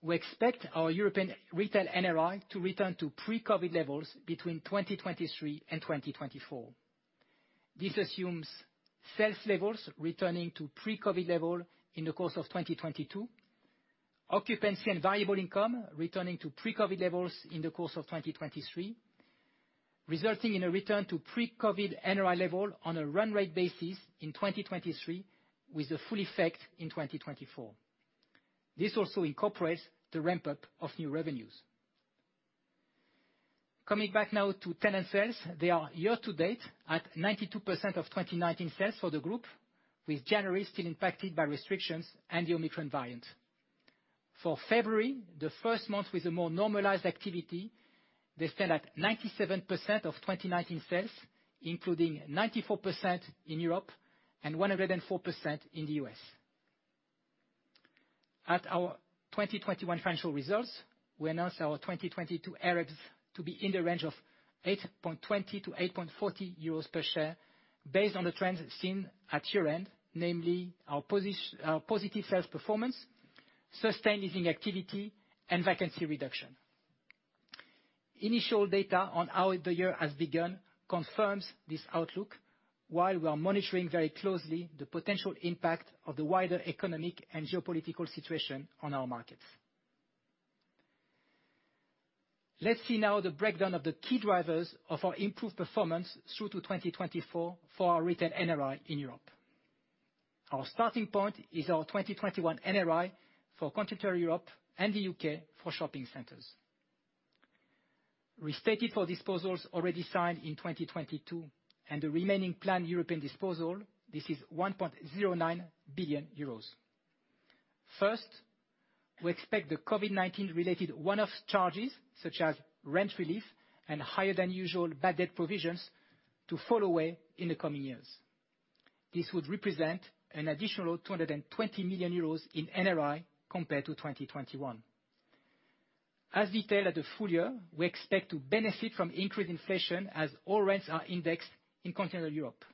We expect our European retail NRI to return to pre-COVID levels between 2023 and 2024. This assumes sales levels returning to pre-COVID level in the course of 2022, occupancy and variable income returning to pre-COVID levels in the course of 2023, resulting in a return to pre-COVID NRI level on a run rate basis in 2023, with the full effect in 2024. This also incorporates the ramp-up of new revenues. Coming back now to tenant sales. They are year to date at 92% of 2019 sales for the group, with January still impacted by restrictions and the Omicron variant. For February, the first month with a more normalized activity, they stand at 97% of 2019 sales, including 94% in Europe and 104% in the U.S. At our 2021 financial results, we announced our 2022 AREPS to be in the range of 8.20-8.40 euros per share based on the trends seen at year-end. Namely our positive sales performance, sustained leasing activity, and vacancy reduction. Initial data on how the year has begun confirms this outlook, while we are monitoring very closely the potential impact of the wider economic and geopolitical situation on our markets. Let's see now the breakdown of the key drivers of our improved performance through to 2024 for our retail NRI in Europe. Our starting point is our 2021 NRI for Continental Europe and the U.K. for shopping centers. Restated for disposals already signed in 2022 and the remaining planned European disposal, this is 1.09 billion euros. First, we expect the COVID-19 related one-off charges, such as rent relief and higher than usual bad debt provisions, to fall away in the coming years. This would represent an additional 220 million euros in NRI compared to 2021. As detailed at the full year, we expect to benefit from increased inflation as all rents are indexed in Continental Europe.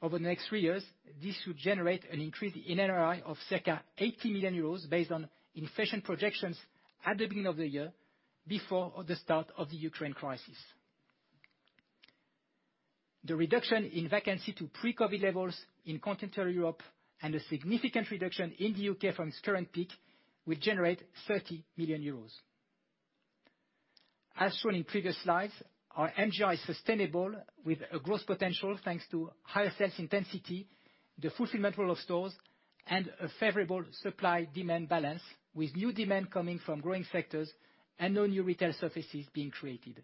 Over the next three years, this should generate an increase in NRI of circa 80 million euros based on inflation projections at the beginning of the year, before the start of the Ukraine crisis. The reduction in vacancy to pre-COVID levels in Continental Europe and a significant reduction in the U.K. from its current peak will generate 30 million euros. As shown in previous slides, our MGR is sustainable with a growth potential thanks to higher sales intensity, the fulfillment role of stores, and a favorable supply-demand balance, with new demand coming from growing sectors and no new retail surfaces being created.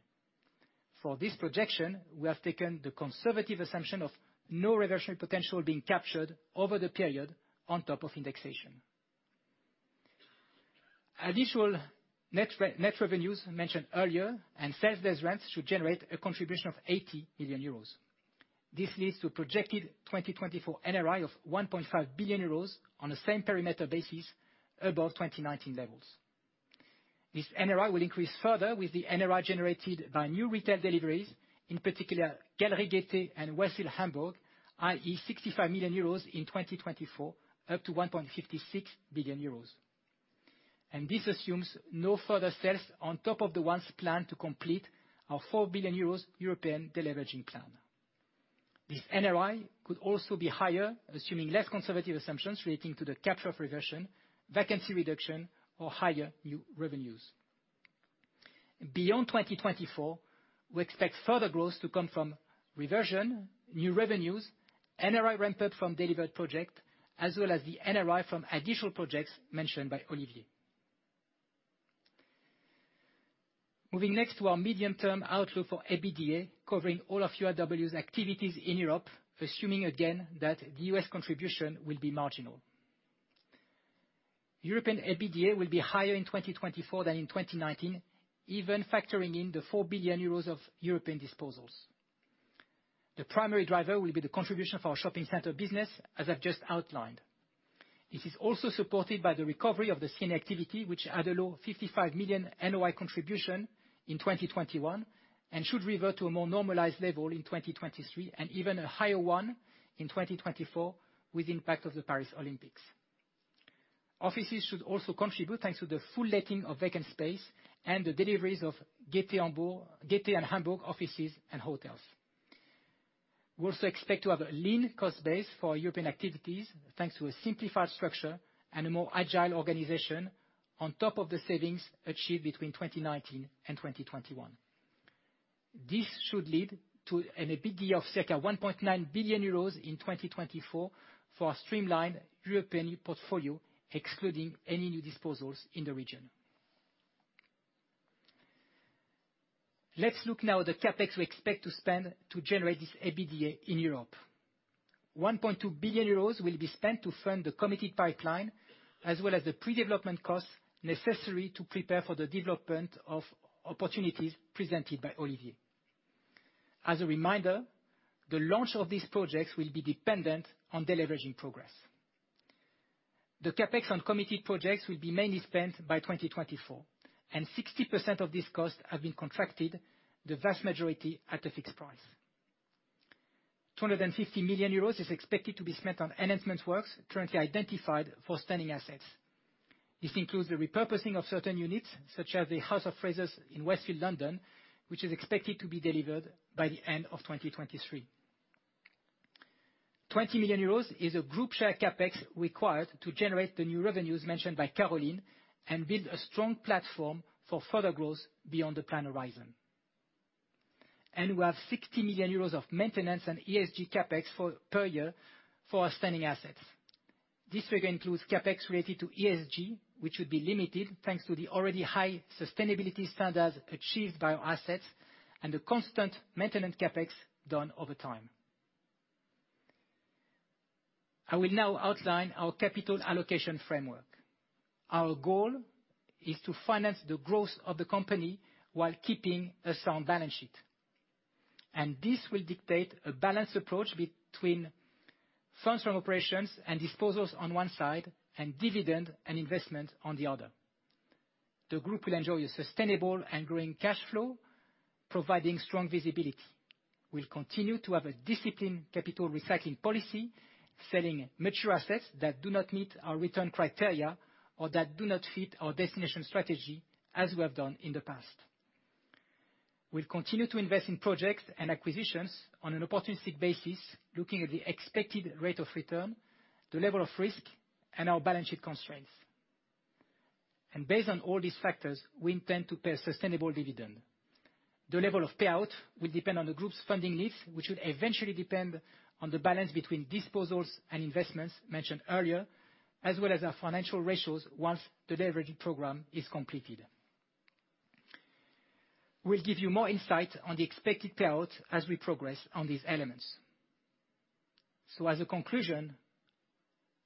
For this projection, we have taken the conservative assumption of no reversion potential being captured over the period on top of indexation. Additional net re-net revenues mentioned earlier and sales-based rents should generate a contribution of 80 million euros. This leads to projected 2024 NRI of 1.5 billion euros on the same parameter basis above 2019 levels. This NRI will increase further with the NRI generated by new retail deliveries, in particular Galeries Lafayette and Westfield Hamburg, i.e., 65 million euros in 2024 up to 1.56 billion euros. This assumes no further sales on top of the ones planned to complete our 4 billion euros European deleveraging plan. This NRI could also be higher, assuming less conservative assumptions relating to the capture of reversion, vacancy reduction or higher new revenues. Beyond 2024, we expect further growth to come from reversion, new revenues, NRI ramped from delivered project, as well as the NRI from additional projects mentioned by Olivier. Moving next to our medium term outlook for EBITDA, covering all of URW's activities in Europe, assuming again that the US contribution will be marginal. European EBITDA will be higher in 2024 than in 2019, even factoring in the 4 billion euros of European disposals. The primary driver will be the contribution for our shopping center business, as I've just outlined. This is also supported by the recovery of the scene activity, which had a low 55 million NOI contribution in 2021, and should revert to a more normalized level in 2023, and even a higher one in 2024 with impact of the Paris 2024 Olympics. Offices should also contribute, thanks to the full letting of vacant space and the deliveries of Lafayette and Hamburg offices and hotels. We also expect to have a lean cost base for our European activities, thanks to a simplified structure and a more agile organization on top of the savings achieved between 2019 and 2021. This should lead to an EBITDA of circa 1.9 billion euros in 2024 for our streamlined European portfolio, excluding any new disposals in the region. Let's look now at the CapEx we expect to spend to generate this EBITDA in Europe. 1.2 billion euros will be spent to fund the committed pipeline, as well as the pre-development costs necessary to prepare for the development of opportunities presented by Olivier. As a reminder, the launch of these projects will be dependent on deleveraging progress. The CapEx on committed projects will be mainly spent by 2024, and 60% of these costs have been contracted, the vast majority at a fixed price. 250 million euros is expected to be spent on enhancement works currently identified for standing assets. This includes the repurposing of certain units, such as the House of Fraser in Westfield London, which is expected to be delivered by the end of 2023. 20 million euros is a group share CapEx required to generate the new revenues mentioned by Caroline and build a strong platform for further growth beyond the plan horizon. We have 60 million euros of maintenance and ESG CapEx per year for our standing assets. This figure includes CapEx related to ESG, which would be limited thanks to the already high sustainability standards achieved by our assets and the constant maintenance CapEx done over time. I will now outline our capital allocation framework. Our goal is to finance the growth of the company while keeping a sound balance sheet. This will dictate a balanced approach between funds from operations and disposals on one side, and dividend and investment on the other. The group will enjoy a sustainable and growing cash flow, providing strong visibility. We'll continue to have a disciplined capital recycling policy, selling mature assets that do not meet our return criteria, or that do not fit our destination strategy, as we have done in the past. We'll continue to invest in projects and acquisitions on an opportunistic basis, looking at the expected rate of return, the level of risk, and our balance sheet constraints. Based on all these factors, we intend to pay a sustainable dividend. The level of payout will depend on the group's funding needs, which would eventually depend on the balance between disposals and investments mentioned earlier, as well as our financial ratios once the deleveraging program is completed. We'll give you more insight on the expected payout as we progress on these elements. As a conclusion,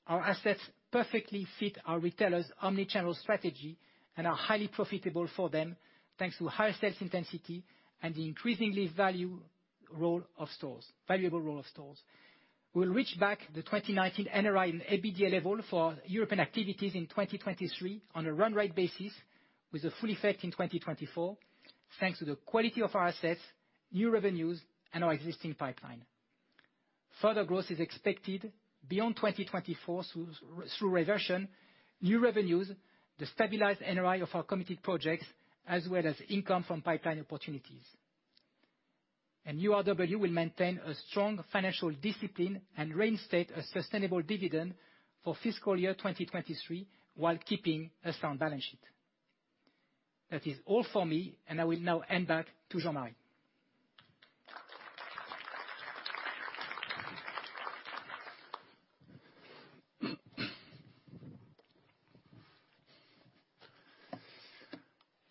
our assets perfectly fit our retailers' omni-channel strategy and are highly profitable for them, thanks to high sales intensity and the increasingly valuable role of stores. We'll reach back the 2019 NRI and EBITDA level for European activities in 2023 on a run rate basis with a full effect in 2024, thanks to the quality of our assets, new revenues, and our existing pipeline. Further growth is expected beyond 2024 through reversion, new revenues, the stabilized NRI of our committed projects, as well as income from pipeline opportunities. URW will maintain a strong financial discipline and reinstate a sustainable dividend for fiscal year 2023, while keeping a sound balance sheet. That is all for me, and I will now hand back to Jean-Marie.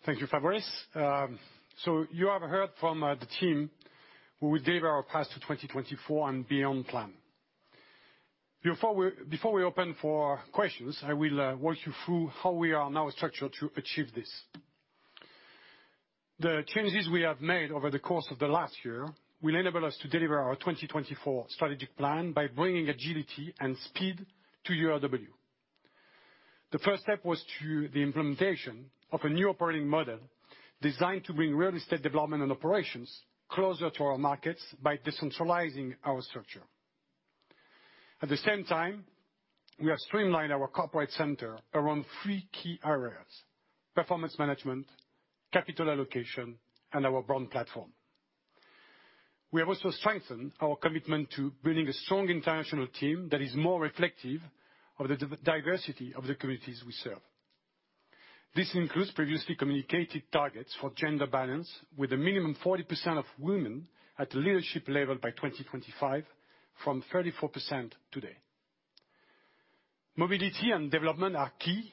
Thank you, Fabrice. So you have heard from the team who will deliver our Path to 2024 and beyond plan. Before we open for questions, I will walk you through how we are now structured to achieve this. The changes we have made over the course of the last year will enable us to deliver our 2024 strategic plan by bringing agility and speed to URW. The first step was the implementation of a new operating model designed to bring real estate development and operations closer to our markets by decentralizing our structure. At the same time, we have streamlined our corporate center around three key areas, performance management, capital allocation, and our brand platform. We have also strengthened our commitment to building a strong international team that is more reflective of the diversity of the communities we serve. This includes previously communicated targets for gender balance, with a minimum 40% of women at leadership level by 2025, from 34% today. Mobility and development are key,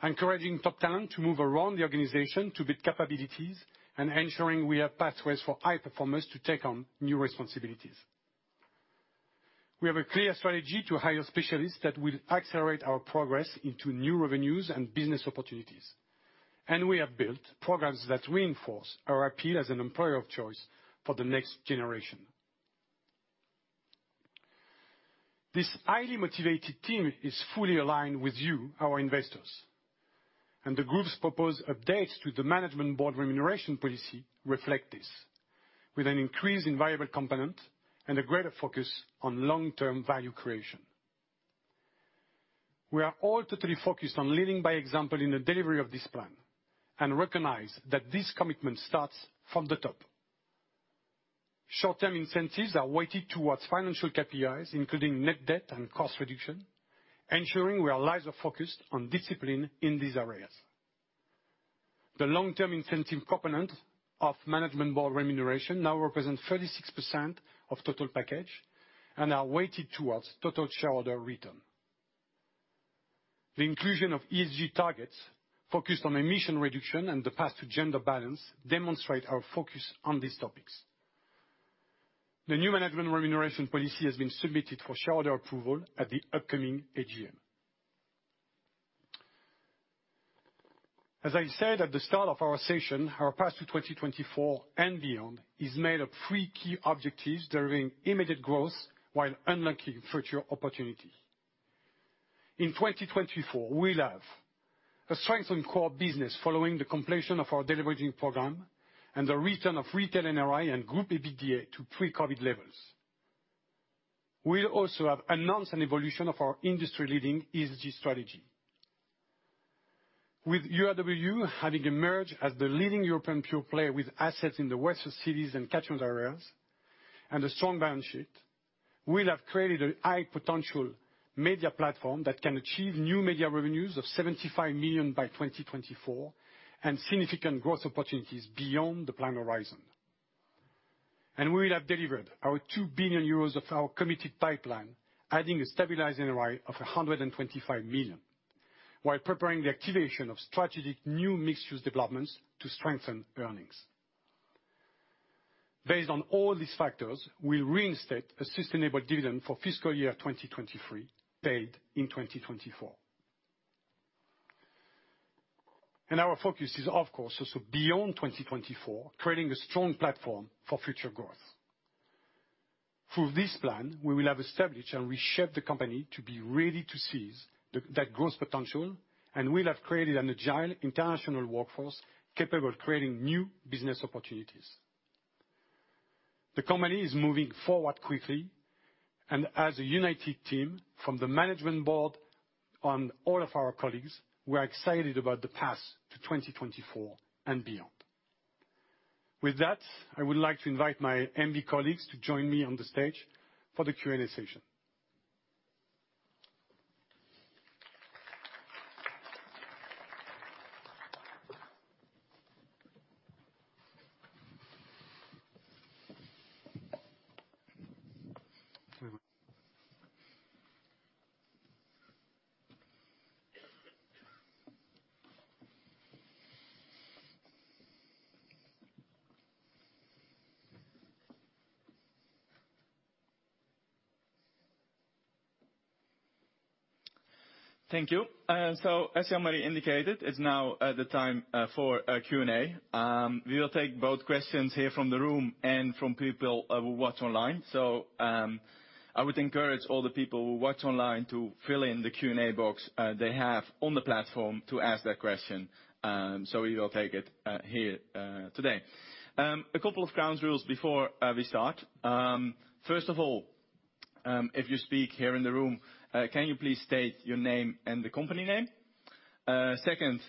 encouraging top talent to move around the organization to build capabilities and ensuring we have pathways for high performers to take on new responsibilities. We have a clear strategy to hire specialists that will accelerate our progress into new revenues and business opportunities. We have built programs that reinforce our appeal as an employer of choice for the next generation. This highly motivated team is fully aligned with you, our investors, and the group's proposed updates to the management board remuneration policy reflect this, with an increase in variable component and a greater focus on long-term value creation. We are all totally focused on leading by example in the delivery of this plan and recognize that this commitment starts from the top. Short-term incentives are weighted towards financial KPIs, including net debt and cost reduction, ensuring we are laser-focused on discipline in these areas. The long-term incentive component of management board remuneration now represents 36% of total package and are weighted towards total shareholder return. The inclusion of ESG targets focused on emission reduction and the path to gender balance demonstrate our focus on these topics. The new management remuneration policy has been submitted for shareholder approval at the upcoming AGM. As I said at the start of our session, our Path to 2024 and beyond is made of three key objectives, driving immediate growth while unlocking future opportunities. In 2024, we'll have a strengthened core business following the completion of our deleveraging program and the return of retail NRI and group EBITDA to pre-COVID levels. We'll also have announced an evolution of our industry-leading ESG strategy. With URW having emerged as the leading European pure player with assets in the western cities and catchment areas and a strong balance sheet, we'll have created a high potential media platform that can achieve new media revenues of 75 million by 2024 and significant growth opportunities beyond the plan horizon. We will have delivered our 2 billion euros of our committed pipeline, adding a stabilized NRI of 125 million, while preparing the activation of strategic new mixed-use developments to strengthen earnings. Based on all these factors, we'll reinstate a sustainable dividend for fiscal year 2023, paid in 2024. Our focus is, of course, also beyond 2024, creating a strong platform for future growth. Through this plan, we will have established and reshaped the company to be ready to seize that growth potential, and we'll have created an agile international workforce capable of creating new business opportunities. The company is moving forward quickly, and as a united team from the Management Board to all of our colleagues, we're excited about the path to 2024 and beyond. With that, I would like to invite my Management Board colleagues to join me on the stage for the Q&A session. Thank you. As Jean-Marie indicated, it's now the time for Q&A. We will take both questions here from the room and from people who watch online. I would encourage all the people who watch online to fill in the Q&A box they have on the platform to ask their question, so we will take it here today. A couple of ground rules before we start. First of all, if you speak here in the room, can you please state your name and the company name? Second,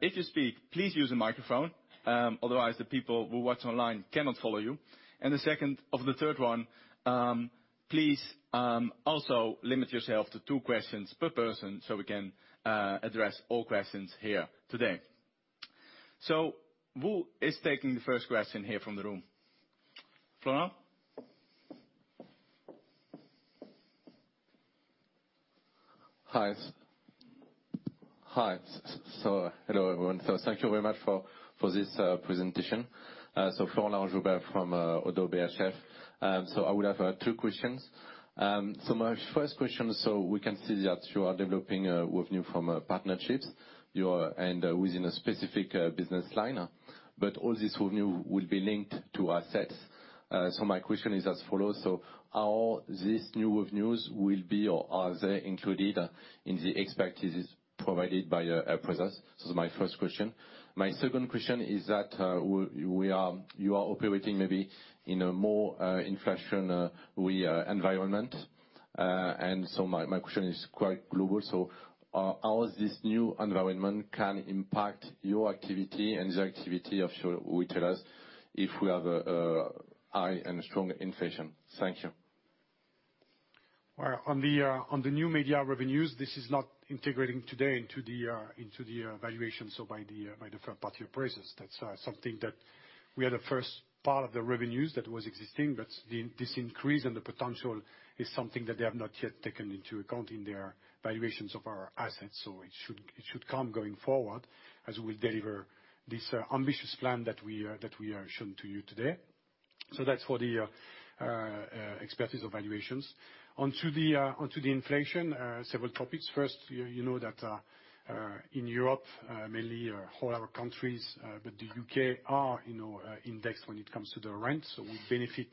if you speak, please use a microphone, otherwise the people who watch online cannot follow you. Third, please also limit yourself to two questions per person so we can address all questions here today. Who is taking the first question here from the room? Florent? Hello, everyone. Thank you very much for this presentation. Florent Laroche-Joubert from ODDO BHF. I would have two questions. My first question, we can see that you are developing revenue from partnerships and within a specific business line, but all this revenue will be linked to assets. My question is as follows: How this new revenues will be, or are they included in the expectations provided by appraisals? This is my first question. My second question is that, we are, you are operating maybe in a more inflationary environment. My question is quite global. How is this new environment can impact your activity and the activity of your retailers if we have a high and strong inflation? Thank you. Well, on the new media revenues, this is not integrating today into the valuation, so by the third party appraisers. That's something, the first part of the revenues that was existing, but this increase and the potential is something that they have not yet taken into account in their valuations of our assets, so it should come going forward as we deliver this ambitious plan that we are showing to you today. That's for the experts' evaluations. Onto the inflation, several topics. You know that in Europe, mainly all other countries, but the U.K. are indexed when it comes to the rents, so we benefit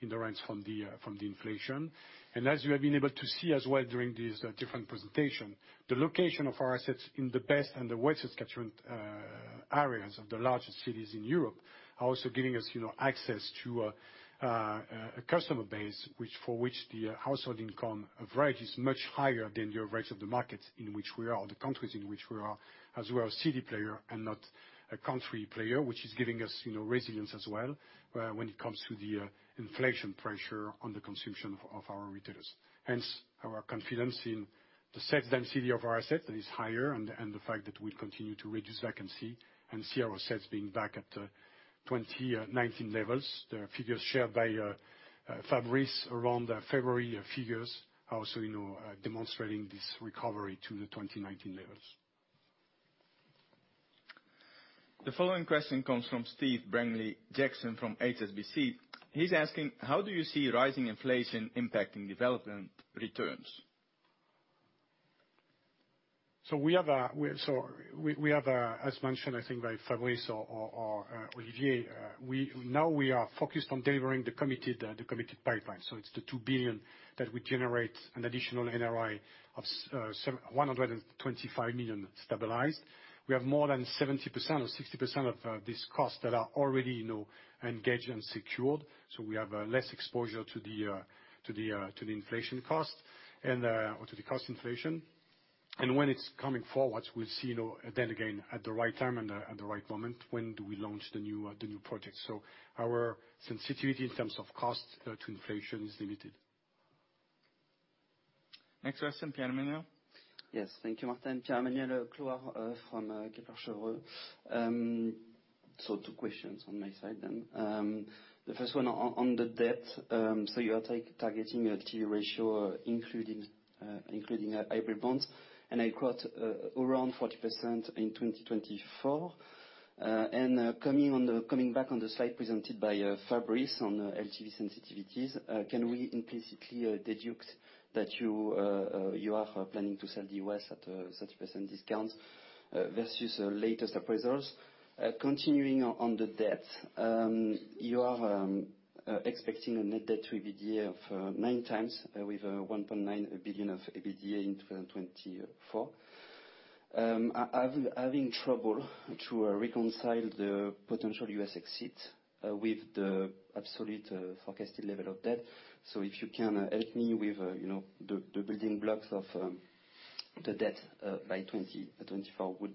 in the rents from the inflation. As you have been able to see as well during this different presentation, the location of our assets in the best and the worst catchment areas of the largest cities in Europe are also giving us, you know, access to a customer base, for which the household income and rent is much higher than the rates of the market in the countries in which we are, as we are a city player and not a country player, which is giving us, you know, resilience as well, when it comes to the inflation pressure on the consumption of our retailers. Hence, our confidence in the sales density of our asset is higher and the fact that we continue to reduce vacancy and see our assets being back at 2019 levels. The figures shared by Fabrice around the February figures also, you know, demonstrating this recovery to the 2019 levels. The following question comes from Steve Bramley-Jackson from HSBC. He's asking "How do you see rising inflation impacting development returns?" We have a, as mentioned, I think by Fabrice or Olivier. Now we are focused on delivering the committed pipeline. It's the 2 billion that we generate an additional NRI of seven, 125 million stabilized. We have more than 70% or 60% of this cost that are already, you know, engaged and secured, so we have less exposure to the inflation cost and or to the cost inflation. When it's coming forward, we'll see, you know, then again at the right time and at the right moment, when do we launch the new project. Our sensitivity in terms of cost to inflation is limited. Next question, Pierre-Emmanuel. Yes. Thank you, Martin. Pierre-Emmanuel Clouard from Kepler Cheuvreux. Two questions on my side then. The first one on the debt. You are targeting a LTV ratio including hybrid bonds, and I quote, around 40% in 2024. Coming back on the slide presented by Fabrice on LTV sensitivities, can we implicitly deduce that you are planning to sell the U.S. at a 30% discount versus latest appraisals? Continuing on the debt, you are expecting a net debt to EBITDA of 9x with 1.9 billion of EBITDA in 2024. I am having trouble to reconcile the potential U.S. exit with the absolute forecasted level of debt. If you can help me with, you know, the building blocks of the debt by 2024 would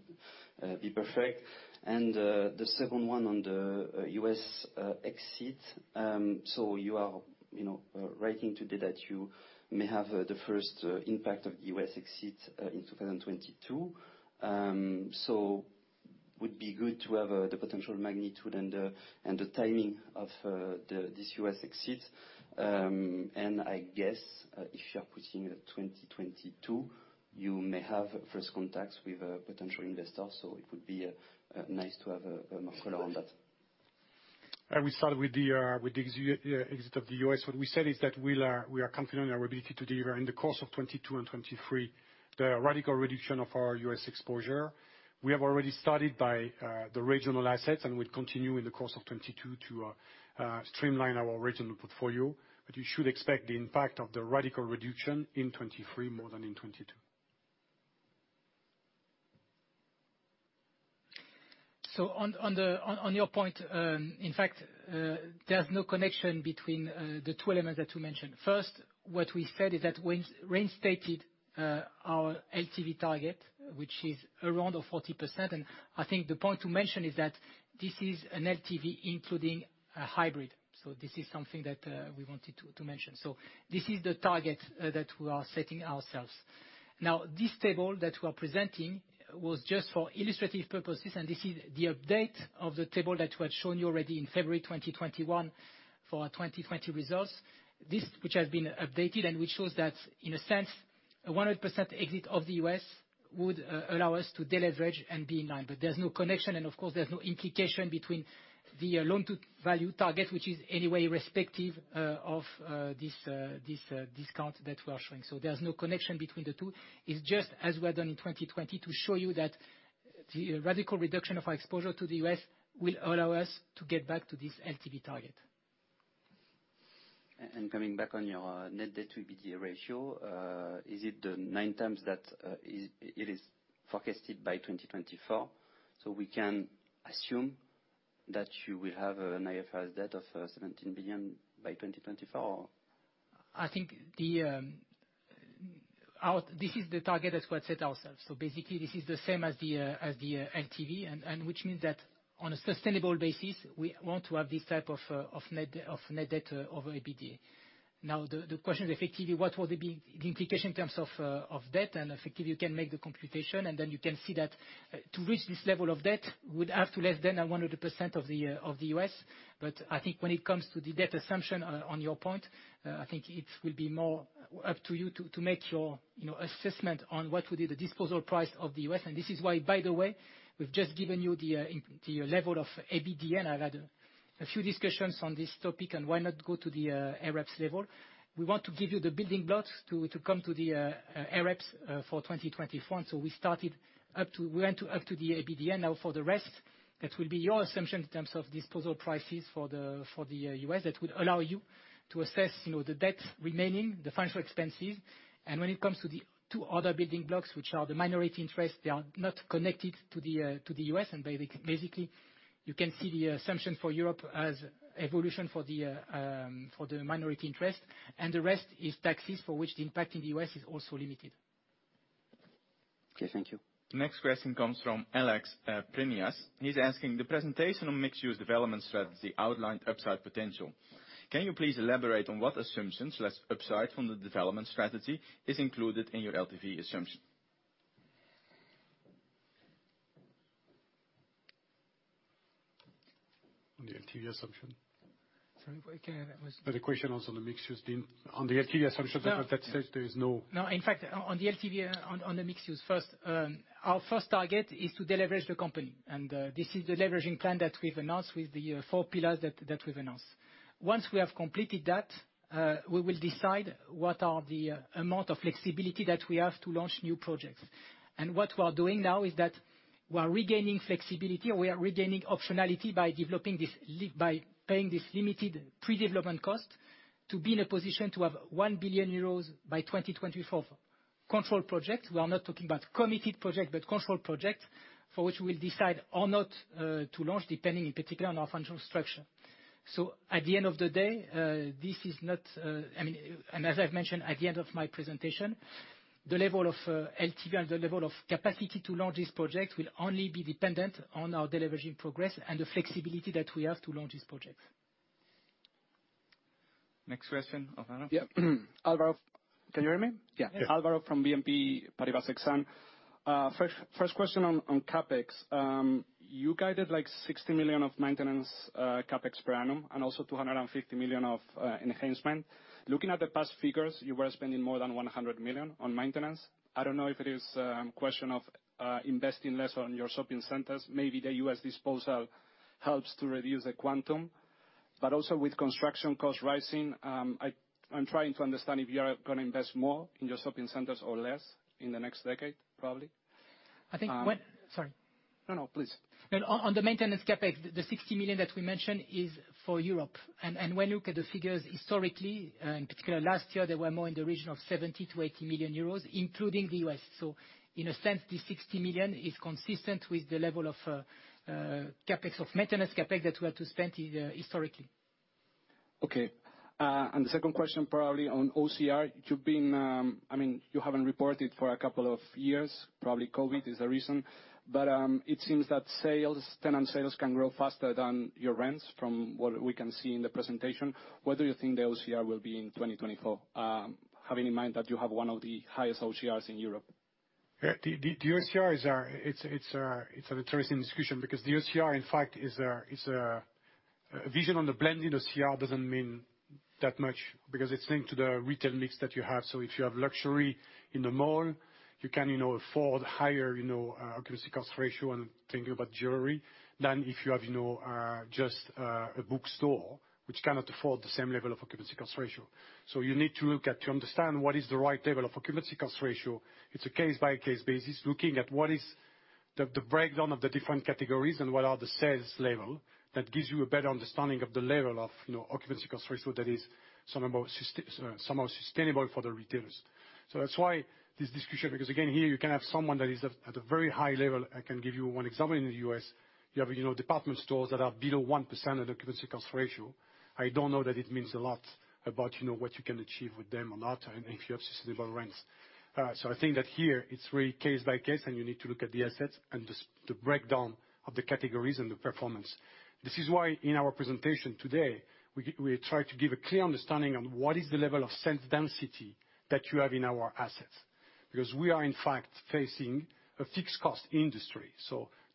be perfect. The second one on the U.S. exit, so you are, you know, writing today that you may have the first impact of U.S. exit in 2022. Would be good to have the potential magnitude and the timing of this U.S. exit. I guess, if you are putting 2022, you may have first contacts with potential investors, so it would be nice to have a word on that. We start with the exit of the U.S. What we said is that we are confident in our ability to deliver in the course of 2022 and 2023, the radical reduction of our U.S. exposure. We have already started by the regional assets, and we'll continue in the course of 2022 to streamline our regional portfolio. You should expect the impact of the radical reduction in 2023 more than in 2022. On your point, in fact, there's no connection between the two elements that you mentioned. First, what we said is that we reinstated our LTV target, which is around 40%. I think the point to mention is that this is an LTV including a hybrid. This is something that we wanted to mention. This is the target that we are setting ourselves. Now, this table that we're presenting was just for illustrative purposes, and this is the update of the table that we had shown you already in February 2021 for our 2020 results. This, which has been updated and which shows that, in a sense, a 100% exit of the U.S. would allow us to deleverage and be in line. There's no connection, and of course, there's no implication between the loan-to-value target, which is anyway respective of this discount that we are showing. There's no connection between the two. It's just as we have done in 2020 to show you that the radical reduction of our exposure to the U.S. will allow us to get back to this LTV target. Coming back on your net debt to EBITDA ratio, is it the 9x that is forecasted by 2024? We can assume that you will have an IFRS debt of 17 billion by 2024? This is the target that we had set ourselves. Basically, this is the same as the LTV, and which means that on a sustainable basis, we want to have this type of net debt over EBITDA. Now, the question effectively what will be the implication in terms of debt, and effectively, you can make the computation, and then you can see that to reach this level of debt, we'd have to less than 100% of the U.S. I think when it comes to the debt assumption on your point, I think it will be more up to you to make your, you know, assessment on what would be the disposal price of the U.S. This is why, by the way, we've just given you the level of EBITDA, and I've had a few discussions on this topic, and why not go to the AREPS level? We want to give you the building blocks to come to the AREPS for 2024. We went up to the EBITDA. Now for the rest, that will be your assumption in terms of disposal prices for the U.S. that would allow you to assess the debt remaining, the financial expenses. When it comes to the two other building blocks, which are the minority interest, they are not connected to the U.S., and basically, you can see the assumption for Europe as evolution for the minority interest. The rest is taxes for which the impact in the U.S. is also limited. Okay, thank you. Next question comes from Alex Premias. He's asking "The presentation on mixed-use development strategy outlined upside potential. Can you please elaborate on what assumptions for the upside from the development strategy are included in your LTV assumption?" On the LTV assumption? Sorry, can you- On the LTV assumption that says there is no. No. In fact, on the LTV, on the mixed use first, our first target is to deleverage the company, and this is the leveraging plan that we've announced with the four pillars that we've announced. Once we have completed that, we will decide what are the amount of flexibility that we have to launch new projects. What we are doing now is that we are regaining flexibility, or we are regaining optionality by paying this limited pre-development cost to be in a position to have 1 billion euros by 2024 for controlled projects. We are not talking about committed projects, but controlled projects for which we'll decide or not to launch, depending in particular on our financial structure. At the end of the day, I mean, and as I've mentioned at the end of my presentation, the level of LTV and the level of capacity to launch these projects will only be dependent on our deleveraging progress and the flexibility that we have to launch these projects. Next question, Alvaro. Yeah. Alvaro. Can you hear me? Yeah. Alvaro from BNP Paribas Exane. First question on CapEx. You guided like 60 million of maintenance CapEx per annum, and also 250 million of enhancement. Looking at the past figures, you were spending more than 100 million on maintenance. I don't know if it is a question of investing less on your shopping centers. Maybe the U.S. disposal helps to reduce the quantum with construction costs rising, I'm trying to understand if you are gonna invest more in your shopping centers or less in the next decade, probably. Sorry. No, no. Please. On the maintenance CapEx, the 60 million that we mentioned is for Europe. When you look at the figures historically, in particular last year, they were more in the region of 70 million-80 million euros, including the U.S. In a sense, this 60 million is consistent with the level of CapEx of maintenance CapEx that we had to spend here historically. Okay. The second question probably on OCR. You've been, I mean, you haven't reported for a couple of years, probably COVID is the reason, but it seems that sales, tenant sales can grow faster than your rents from what we can see in the presentation. What do you think the OCR will be in 2024, having in mind that you have one of the highest OCRs in Europe? Yeah. The OCR is an interesting discussion because the OCR, in fact, is a version of the blended OCR, doesn't mean that much because it's linked to the retail mix that you have. If you have luxury in the mall, you can, you know, afford higher, you know, occupancy cost ratio when thinking about jewelry than if you have, you know, just a bookstore which cannot afford the same level of occupancy cost ratio. You need to look at it to understand what is the right level of occupancy cost ratio. It's a case-by-case basis, looking at what is the breakdown of the different categories and what are the sales level. That gives you a better understanding of the level of, you know, occupancy cost ratio that is somehow sustainable for the retailers. That's why this discussion, because again, here you can have someone that is at a very high level. I can give you one example in the U.S. You have, you know, department stores that are below 1% of the occupancy cost ratio. I don't know that it means a lot about, you know, what you can achieve with them or not and if you have sustainable rents. I think that here it's really case by case, and you need to look at the assets and the breakdown of the categories and the performance. This is why in our presentation today, we try to give a clear understanding on what is the level of sales density that you have in our assets, because we are in fact facing a fixed cost industry.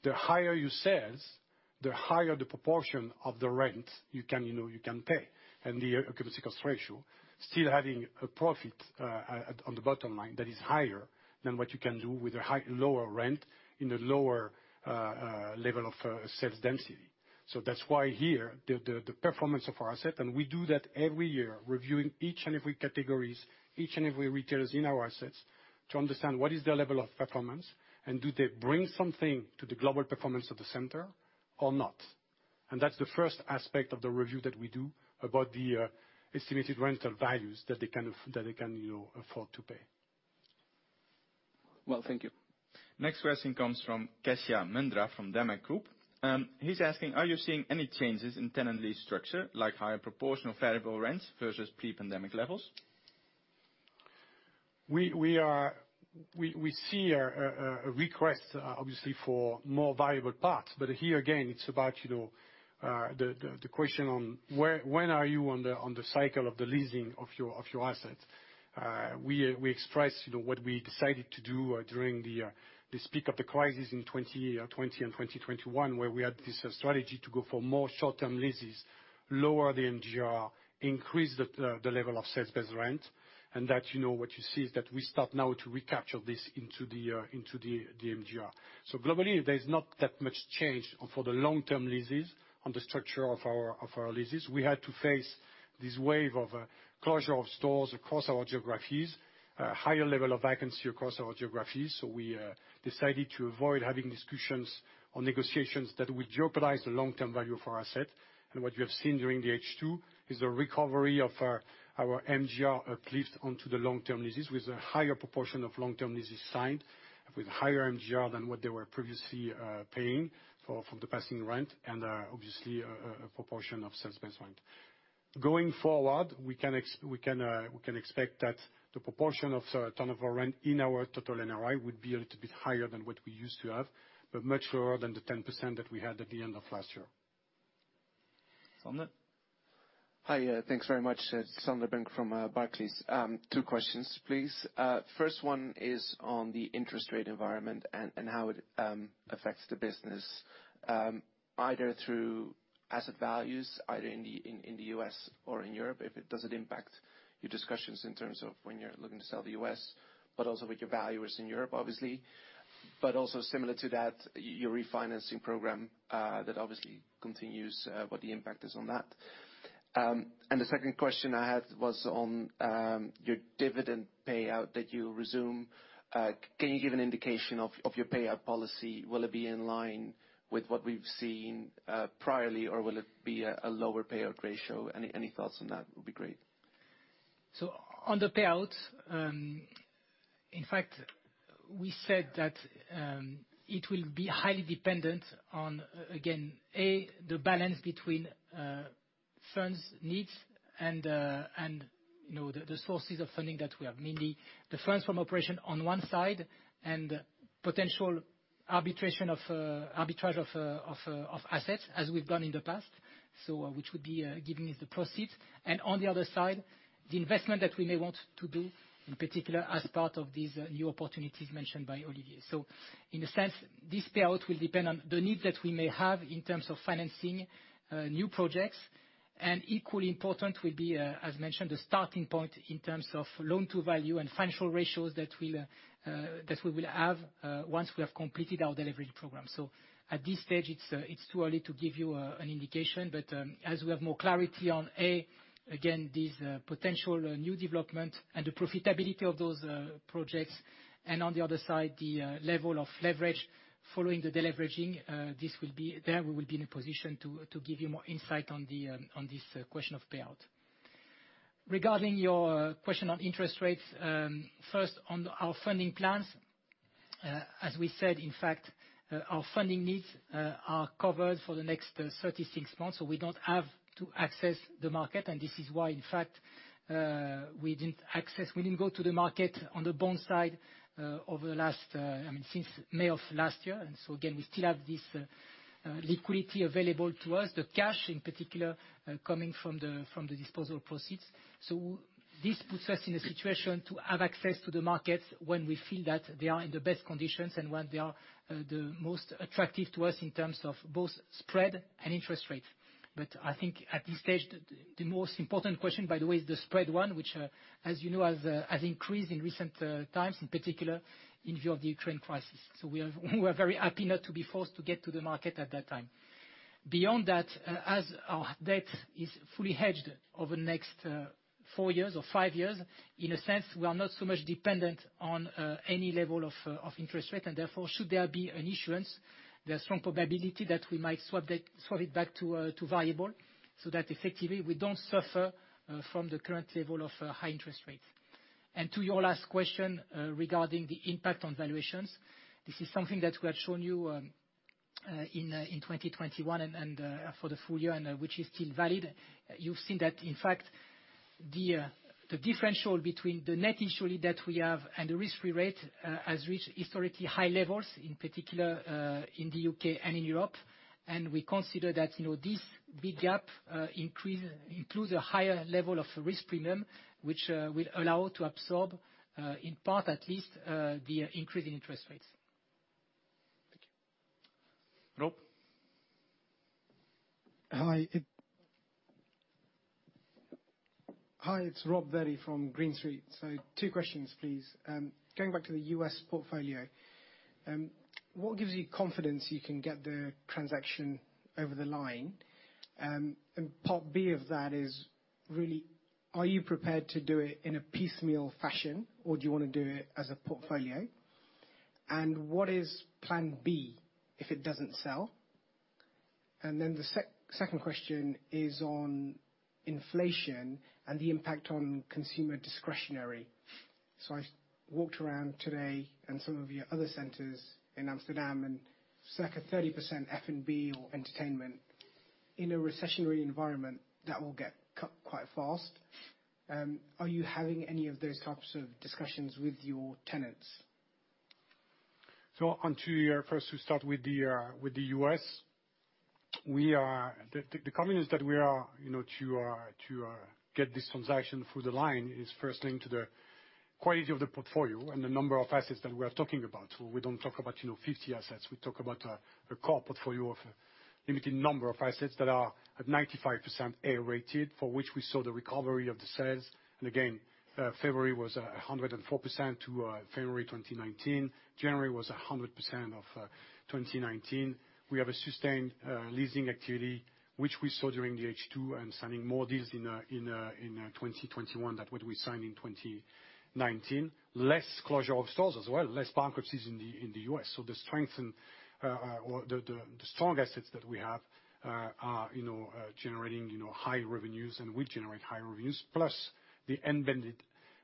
The higher your sales, the higher the proportion of the rent you can pay and the occupancy cost ratio, still having a profit at on the bottom line that is higher than what you can do with a lower rent in a lower level of sales density. That's why here the performance of our asset, and we do that every year, reviewing each and every categories, each and every retailers in our assets to understand what is their level of performance, and do they bring something to the global performance of the center or not. That's the first aspect of the review that we do about the estimated rental values that they can afford to pay. Well, thank you. Next question comes from Keshav Mundhra from Damac Group. He's asking, "Are you seeing any changes in tenant lease structure, like higher proportion of variable rents versus pre-pandemic levels?" We see a request obviously for more variable parts. But here again, it's about, you know, the question on when are you on the cycle of the leasing of your assets? We expressed, you know, what we decided to do during the peak of the crisis in 2020 and 2021, where we had this strategy to go for more short-term leases, lower the MGR, increase the level of sales-based rent, and that, you know, what you see is that we start now to recapture this into the MGR. Globally, there's not that much change for the long-term leases on the structure of our leases. We had to face this wave of closure of stores across our geographies, higher level of vacancy across our geographies. We decided to avoid having discussions or negotiations that would jeopardize the long-term value of our asset. What you have seen during the H2 is a recovery of our MGR, at least onto the long-term leases, with a higher proportion of long-term leases signed with higher MGR than what they were previously paying for the passing rent and obviously a proportion of sales-based rent. Going forward, we can expect that the proportion of sort of turnover rent in our total NRI would be a little bit higher than what we used to have, but much lower than the 10% that we had at the end of last year. Sander? Hi. Thanks very much. Sander Bunck from Barclays. Two questions, please. First one is on the interest rate environment and how it affects the business, either through asset values, either in the U.S. or in Europe. If it doesn't impact your discussions in terms of when you're looking to sell the U.S., but also with your valuers in Europe, obviously. Similar to that, your refinancing program that obviously continues, what the impact is on that. The second question I had was on your dividend payout that you resume. Can you give an indication of your payout policy? Will it be in line with what we've seen priorly, or will it be a lower payout ratio? Any thoughts on that would be great. On the payout, in fact, we said that it will be highly dependent on, again, the balance between funds needs and you know, the sources of funding that we have. Mainly the funds from operation on one side and potential arbitrage of assets as we've done in the past, which would be giving us the proceeds. On the other side, the investment that we may want to do, in particular as part of these new opportunities mentioned by Olivier. In a sense, this payout will depend on the needs that we may have in terms of financing new projects. Equally important will be, as mentioned, the starting point in terms of loan-to-value and financial ratios that we will have once we have completed our delivery program. At this stage, it's too early to give you an indication. As we have more clarity on A, again, these potential new development and the profitability of those projects, and on the other side, the level of leverage following the deleveraging, we will be in a position to give you more insight on this question of payout. Regarding your question on interest rates, first, on our funding plans, as we said, in fact, our funding needs are covered for the next 36 months, so we don't have to access the market, and this is why, in fact, we didn't go to the market on the bond side over the last, I mean, since May of last year. We still have this liquidity available to us, the cash in particular, coming from the disposal proceeds. This puts us in a situation to have access to the markets when we feel that they are in the best conditions and when they are the most attractive to us in terms of both spread and interest rates. I think at this stage, the most important question, by the way, is the spread one, which, as you know, has increased in recent times, in particular in view of the Ukraine crisis. We are very happy not to be forced to get to the market at that time. Beyond that, as our debt is fully hedged over the next four years or five years, in a sense, we are not so much dependent on any level of interest rate, and therefore, should there be an issuance, there's strong probability that we might swap debt, swap it back to variable, so that effectively we don't suffer from the current level of high interest rates. To your last question, regarding the impact on valuations, this is something that we had shown you in 2021 and for the full year and which is still valid. You've seen that, in fact, the differential between the net initial yield that we have and the risk-free rate has reached historically high levels, in particular, in the U.K. and in Europe. We consider that, you know, this big gap increase includes a higher level of risk premium, which will allow to absorb, in part at least, the increase in interest rates. Thank you. Rob? Hi, it's Rob Virdee from Green Street. Two questions, please. Going back to the U.S. portfolio, what gives you confidence you can get the transaction over the line? Part B of that is, really, are you prepared to do it in a piecemeal fashion, or do you wanna do it as a portfolio? What is plan B if it doesn't sell? The second question is on inflation and the impact on consumer discretionary. I walked around today in some of your other centers in Amsterdam, and it's like a 30% F&B or entertainment. In a recessionary environment, that will get cut quite fast. Are you having any of those types of discussions with your tenants? Onto your first, we start with the US. The commitment is that we are, you know, to get this transaction through. The bottom line is firstly the quality of the portfolio and the number of assets that we're talking about. We don't talk about, you know, 50 assets. We talk about a core portfolio of a limited number of assets that are at 95%, A-rated, for which we saw the recovery of the sales. Again, February was 104% to February 2019. January was 100% of 2019. We have a sustained leasing activity, which we saw during the H2, and signing more deals in 2021 than what we signed in 2019. Less closure of stores as well, less bankruptcies in the U.S. The strength and or the strong assets that we have are, you know, generating, you know, high revenues, and will generate high revenues, plus the embedded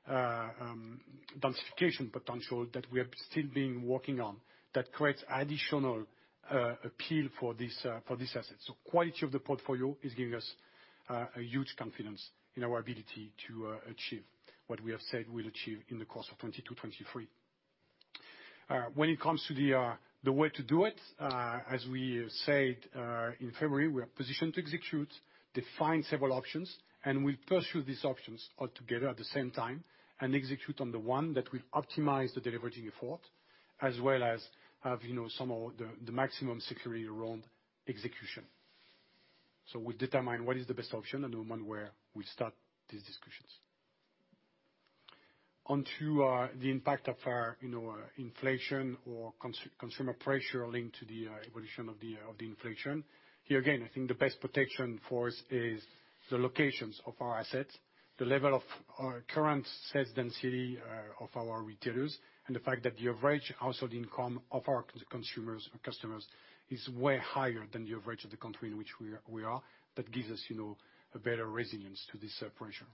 densification potential that we have still been working on that creates additional appeal for this asset. Quality of the portfolio is giving us a huge confidence in our ability to achieve what we have said we'll achieve in the course of 2022, 2023. When it comes to the way to do it, as we said in February, we are positioned to execute, define several options, and we'll pursue these options all together at the same time and execute on the one that will optimize the deleveraging effort, as well as have, you know, some of the maximum security around execution. We determine what is the best option and the one where we start these discussions. Onto the impact of, you know, inflation or consumer pressure linked to the evolution of the inflation. Here again, I think the best protection for us is the locations of our assets, the level of our current sales density, of our retailers, and the fact that the average household income of our consumers, customers is way higher than the average of the country in which we are. That gives us, you know, a better resilience to this, pressure.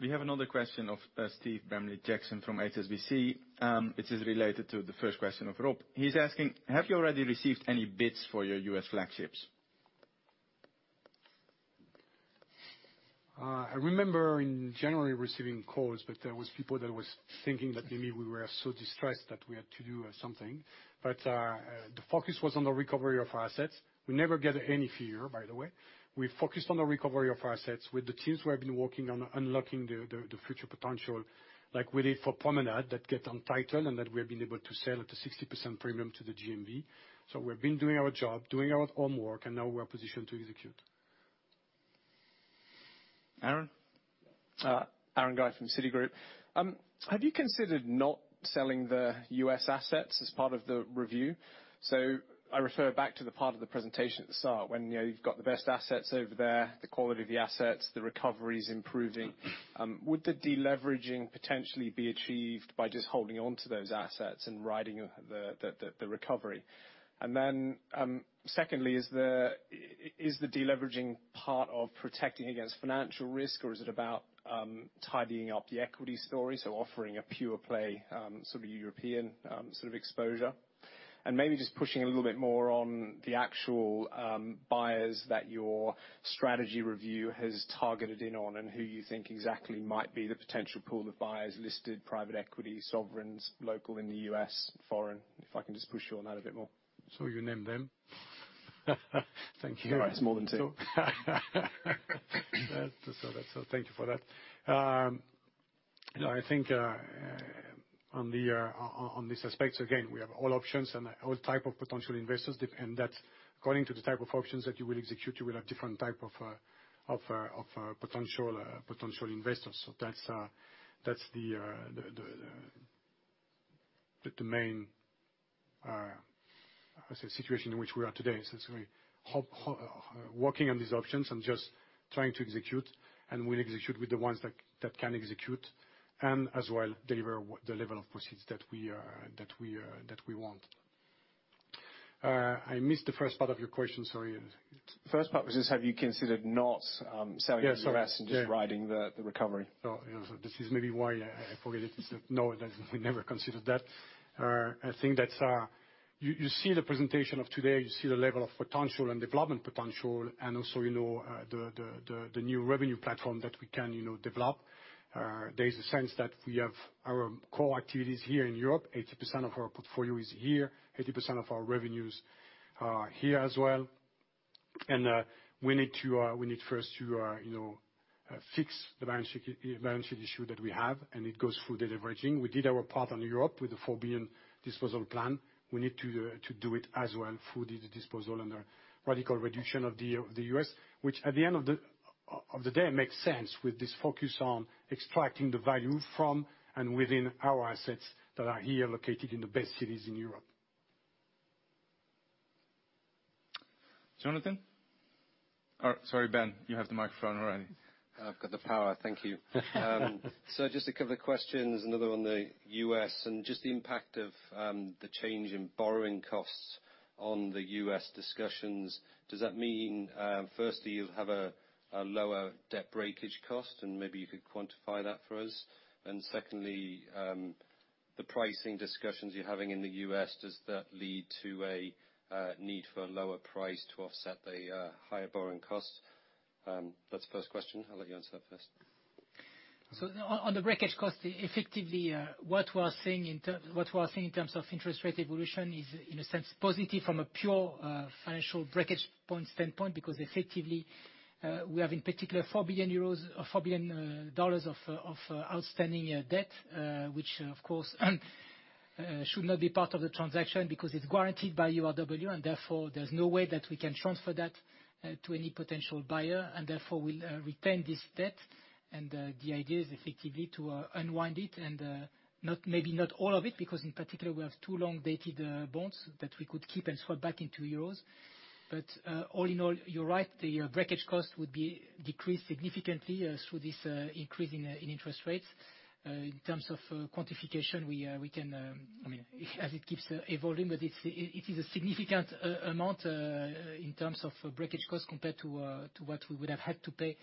We have another question of Steve Bramley-Jackson from HSBC. It is related to the first question of Rob. He's asking, "Have you already received any bids for your U.S. flagships?" I remember in January receiving calls, but there was people that was thinking that maybe we were so distressed that we had to do something. The focus was on the recovery of our assets. We never get any fear, by the way. We focused on the recovery of our assets with the teams who have been working on unlocking the future potential, like we did for Promenades that get untitled and that we have been able to sell at a 60% premium to the GMV. We've been doing our job, doing our homework, and now we're positioned to execute. Aaron? Aaron Guy from Citigroup. Have you considered not selling the U.S. assets as part of the review? I refer back to the part of the presentation at the start when, you know, you've got the best assets over there, the quality of the assets, the recovery is improving. Would the deleveraging potentially be achieved by just holding on to those assets and riding the recovery? Then, secondly, is the deleveraging part of protecting against financial risk, or is it about tidying up the equity story, so offering a pure play sort of European sort of exposure? Maybe just pushing a little bit more on the actual, buyers that your strategy review has targeted in on and who you think exactly might be the potential pool of buyers, listed private equity, sovereigns, local in the U.S., foreign, if I can just push you on that a bit more. You name them. Thank you. All right. It's more than two. Thank you for that. You know, I think on the suspects, again, we have all options and all type of potential investors, and that according to the type of options that you will execute, you will have different type of potential investors. That's the domain as a situation in which we are today. It's very hopeful working on these options and just trying to execute, and we'll execute with the ones that can execute, and as well deliver the level of proceeds that we want. I missed the first part of your question, sorry. First part was just have you considered not. Yes. selling the U.S. and just riding the recovery? You know, this is maybe why I forget it. No, we never considered that. I think that you see the presentation of today, you see the level of potential and development potential and also, you know, the new revenue platform that we can, you know, develop. There is a sense that we have our core activities here in Europe. 80% of our portfolio is here. 80% of our revenues are here as well. We need first to, you know, fix the balance sheet issue that we have, and it goes through deleveraging. We did our part on Europe with the 4 billion disposal plan. We need to do it as well through the disposal and radical reduction of the U.S., which at the end of the day makes sense with this focus on extracting the value from and within our assets that are here located in the best cities in Europe. Ben, you have the microphone already. I've got the power. Thank you. So just a couple of questions. Another on the U.S. and just the impact of the change in borrowing costs on the U.S. discussions. Does that mean, firstly, you'll have a lower debt breakage cost? And maybe you could quantify that for us. And secondly, the pricing discussions you're having in the U.S., does that lead to a need for a lower price to offset the higher borrowing costs? That's the first question. I'll let you answer that first. On the breakage cost, effectively, what we are seeing in terms of interest rate evolution is in a sense positive from a pure financial breakage point standpoint, because effectively, we have in particular 4 billion euros or $4 billion of outstanding debt, which of course should not be part of the transaction because it's guaranteed by URW and therefore there's no way that we can transfer that to any potential buyer, and therefore we'll retain this debt. The idea is effectively to unwind it and maybe not all of it, because in particular, we have two long-dated bonds that we could keep and swap back into euros. All in all, you're right, the breakage cost would be decreased significantly through this increase in interest rates. In terms of quantification, we can, I mean, as it keeps evolving, but it is a significant amount in terms of breakage cost compared to what we would have had to pay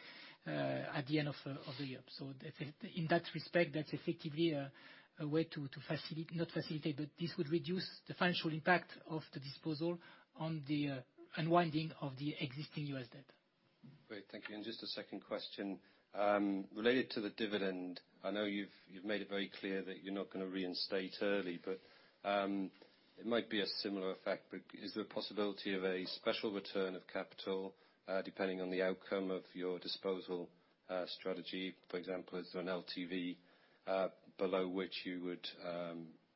at the end of the year. In that respect, that's effectively a way, but this would reduce the financial impact of the disposal on the unwinding of the existing U.S. debt. Great. Thank you. Just a second question related to the dividend. I know you've made it very clear that you're not gonna reinstate early, but it might be a similar effect, but is there a possibility of a special return of capital depending on the outcome of your disposal strategy? For example, is there an LTV below which you would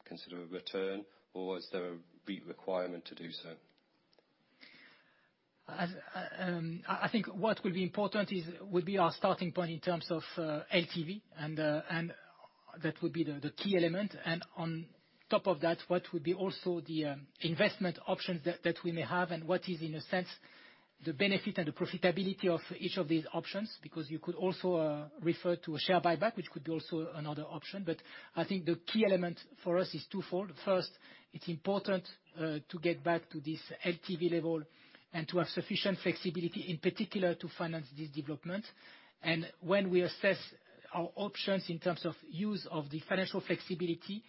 consider a return, or is there a requirement to do so? I think what will be important is our starting point in terms of LTV, and that would be the key element. On top of that, what would be also the investment options that we may have and what is in a sense the benefit and the profitability of each of these options, because you could also refer to a share buyback, which could be also another option. I think the key element for us is twofold. First, it's important to get back to this LTV level and to have sufficient flexibility, in particular, to finance this development. When we assess our options in terms of use of the financial flexibility,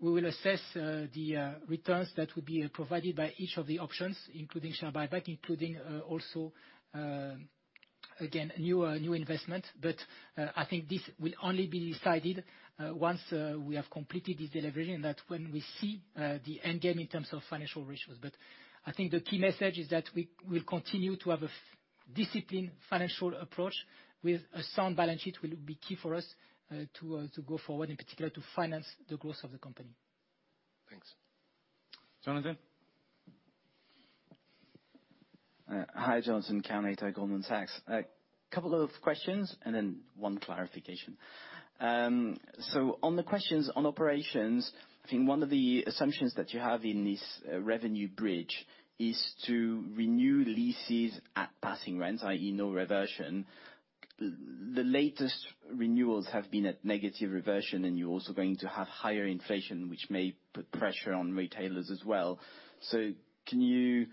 we will assess the returns that will be provided by each of the options, including share buyback, including also again new investment. I think this will only be decided once we have completed this delivery, and that's when we see the end game in terms of financial ratios. I think the key message is that we'll continue to have a disciplined financial approach with a sound balance sheet will be key for us to go forward, in particular to finance the growth of the company. Thanks. Jonathan? Hi, Jonathan Kownator, Goldman Sachs. A couple of questions and then one clarification. So on the questions on operations, I think one of the assumptions that you have in this revenue bridge is to renew leases at passing rents, i.e. no reversion. The latest renewals have been at negative reversion, and you're also going to have higher inflation, which may put pressure on retailers as well. So can you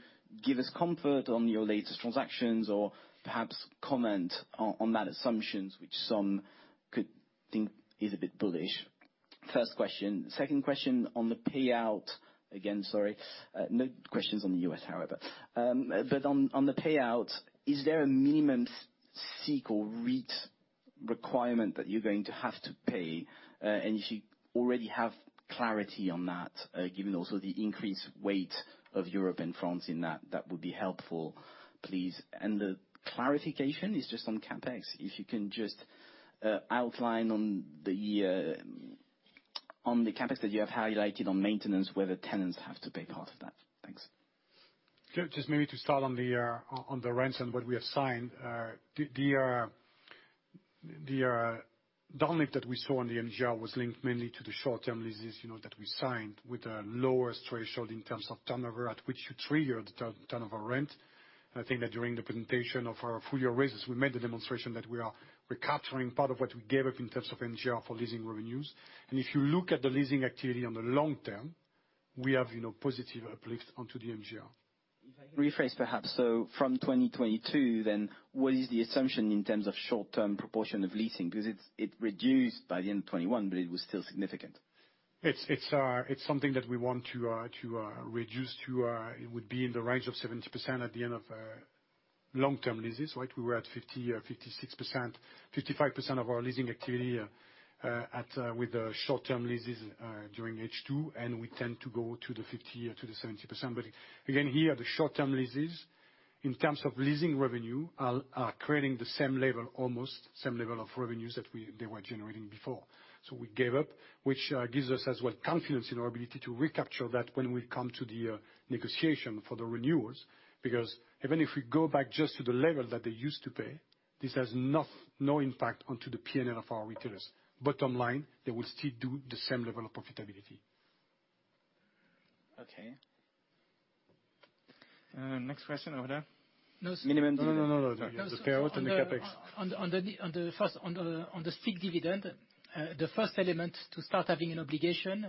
give us comfort on your latest transactions or perhaps comment on that assumptions, which some could think is a bit bullish? First question. Second question on the payout. Again, sorry, no questions on the U.S., however. But on the payout, is there a minimum SIIC or REIT requirement that you're going to have to pay? If you already have clarity on that, given also the increased weight of Europe and France in that would be helpful, please. The clarification is just on CapEx. If you can just outline on the CapEx that you have highlighted on maintenance, whether tenants have to pay part of that? Thanks. Sure. Just maybe to start on the rents and what we have signed. The download that we saw on the MGR was linked mainly to the short-term leases, you know, that we signed with a lower threshold in terms of turnover at which you trigger the turnover rent. I think that during the presentation of our full-year results, we made the demonstration that we are recapturing part of what we gave up in terms of MGR for leasing revenues. If you look at the leasing activity in the long term, we have, you know, positive uplift onto the MGR. From 2022 then, what is the assumption in terms of short-term proportion of leasing? Because it reduced by the end of 2021, but it was still significant. It's something that we want to reduce to. It would be in the range of 70% at the end of long-term leases, right? We were at 56%, 55% of our leasing activity with the short-term leases during H2, and we tend to go to the 50% or to the 70%. But again, here, the short-term leases, in terms of leasing revenue are creating the same level, almost same level of revenues that they were generating before. We gave up, which gives us as well confidence in our ability to recapture that when we come to the negotiation for the renewals. Because even if we go back just to the level that they used to pay, this has no impact on the P&L of our retailers. Bottom line, they will still do the same level of profitability. Okay. Next question over there. Minimum- No. The payout and the CapEx. On the first SIIC dividend, the first element to start having an obligation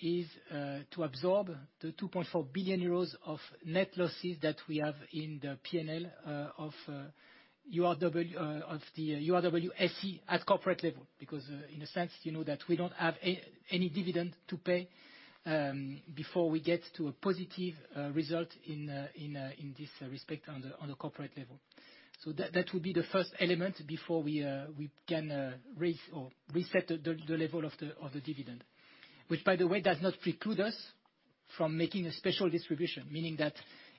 is to absorb the 2.4 billion euros of net losses that we have in the PNL of URW, of the URW SE at corporate level. Because in a sense, you know that we don't have any dividend to pay before we get to a positive result in this respect on the corporate level. That would be the first element before we can raise or reset the level of the dividend. Which, by the way, does not preclude us from making a special distribution. Meaning that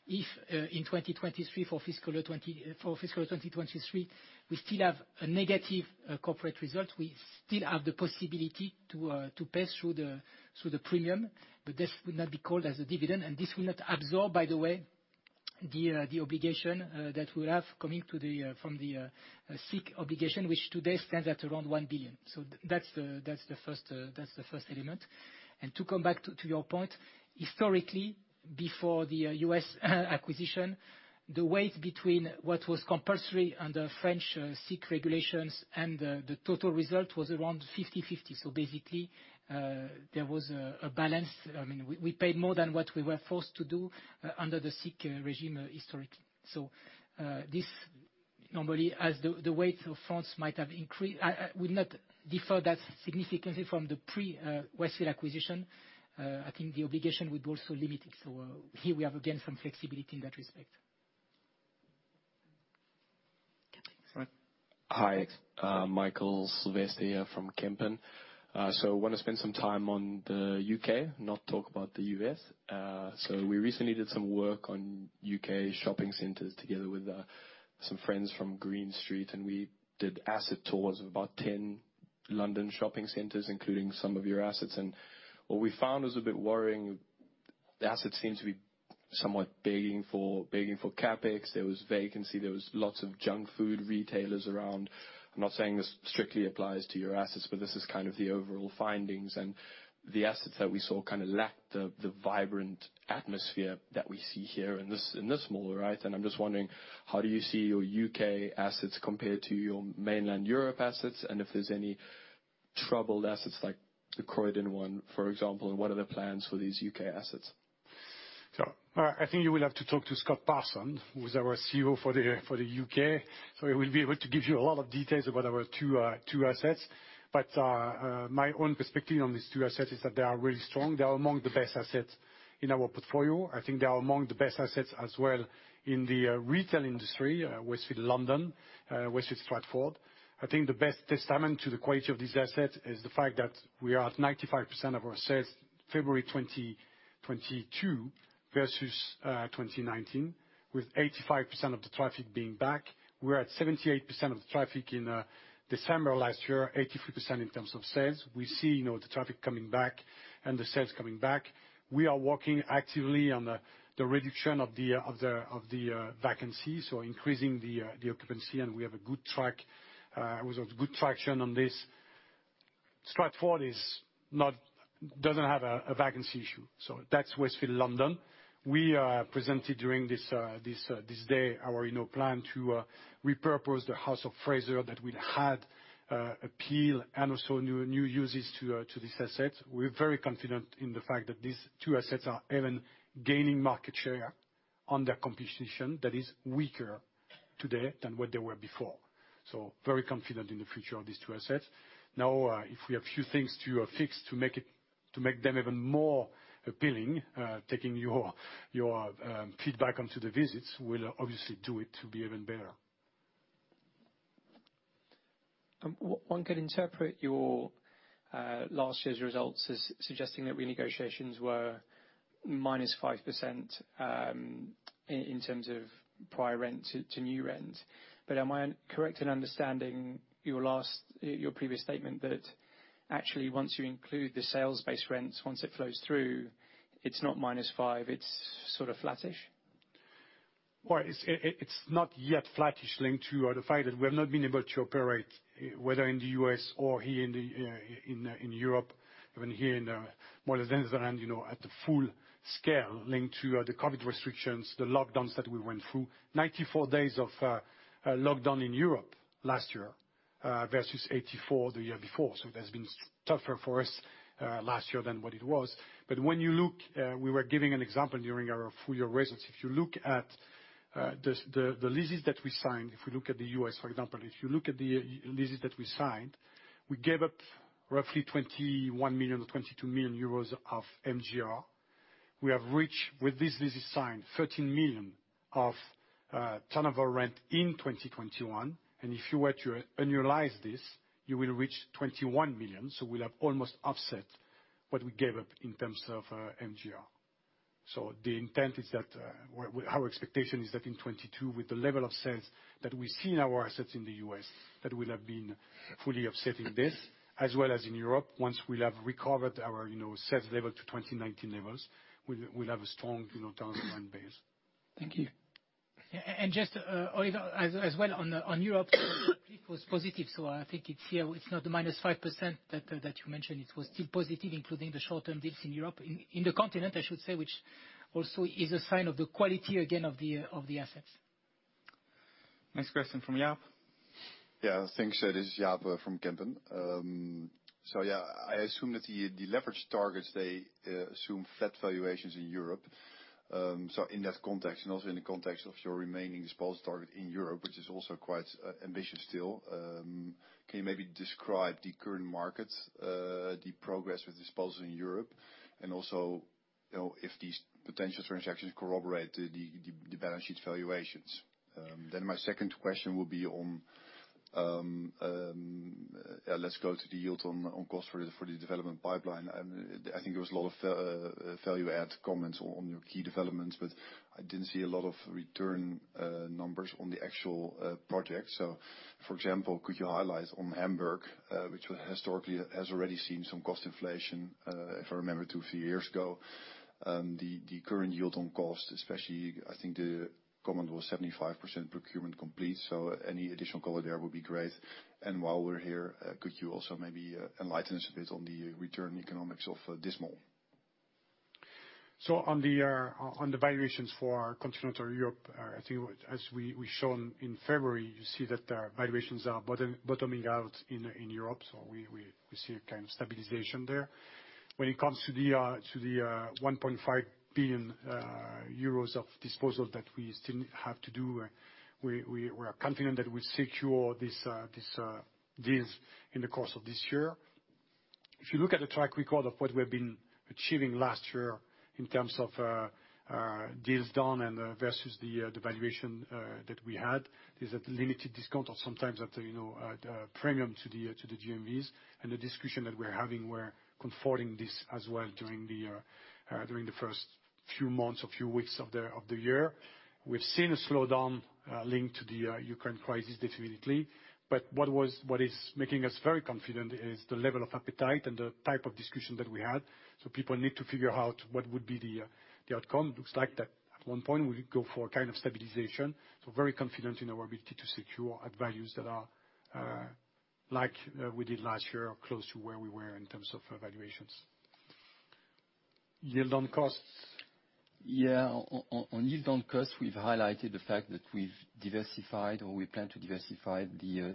if in 2023 for fiscal 2023, we still have a negative corporate result, we still have the possibility to pay through the premium, but this will not be called as a dividend. This will not absorb, by the way, the obligation that we have coming from the SIIC obligation, which today stands at around 1 billion. That's the first element. To come back to your point, historically, before the U.S. acquisition, the weight between what was compulsory under French SIIC regulations and the total result was around 50/50. Basically, there was a balance. I mean, we paid more than what we were forced to do under the SIIC regime historically. This normally, as the weight of France might have increased, would not differ that significantly from the pre Westfield acquisition. I think the obligation would also limit it. Here we have again, some flexibility in that respect. Okay. Thanks. Right. Hi. Michael Sylvester here from Kempen. So wanna spend some time on the U.K., not talk about the U.S. We recently did some work on U.K. shopping centers together with some friends from Green Street, and we did asset tours of about 10 London shopping centers, including some of your assets. What we found was a bit worrying. The assets seem to be somewhat begging for CapEx. There was vacancy, there was lots of junk food retailers around. I'm not saying this strictly applies to your assets, but this is kind of the overall findings. The assets that we saw kind of lacked the vibrant atmosphere that we see here in this mall, right? I'm just wondering, how do you see your U.K. assets compared to your mainland Europe assets? If there's any troubled assets like the Croydon one, for example, and what are the plans for these U.K. assets? I think you will have to talk to Scott Parsons, who is our CEO for the UK. He will be able to give you a lot of details about our two assets. My own perspective on these two assets is that they are really strong. They are among the best assets in our portfolio. I think they are among the best assets as well in the retail industry, Westfield London, Westfield Stratford. I think the best testament to the quality of these assets is the fact that we are at 95% of our sales February 2022 versus 2019, with 85% of the traffic being back. We're at 78% of the traffic in December last year, 83% in terms of sales. We see, you know, the traffic coming back and the sales coming back. We are working actively on the reduction of the vacancies, so increasing the occupancy, and we have a good track with a good traction on this. Stratford doesn't have a vacancy issue. That's Westfield London. We presented during this day, our, you know, plan to repurpose the House of Fraser that will add appeal and also new uses to this asset. We're very confident in the fact that these two assets are even gaining market share on their competition that is weaker today than what they were before. Very confident in the future of these two assets. Now, if we have a few things to fix to make them even more appealing, taking your feedback onto the visits, we'll obviously do it to be even better. One could interpret your last year's results as suggesting that renegotiations were -5%, in terms of prior rent to new rent. Am I correct in understanding your last, your previous statement that actually once you include the sales-based rents, once it flows through, it's not -5%, it's sort of flattish? Well, it's not yet flattish linked to the fact that we have not been able to operate, whether in the U.S. or here in the in Europe, even here in the Netherlands, you know, at the full scale linked to the COVID restrictions, the lockdowns that we went through. 94 days of a lockdown in Europe last year versus 84 the year before. It has been tougher for us last year than what it was. When you look, we were giving an example during our full year results. If you look at the leases that we signed, if we look at the U.S., for example, if you look at the leases that we signed, we gave up roughly 21 million or 22 million euros of MGR. We have reached, with this lease signed, 13 million of turnover rent in 2021. If you were to annualize this, you will reach 21 million. We'll have almost offset what we gave up in terms of MGR. The intent is that well, our expectation is that in 2022, with the level of sales that we see in our assets in the U.S., that we'll have been fully offsetting this, as well as in Europe. Once we'll have recovered our, you know, sales level to 2019 levels, we'll have a strong, you know, turnaround base. Thank you. Just Olivier, as well on Europe was positive. I think it's here, it's not the -5% that you mentioned. It was still positive, including the short-term deals in Europe, in the continent, I should say, which also is a sign of the quality again of the assets. Next question from Jaap. Thanks. This is Jaap from Kempen. I assume that the leverage targets assume flat valuations in Europe. In that context, and also in the context of your remaining disposal target in Europe, which is also quite ambitious still, can you maybe describe the current market, the progress with disposal in Europe? And also, you know, if these potential transactions corroborate the balance sheet valuations. Then my second question will be on the yield on cost for the development pipeline. I think there was a lot of value add comments on your key developments, but I didn't see a lot of return numbers on the actual project. For example, could you highlight on Hamburg, which historically has already seen some cost inflation, if I remember two, three years ago, the current yield on cost especially. I think the comment was 75% procurement complete. Any additional color there would be great. While we're here, could you also maybe enlighten us a bit on the return economics of this mall? On the valuations for our Continental Europe, I think as we've shown in February, you see that valuations are bottoming out in Europe. We see a kind of stabilization there. When it comes to the 1.5 billion euros of disposal that we still have to do, we're confident that we'll secure these deals in the course of this year. If you look at the track record of what we've been achieving last year in terms of deals done versus the valuation that we had, there's a limited discount or sometimes, you know, at a premium to the GMVs. The discussion that we're having, we're confirming this as well during the first few months or few weeks of the year. We've seen a slowdown linked to the Ukraine crisis definitely. What is making us very confident is the level of appetite and the type of discussion that we had. People need to figure out what would be the outcome. Looks like that at one point we'll go for a kind of stabilization. Very confident in our ability to secure at values that are, like, we did last year or close to where we were in terms of valuations. Yield on costs? Yeah. On yield on costs, we've highlighted the fact that we've diversified, or we plan to diversify the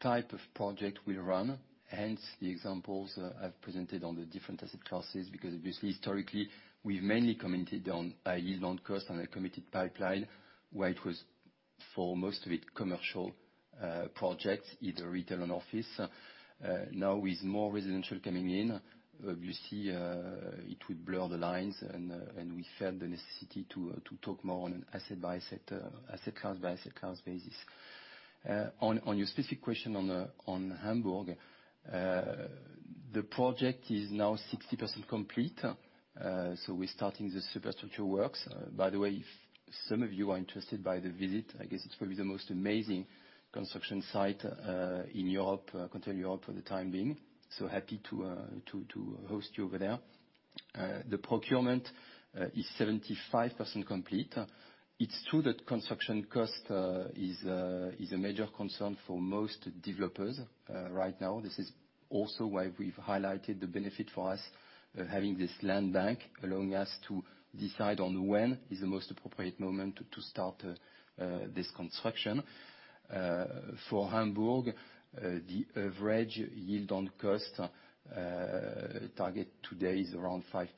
type of project we run, hence the examples I've presented on the different asset classes. Because obviously, historically, we've mainly commented on high yield on cost and a committed pipeline, where it was for most of it commercial projects, either retail and office. Now with more residential coming in, obviously, it will blur the lines and we felt the necessity to talk more on an asset by asset class by asset class basis. On your specific question on Hamburg, the project is now 60% complete, so we're starting the superstructure works. By the way, if some of you are interested by the visit, I guess it's probably the most amazing construction site in Europe, continental Europe for the time being, so happy to host you over there. The procurement is 75% complete. It's true that construction cost is a major concern for most developers right now. This is also why we've highlighted the benefit for us of having this land bank, allowing us to decide on when is the most appropriate moment to start this construction. For Hamburg, the average yield on cost target today is around 5%,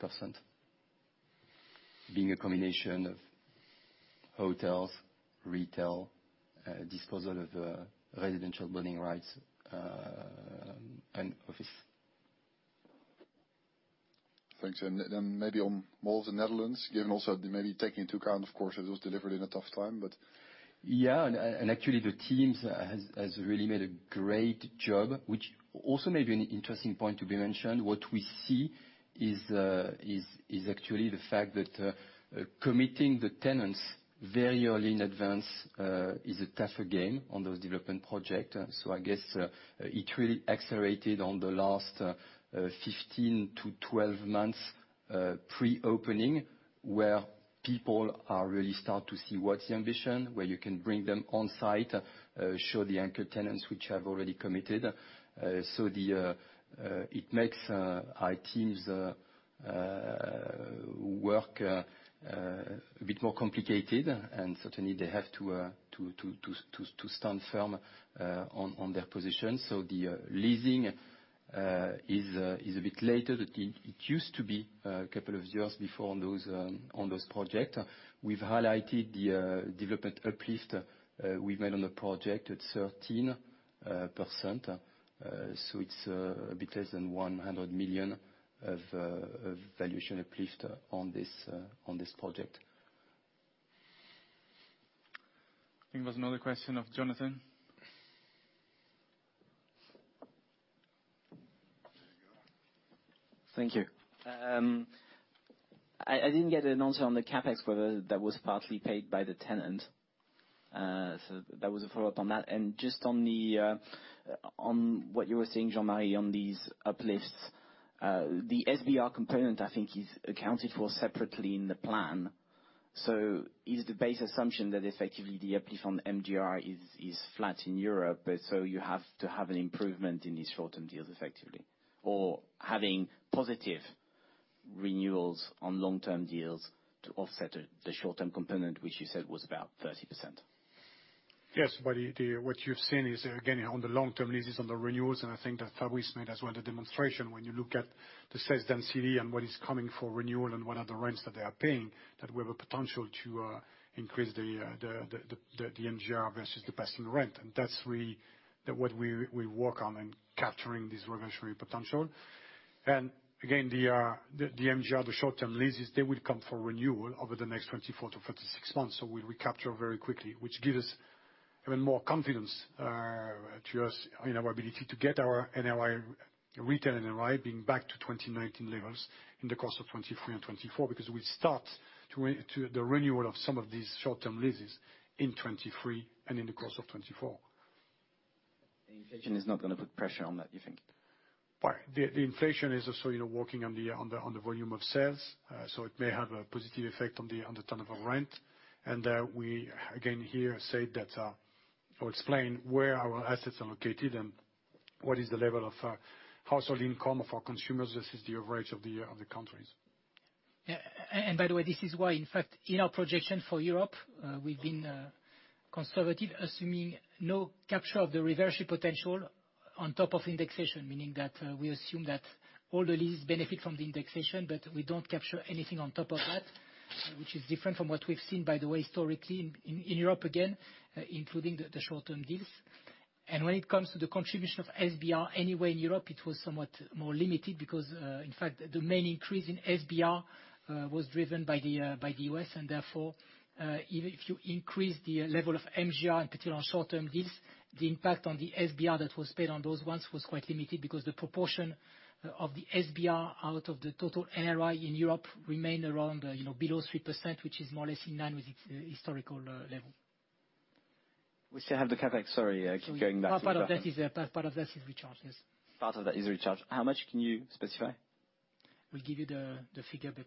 being a combination of hotels, retail, disposal of residential building rights, and office. Thanks. Maybe on malls in Netherlands, given also the maybe taking into account, of course, it was delivered in a tough time, but. Actually, the teams has really made a great job, which also may be an interesting point to be mentioned. What we see is actually the fact that committing the tenants very early in advance is a tougher game on those development project. I guess it really accelerated on the last 15-12 months pre-opening, where people really start to see what's the ambition, where you can bring them on site, show the anchor tenants which have already committed. It makes our teams work a bit more complicated. Certainly they have to stand firm on their position. The leasing is a bit later. It used to be a couple of years before on those projects. We've highlighted the development uplift we made on the project at 13%. It's a bit less than 100 million of valuation uplift on this project. I think there was another question of Jonathan. Thank you. I didn't get an answer on the CapEx whether that was partly paid by the tenant. That was a follow-up on that. Just on what you were saying, Jean-Marie, on these uplifts, the SBR component, I think, is accounted for separately in the plan. Is the base assumption that effectively the uplift on MGR is flat in Europe, so you have to have an improvement in these short-term deals effectively? Or having positive renewals on long-term deals to offset the short-term component, which you said was about 30%. Yes, but what you've seen is again on the long-term leases on the renewals, and I think that Fabrice made as well the demonstration. When you look at the sales density and what is coming for renewal and what are the rents that they are paying, that we have a potential to increase the MGR versus the passing rent. That's really what we work on in capturing this reversionary potential. Again, the MGR, the short-term leases, they will come for renewal over the next 24-36 months. We'll recapture very quickly, which gives us even more confidence in our ability to get our NOI, retail NOI being back to 2019 levels in the course of 2023 and 2024, because we start to renew some of these short-term leases in 2023 and in the course of 2024. The inflation is not gonna put pressure on that, you think? The inflation is also working on the volume of sales. So it may have a positive effect on the tangible rent. We again here say that or explain where our assets are located and what is the level of household income of our consumers versus the average of the countries. By the way, this is why, in fact, in our projection for Europe, we've been conservative, assuming no capture of the reversal potential on top of indexation, meaning that we assume that all the leases benefit from the indexation, but we don't capture anything on top of that, which is different from what we've seen, by the way, historically in Europe, again, including the short-term deals. When it comes to the contribution of SBR, anyway, in Europe, it was somewhat more limited because, in fact, the main increase in SBR was driven by the U.S. Therefore, even if you increase the level of MGR, in particular on short-term deals, the impact on the SBR that was paid on those ones was quite limited because the proportion of the SBR out of the total NOI in Europe remained around, you know, below 3%, which is more or less in line with its historical level. We still have the CapEx. Sorry, I keep going back. Part of that is recharge. Yes. Part of that is recharge. How much can you specify? We'll give you the figure, but.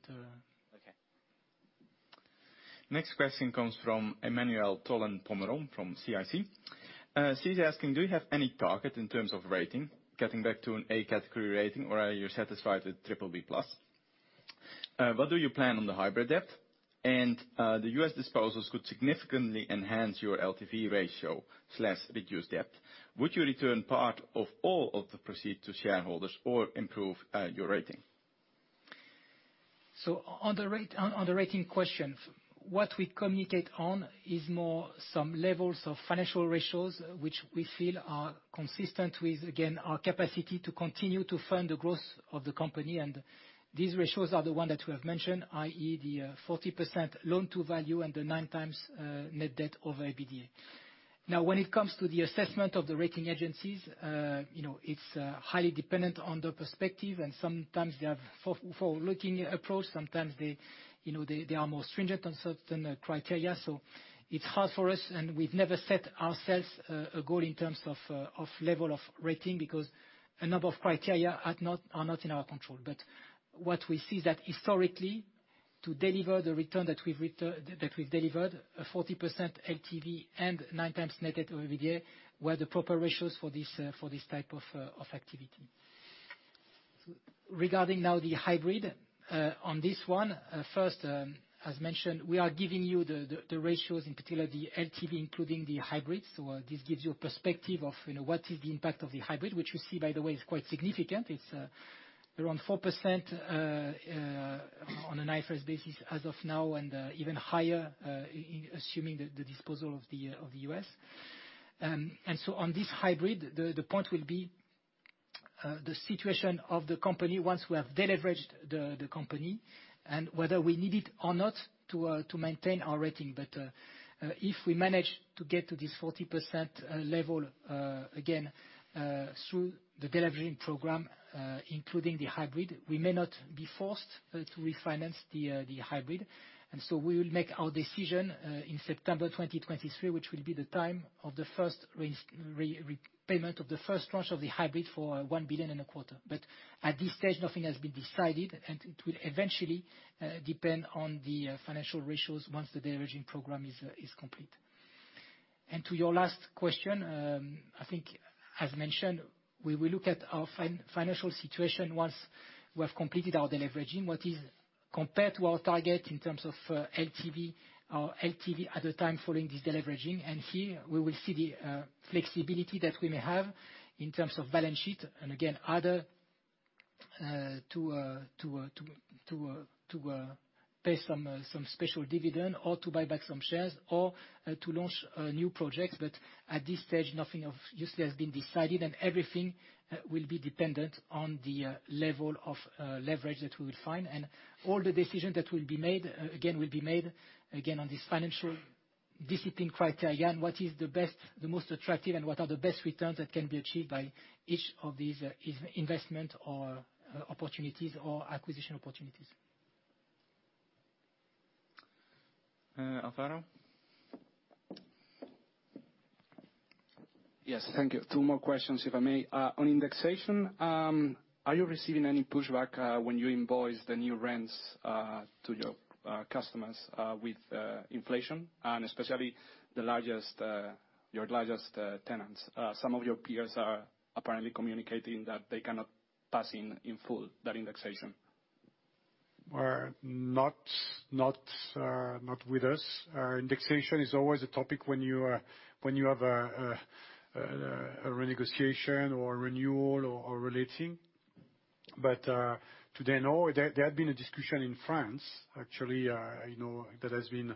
Next question comes from Emmanuel Toulan-Pomerant from CIC. CIC is asking, "Do you have any target in terms of rating, getting back to an A category rating, or are you satisfied with triple B plus? What do you plan on the hybrid debt? The U.S. disposals could significantly enhance your LTV ratio, reduce debt. Would you return part or all of the proceeds to shareholders or improve your rating?" On the rating question, what we communicate on is more some levels of financial ratios which we feel are consistent with, again, our capacity to continue to fund the growth of the company. These ratios are the one that we have mentioned, i.e., the 40% loan to value and the 9x net debt over EBITDA. When it comes to the assessment of the rating agencies, it's highly dependent on the perspective, and sometimes they have a forward-looking approach, sometimes they are more stringent on certain criteria. It's hard for us, and we've never set ourselves a goal in terms of a level of rating because a number of criteria are not in our control. What we see is that historically, to deliver the return that we've delivered, a 40% LTV and 9x net debt over EBITDA were the proper ratios for this type of activity. Regarding now the hybrid, on this one, first, as mentioned, we are giving you the ratios, in particular the LTV, including the hybrids. This gives you a perspective of, you know, what is the impact of the hybrid, which you see, by the way, is quite significant. It's around 4% on an IFRS basis as of now, and even higher, assuming the disposal of the US. On this hybrid, the point will be the situation of the company once we have deleveraged the company and whether we need it or not to maintain our rating. If we manage to get to this 40% level again through the deleveraging program including the hybrid, we may not be forced to refinance the hybrid. We will make our decision in September 2023, which will be the time of the first repayment of the first tranche of the hybrid for 1.25 billion. At this stage, nothing has been decided, and it will eventually depend on the financial ratios once the deleveraging program is complete. To your last question, I think as mentioned, we will look at our financial situation once we have completed our deleveraging. We'll compare to our target in terms of LTV, our LTV at the time following this deleveraging, and here we will see the flexibility that we may have in terms of balance sheet and again other to pay some special dividend or to buy back some shares or to launch new projects. But at this stage, nothing of use has been decided, and everything will be dependent on the level of leverage that we will find. All the decisions that will be made on this financial discipline criteria and what is the best, the most attractive, and what are the best returns that can be achieved by each of these investment or opportunities or acquisition opportunities. Alvaro? Yes. Thank you. Two more questions, if I may. On indexation, are you receiving any pushback when you invoice the new rents to your customers with inflation, and especially your largest tenants? Some of your peers are apparently communicating that they cannot pass in full that indexation. Not with us. Indexation is always a topic when you have a renegotiation or a renewal or reletting. Today, no. There had been a discussion in France, actually, you know, that has been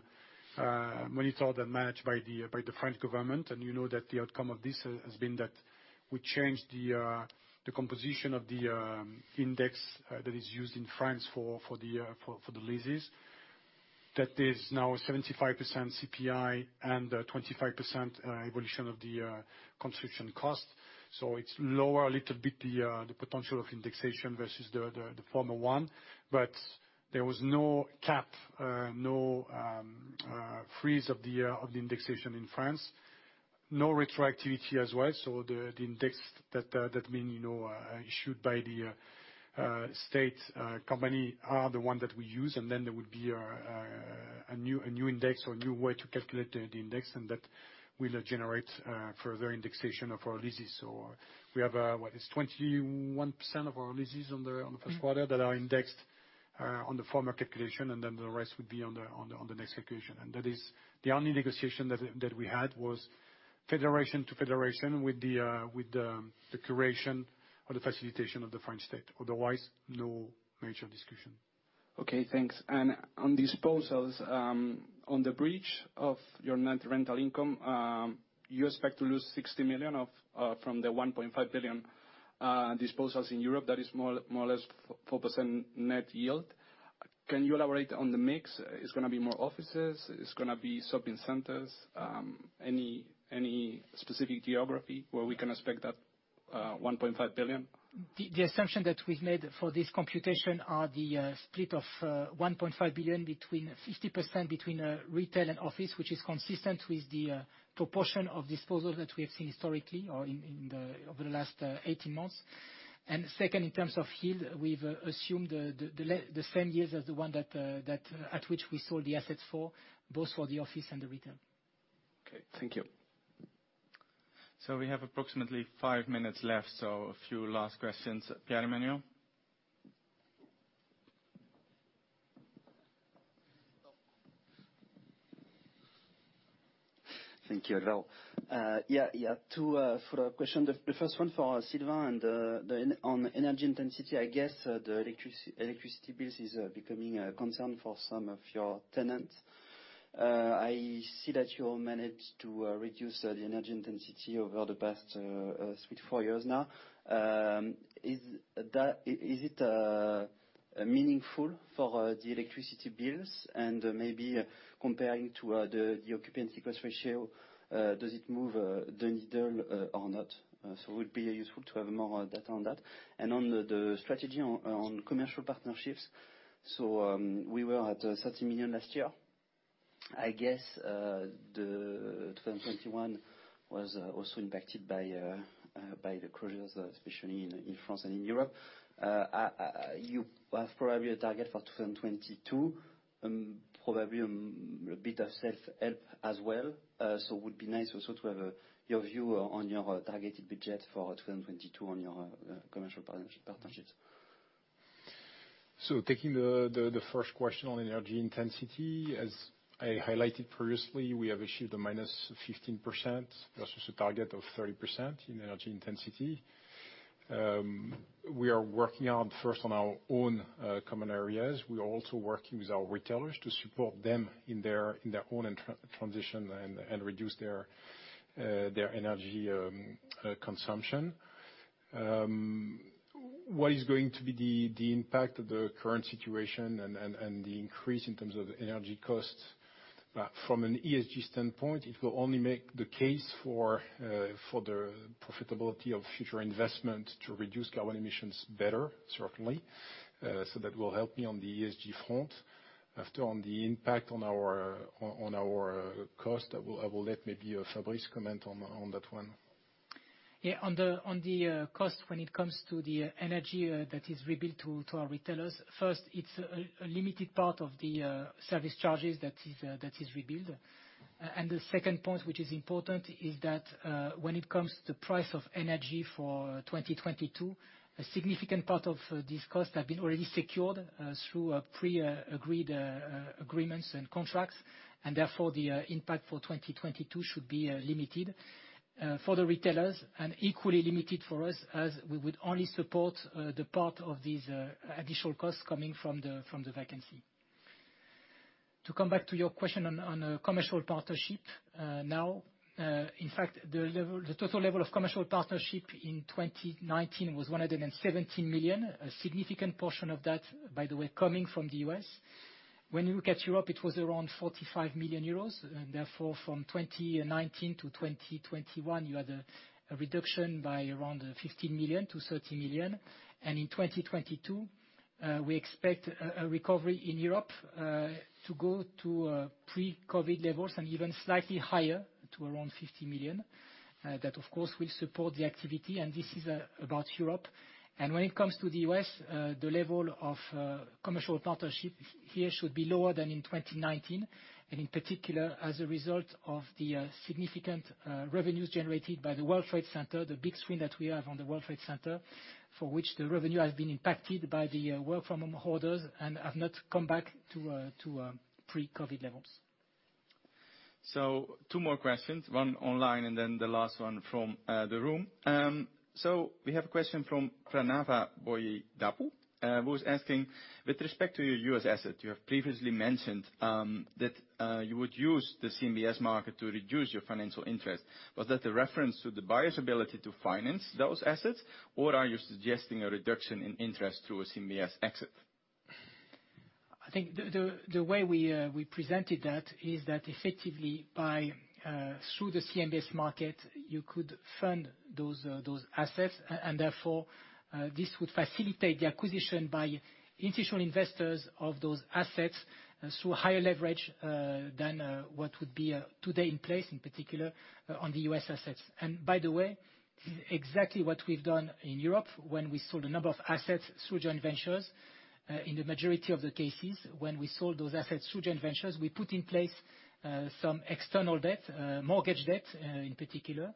monitored and managed by the French government. You know that the outcome of this has been that we change the composition of the index that is used in France for the leases. That is now 75% CPI and 25% evolution of the construction cost. It's lower a little bit the potential of indexation versus the former one. There was no cap, no freeze of the indexation in France. No retroactivity as well, so the index that I mean, you know, issued by the state company are the one that we use. Then there will be a new index or a new way to calculate the index, and that will generate further indexation of our leases. We have what is 21% of our leases on the first quarter that are indexed on the former calculation, and then the rest will be on the next occasion. That is the only negotiation that we had was federation to federation with the mediation or the facilitation of the French state. Otherwise, no major discussion. Okay, thanks. On disposals, on the impact on your net rental income, you expect to lose 60 million from the 1.5 billion disposals in Europe. That is more or less 4% net yield. Can you elaborate on the mix? It's gonna be more offices, it's gonna be shopping centers? Any specific geography where we can expect that 1.5 billion? The assumption that we've made for this computation is the split of 1.5 billion between 50% between retail and office, which is consistent with the proportion of disposals that we have seen historically or over the last 18 months. Second, in terms of yield, we've assumed the same yields as the one at which we sold the assets for, both for the office and the retail. Okay. Thank you. We have approximately five minutes left, a few last questions. Pierre-Emmanuel? Thank you, Raul. I have two questions. The first one for Sylvain on energy intensity. I guess the electricity bills is becoming a concern for some of your tenants. I see that you managed to reduce the energy intensity over the past three to four years now. Is that meaningful for the electricity bills? Maybe comparing to the occupancy cost ratio, does it move the needle or not? It would be useful to have more data on that. On the strategy on commercial partnerships, we were at 30 million last year. I guess 2021 was impacted by the closures, especially in France and in Europe. You have probably a target for 2022, a bit of self-help as well. Would be nice also to have your view on your targeted budget for 2022 on your commercial partnerships. Taking the first question on energy intensity, as I highlighted previously, we have achieved a minus 15% versus a target of 30% in energy intensity. We are working first on our own common areas. We are also working with our retailers to support them in their own transition and reduce their energy consumption. What is going to be the impact of the current situation and the increase in terms of energy costs? From an ESG standpoint, it will only make the case for the profitability of future investment to reduce carbon emissions better, certainly. That will help me on the ESG front. After on the impact on our cost, I will let maybe Fabrice comment on that one. Yeah. On the cost when it comes to the energy that is rebilled to our retailers, first, it's a limited part of the service charges that is rebilled. The second point, which is important, is that when it comes to price of energy for 2022, a significant part of this cost have been already secured through a pre-agreed agreements and contracts. Therefore, the impact for 2022 should be limited for the retailers and equally limited for us as we would only support the part of these additional costs coming from the vacancy. To come back to your question on commercial partnership, now, in fact, the level. The total level of commercial partnership in 2019 was 117 million. A significant portion of that, by the way, coming from the U.S. When you look at Europe, it was around 45 million euros. Therefore, from 2019 to 2021, you had a reduction by around 15 million-30 million. In 2022, we expect a recovery in Europe to go to pre-COVID levels and even slightly higher to around 50 million. That, of course, will support the activity, and this is about Europe. When it comes to the U.S., the level of commercial partnership here should be lower than in 2019. In particular, as a result of the significant revenues generated by the World Trade Center, the big screen that we have on the World Trade Center, for which the revenue has been impacted by the work from home orders and have not come back to pre-COVID levels. Two more questions, one online and then the last one from the room. We have a question from Pranava Boyidapu, who is asking, "With respect to your U.S. asset, you have previously mentioned that you would use the CMBS market to reduce your financial interest. Was that a reference to the buyer's ability to finance those assets, or are you suggesting a reduction in interest through a CMBS exit?" I think the way we presented that is that effectively through the CMBS market, you could fund those assets, and therefore this would facilitate the acquisition by institutional investors of those assets through higher leverage than what would be today in place, in particular, on the U.S. assets. By the way, exactly what we've done in Europe when we sold a number of assets through joint ventures. In the majority of the cases, when we sold those assets through joint ventures, we put in place some external debt, mortgage debt, in particular.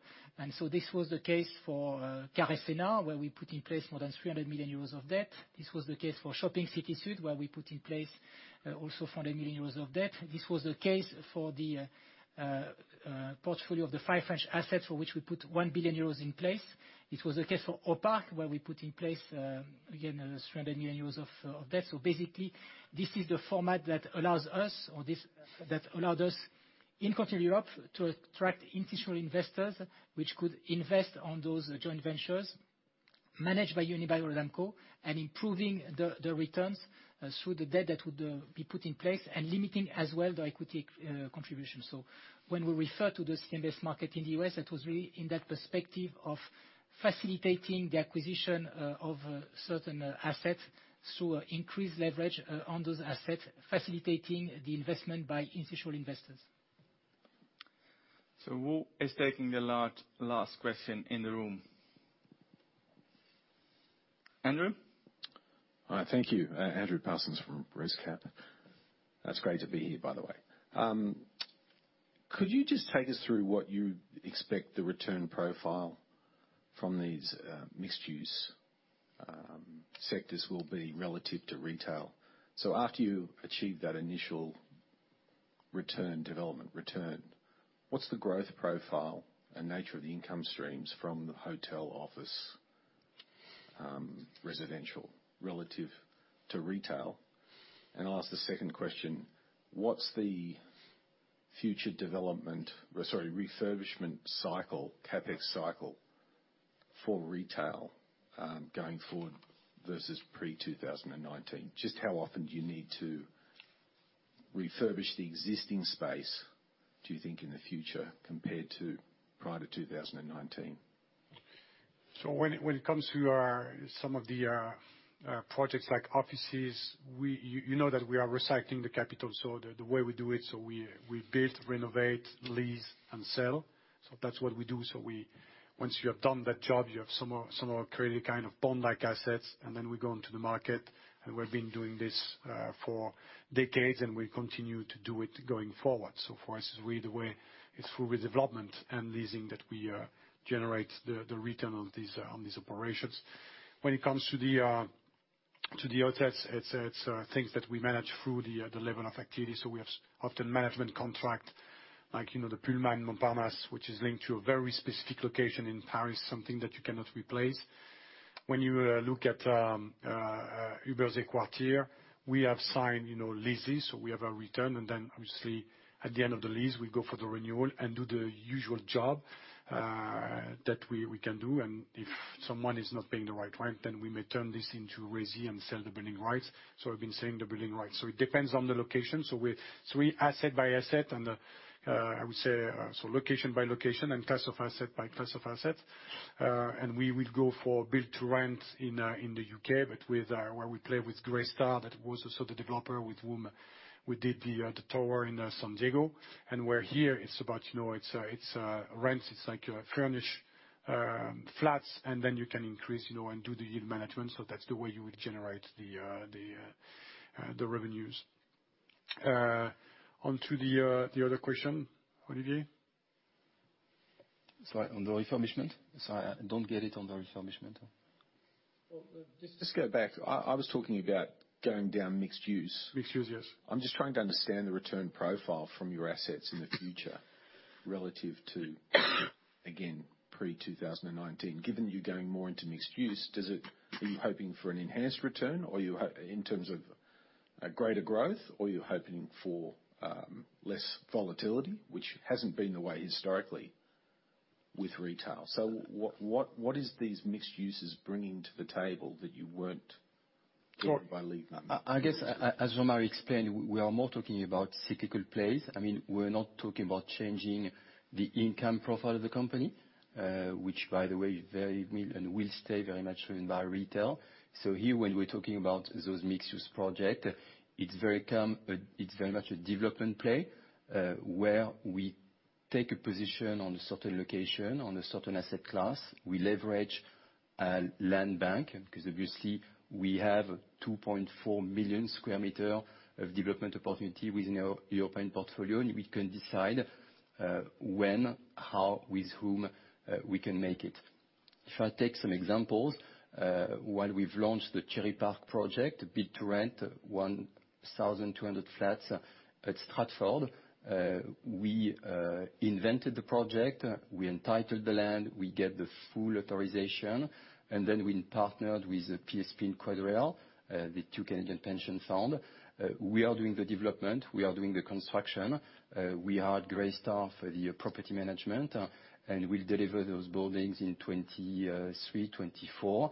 This was the case for Carré Sénart, where we put in place more than 300 million euros of debt. This was the case for Shopping City Sud, where we put in place also 400 million euros of debt. This was the case for the portfolio of the five French assets for which we put 1 billion euros in place. This was the case for Aupark, where we put in place again 300 million euros of debt. Basically, this is the format that allowed us in Continental Europe to attract institutional investors, which could invest on those joint ventures managed by Unibail-Rodamco and improving the returns through the debt that would be put in place and limiting as well the equity contribution. When we refer to the CMBS market in the U.S., that was really in that perspective of facilitating the acquisition of certain assets through increased leverage on those assets, facilitating the investment by institutional investors. Who is taking the last question in the room? Andrew? Thank you. Andrew Parsons from ResCap. It's great to be here, by the way. Could you just take us through what you expect the return profile from these mixed-use sectors will be relative to retail? So after you achieve that initial development return, what's the growth profile and nature of the income streams from the hotel/office residential relative to retail? And I'll ask the second question. What's the future refurbishment cycle, CapEx cycle for retail going forward versus pre-2019? Just how often do you need to refurbish the existing space, do you think, in the future compared to prior to 2019? When it comes to some of our projects like offices, you know that we are recycling the capital. The way we do it, we build, renovate, lease and sell. That's what we do. Once you have done that job, you have somehow created kind of bond-like assets, and then we go into the market. We've been doing this for decades, and we continue to do it going forward. For us, it's really the way, it's through redevelopment and leasing that we generate the return on these operations. When it comes to the hotels, it's things that we manage through the level of activity. We have often management contract, like, you know, the Pullman Paris Montparnasse, which is linked to a very specific location in Paris, something that you cannot replace. When you look at Überseequartier, we have signed, you know, leases, so we have a return. Then obviously at the end of the lease, we go for the renewal and do the usual job that we can do. If someone is not paying the right rent, then we may turn this into resi and sell the building rights. We've been selling the building rights. It depends on the location. We're asset by asset, and I would say location by location and class of asset by class of asset. We will go for build-to-rent in the U.K., but with where we play with Greystar, that was also the developer with whom we did the tower in San Diego. Here it's about, you know, it's rents. It's like a furnished flats, and then you can increase, you know, and do the yield management. So that's the way you would generate the revenues. Onto the other question, Olivier. Sorry, on the refurbishment? Sorry, I don't get it on the refurbishment. Well, just go back. I was talking about going down mixed-use. Mixed-use, yes. I'm just trying to understand the return profile from your assets in the future relative to, again, pre-2019. Given you're going more into mixed use, does it, are you hoping for an enhanced return or in terms of a greater growth, or are you hoping for less volatility, which hasn't been the way historically with retail? What is these mixed uses bringing to the table that you weren't getting by NOI? I guess, as Romuald explained, we are more talking about cyclical plays. I mean, we're not talking about changing the income profile of the company, which by the way is very real and will stay very much driven by retail. Here, when we're talking about those mixed-use project, it's very calm, it's very much a development play, where we take a position on a certain location, on a certain asset class. We leverage land bank, because obviously we have 2.4 million sq m of development opportunity within our European portfolio, and we can decide when, how, with whom we can make it. If I take some examples, while we've launched the Cherry Park project, build-to-rent, 1,200 flats at Stratford, we invented the project, we entitled the land, we get the full authorization, and then we partnered with PSP Investments and QuadReal, the two Canadian pension fund. We are doing the development, we are doing the construction. We hired Greystar for the property management, and we'll deliver those buildings in 2023, 2024.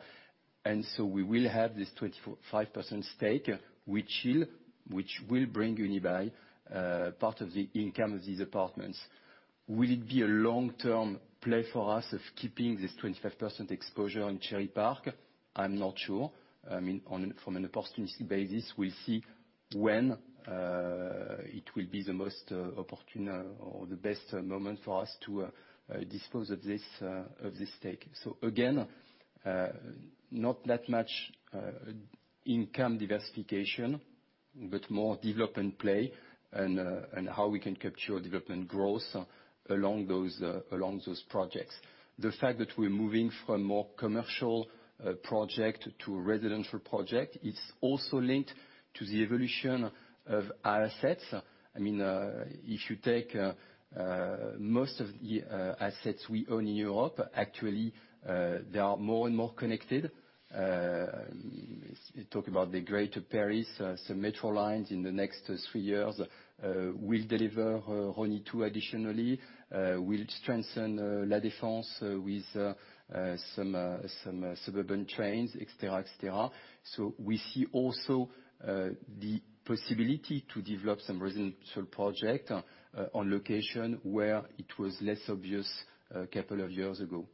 We will have this 24.5% stake, which will bring Unibail part of the income of these apartments. Will it be a long-term play for us of keeping this 25% exposure in Cherry Park? I'm not sure. I mean, from an opportunity basis, we'll see when it will be the most opportune or the best moment for us to dispose of this stake. Again, not that much income diversification, but more development play and how we can capture development growth along those projects. The fact that we're moving from more commercial project to residential project, it's also linked to the evolution of our assets. I mean, if you take most of the assets we own in Europe, actually, they are more and more connected. Talk about the Greater Paris, some metro lines in the next three years will deliver Rosny 2 additionally, will strengthen La Défense with some suburban trains, et cetera. We see also the possibility to develop some residential project on location where it was less obvious a couple of years ago.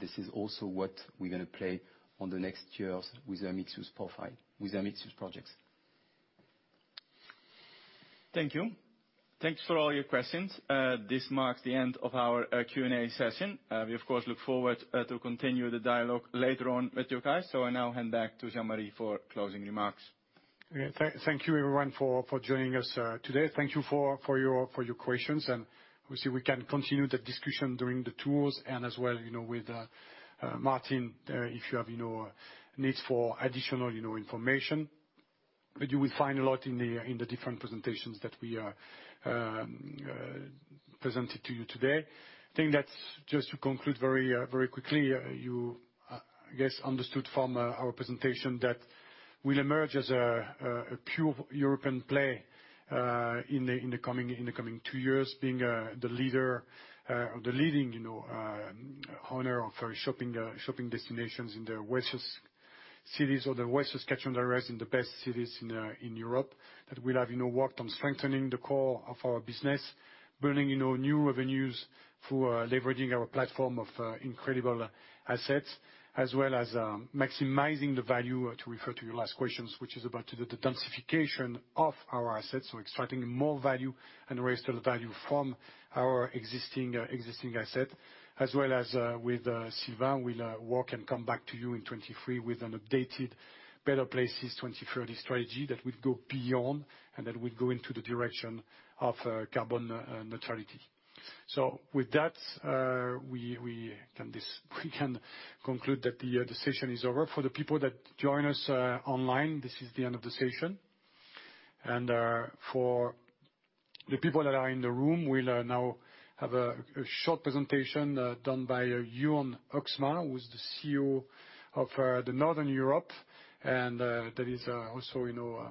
This is also what we're gonna play on the next years with a mixed-use profile, with a mixed-use projects. Thank you. Thanks for all your questions. This marks the end of our Q&A session. We of course look forward to continue the dialogue later on with you guys. I now hand back to Jean-Marie for closing remarks. Yeah. Thank you everyone for joining us today. Thank you for your questions, and obviously we can continue the discussion during the tours as well, you know, with Maarten, if you have you know needs for additional you know information. You will find a lot in the different presentations that we presented to you today. I think that's just to conclude very quickly, you, I guess understood from our presentation that we'll emerge as a pure European play in the coming two years, being the leading you know owner of our shopping destinations in the wealthiest cities or the wealthiest catchments that are in the best cities in Europe. That we'll have, you know, worked on strengthening the core of our business, building, you know, new revenues through, leveraging our platform of, incredible assets, as well as, maximizing the value, to refer to your last questions, which is about the densification of our assets. Extracting more value and residual value from our existing asset. As well as, with Sylvain, we'll work and come back to you in 2023 with an updated Better Places 2030 strategy that will go beyond and that will go into the direction of, carbon neutrality. With that, we can conclude that the session is over. For the people that join us, online, this is the end of the session. For the people that are in the room, we'll now have a short presentation done by Johan Åkerman, who is the CEO of the Northern Europe, and that is also, you know.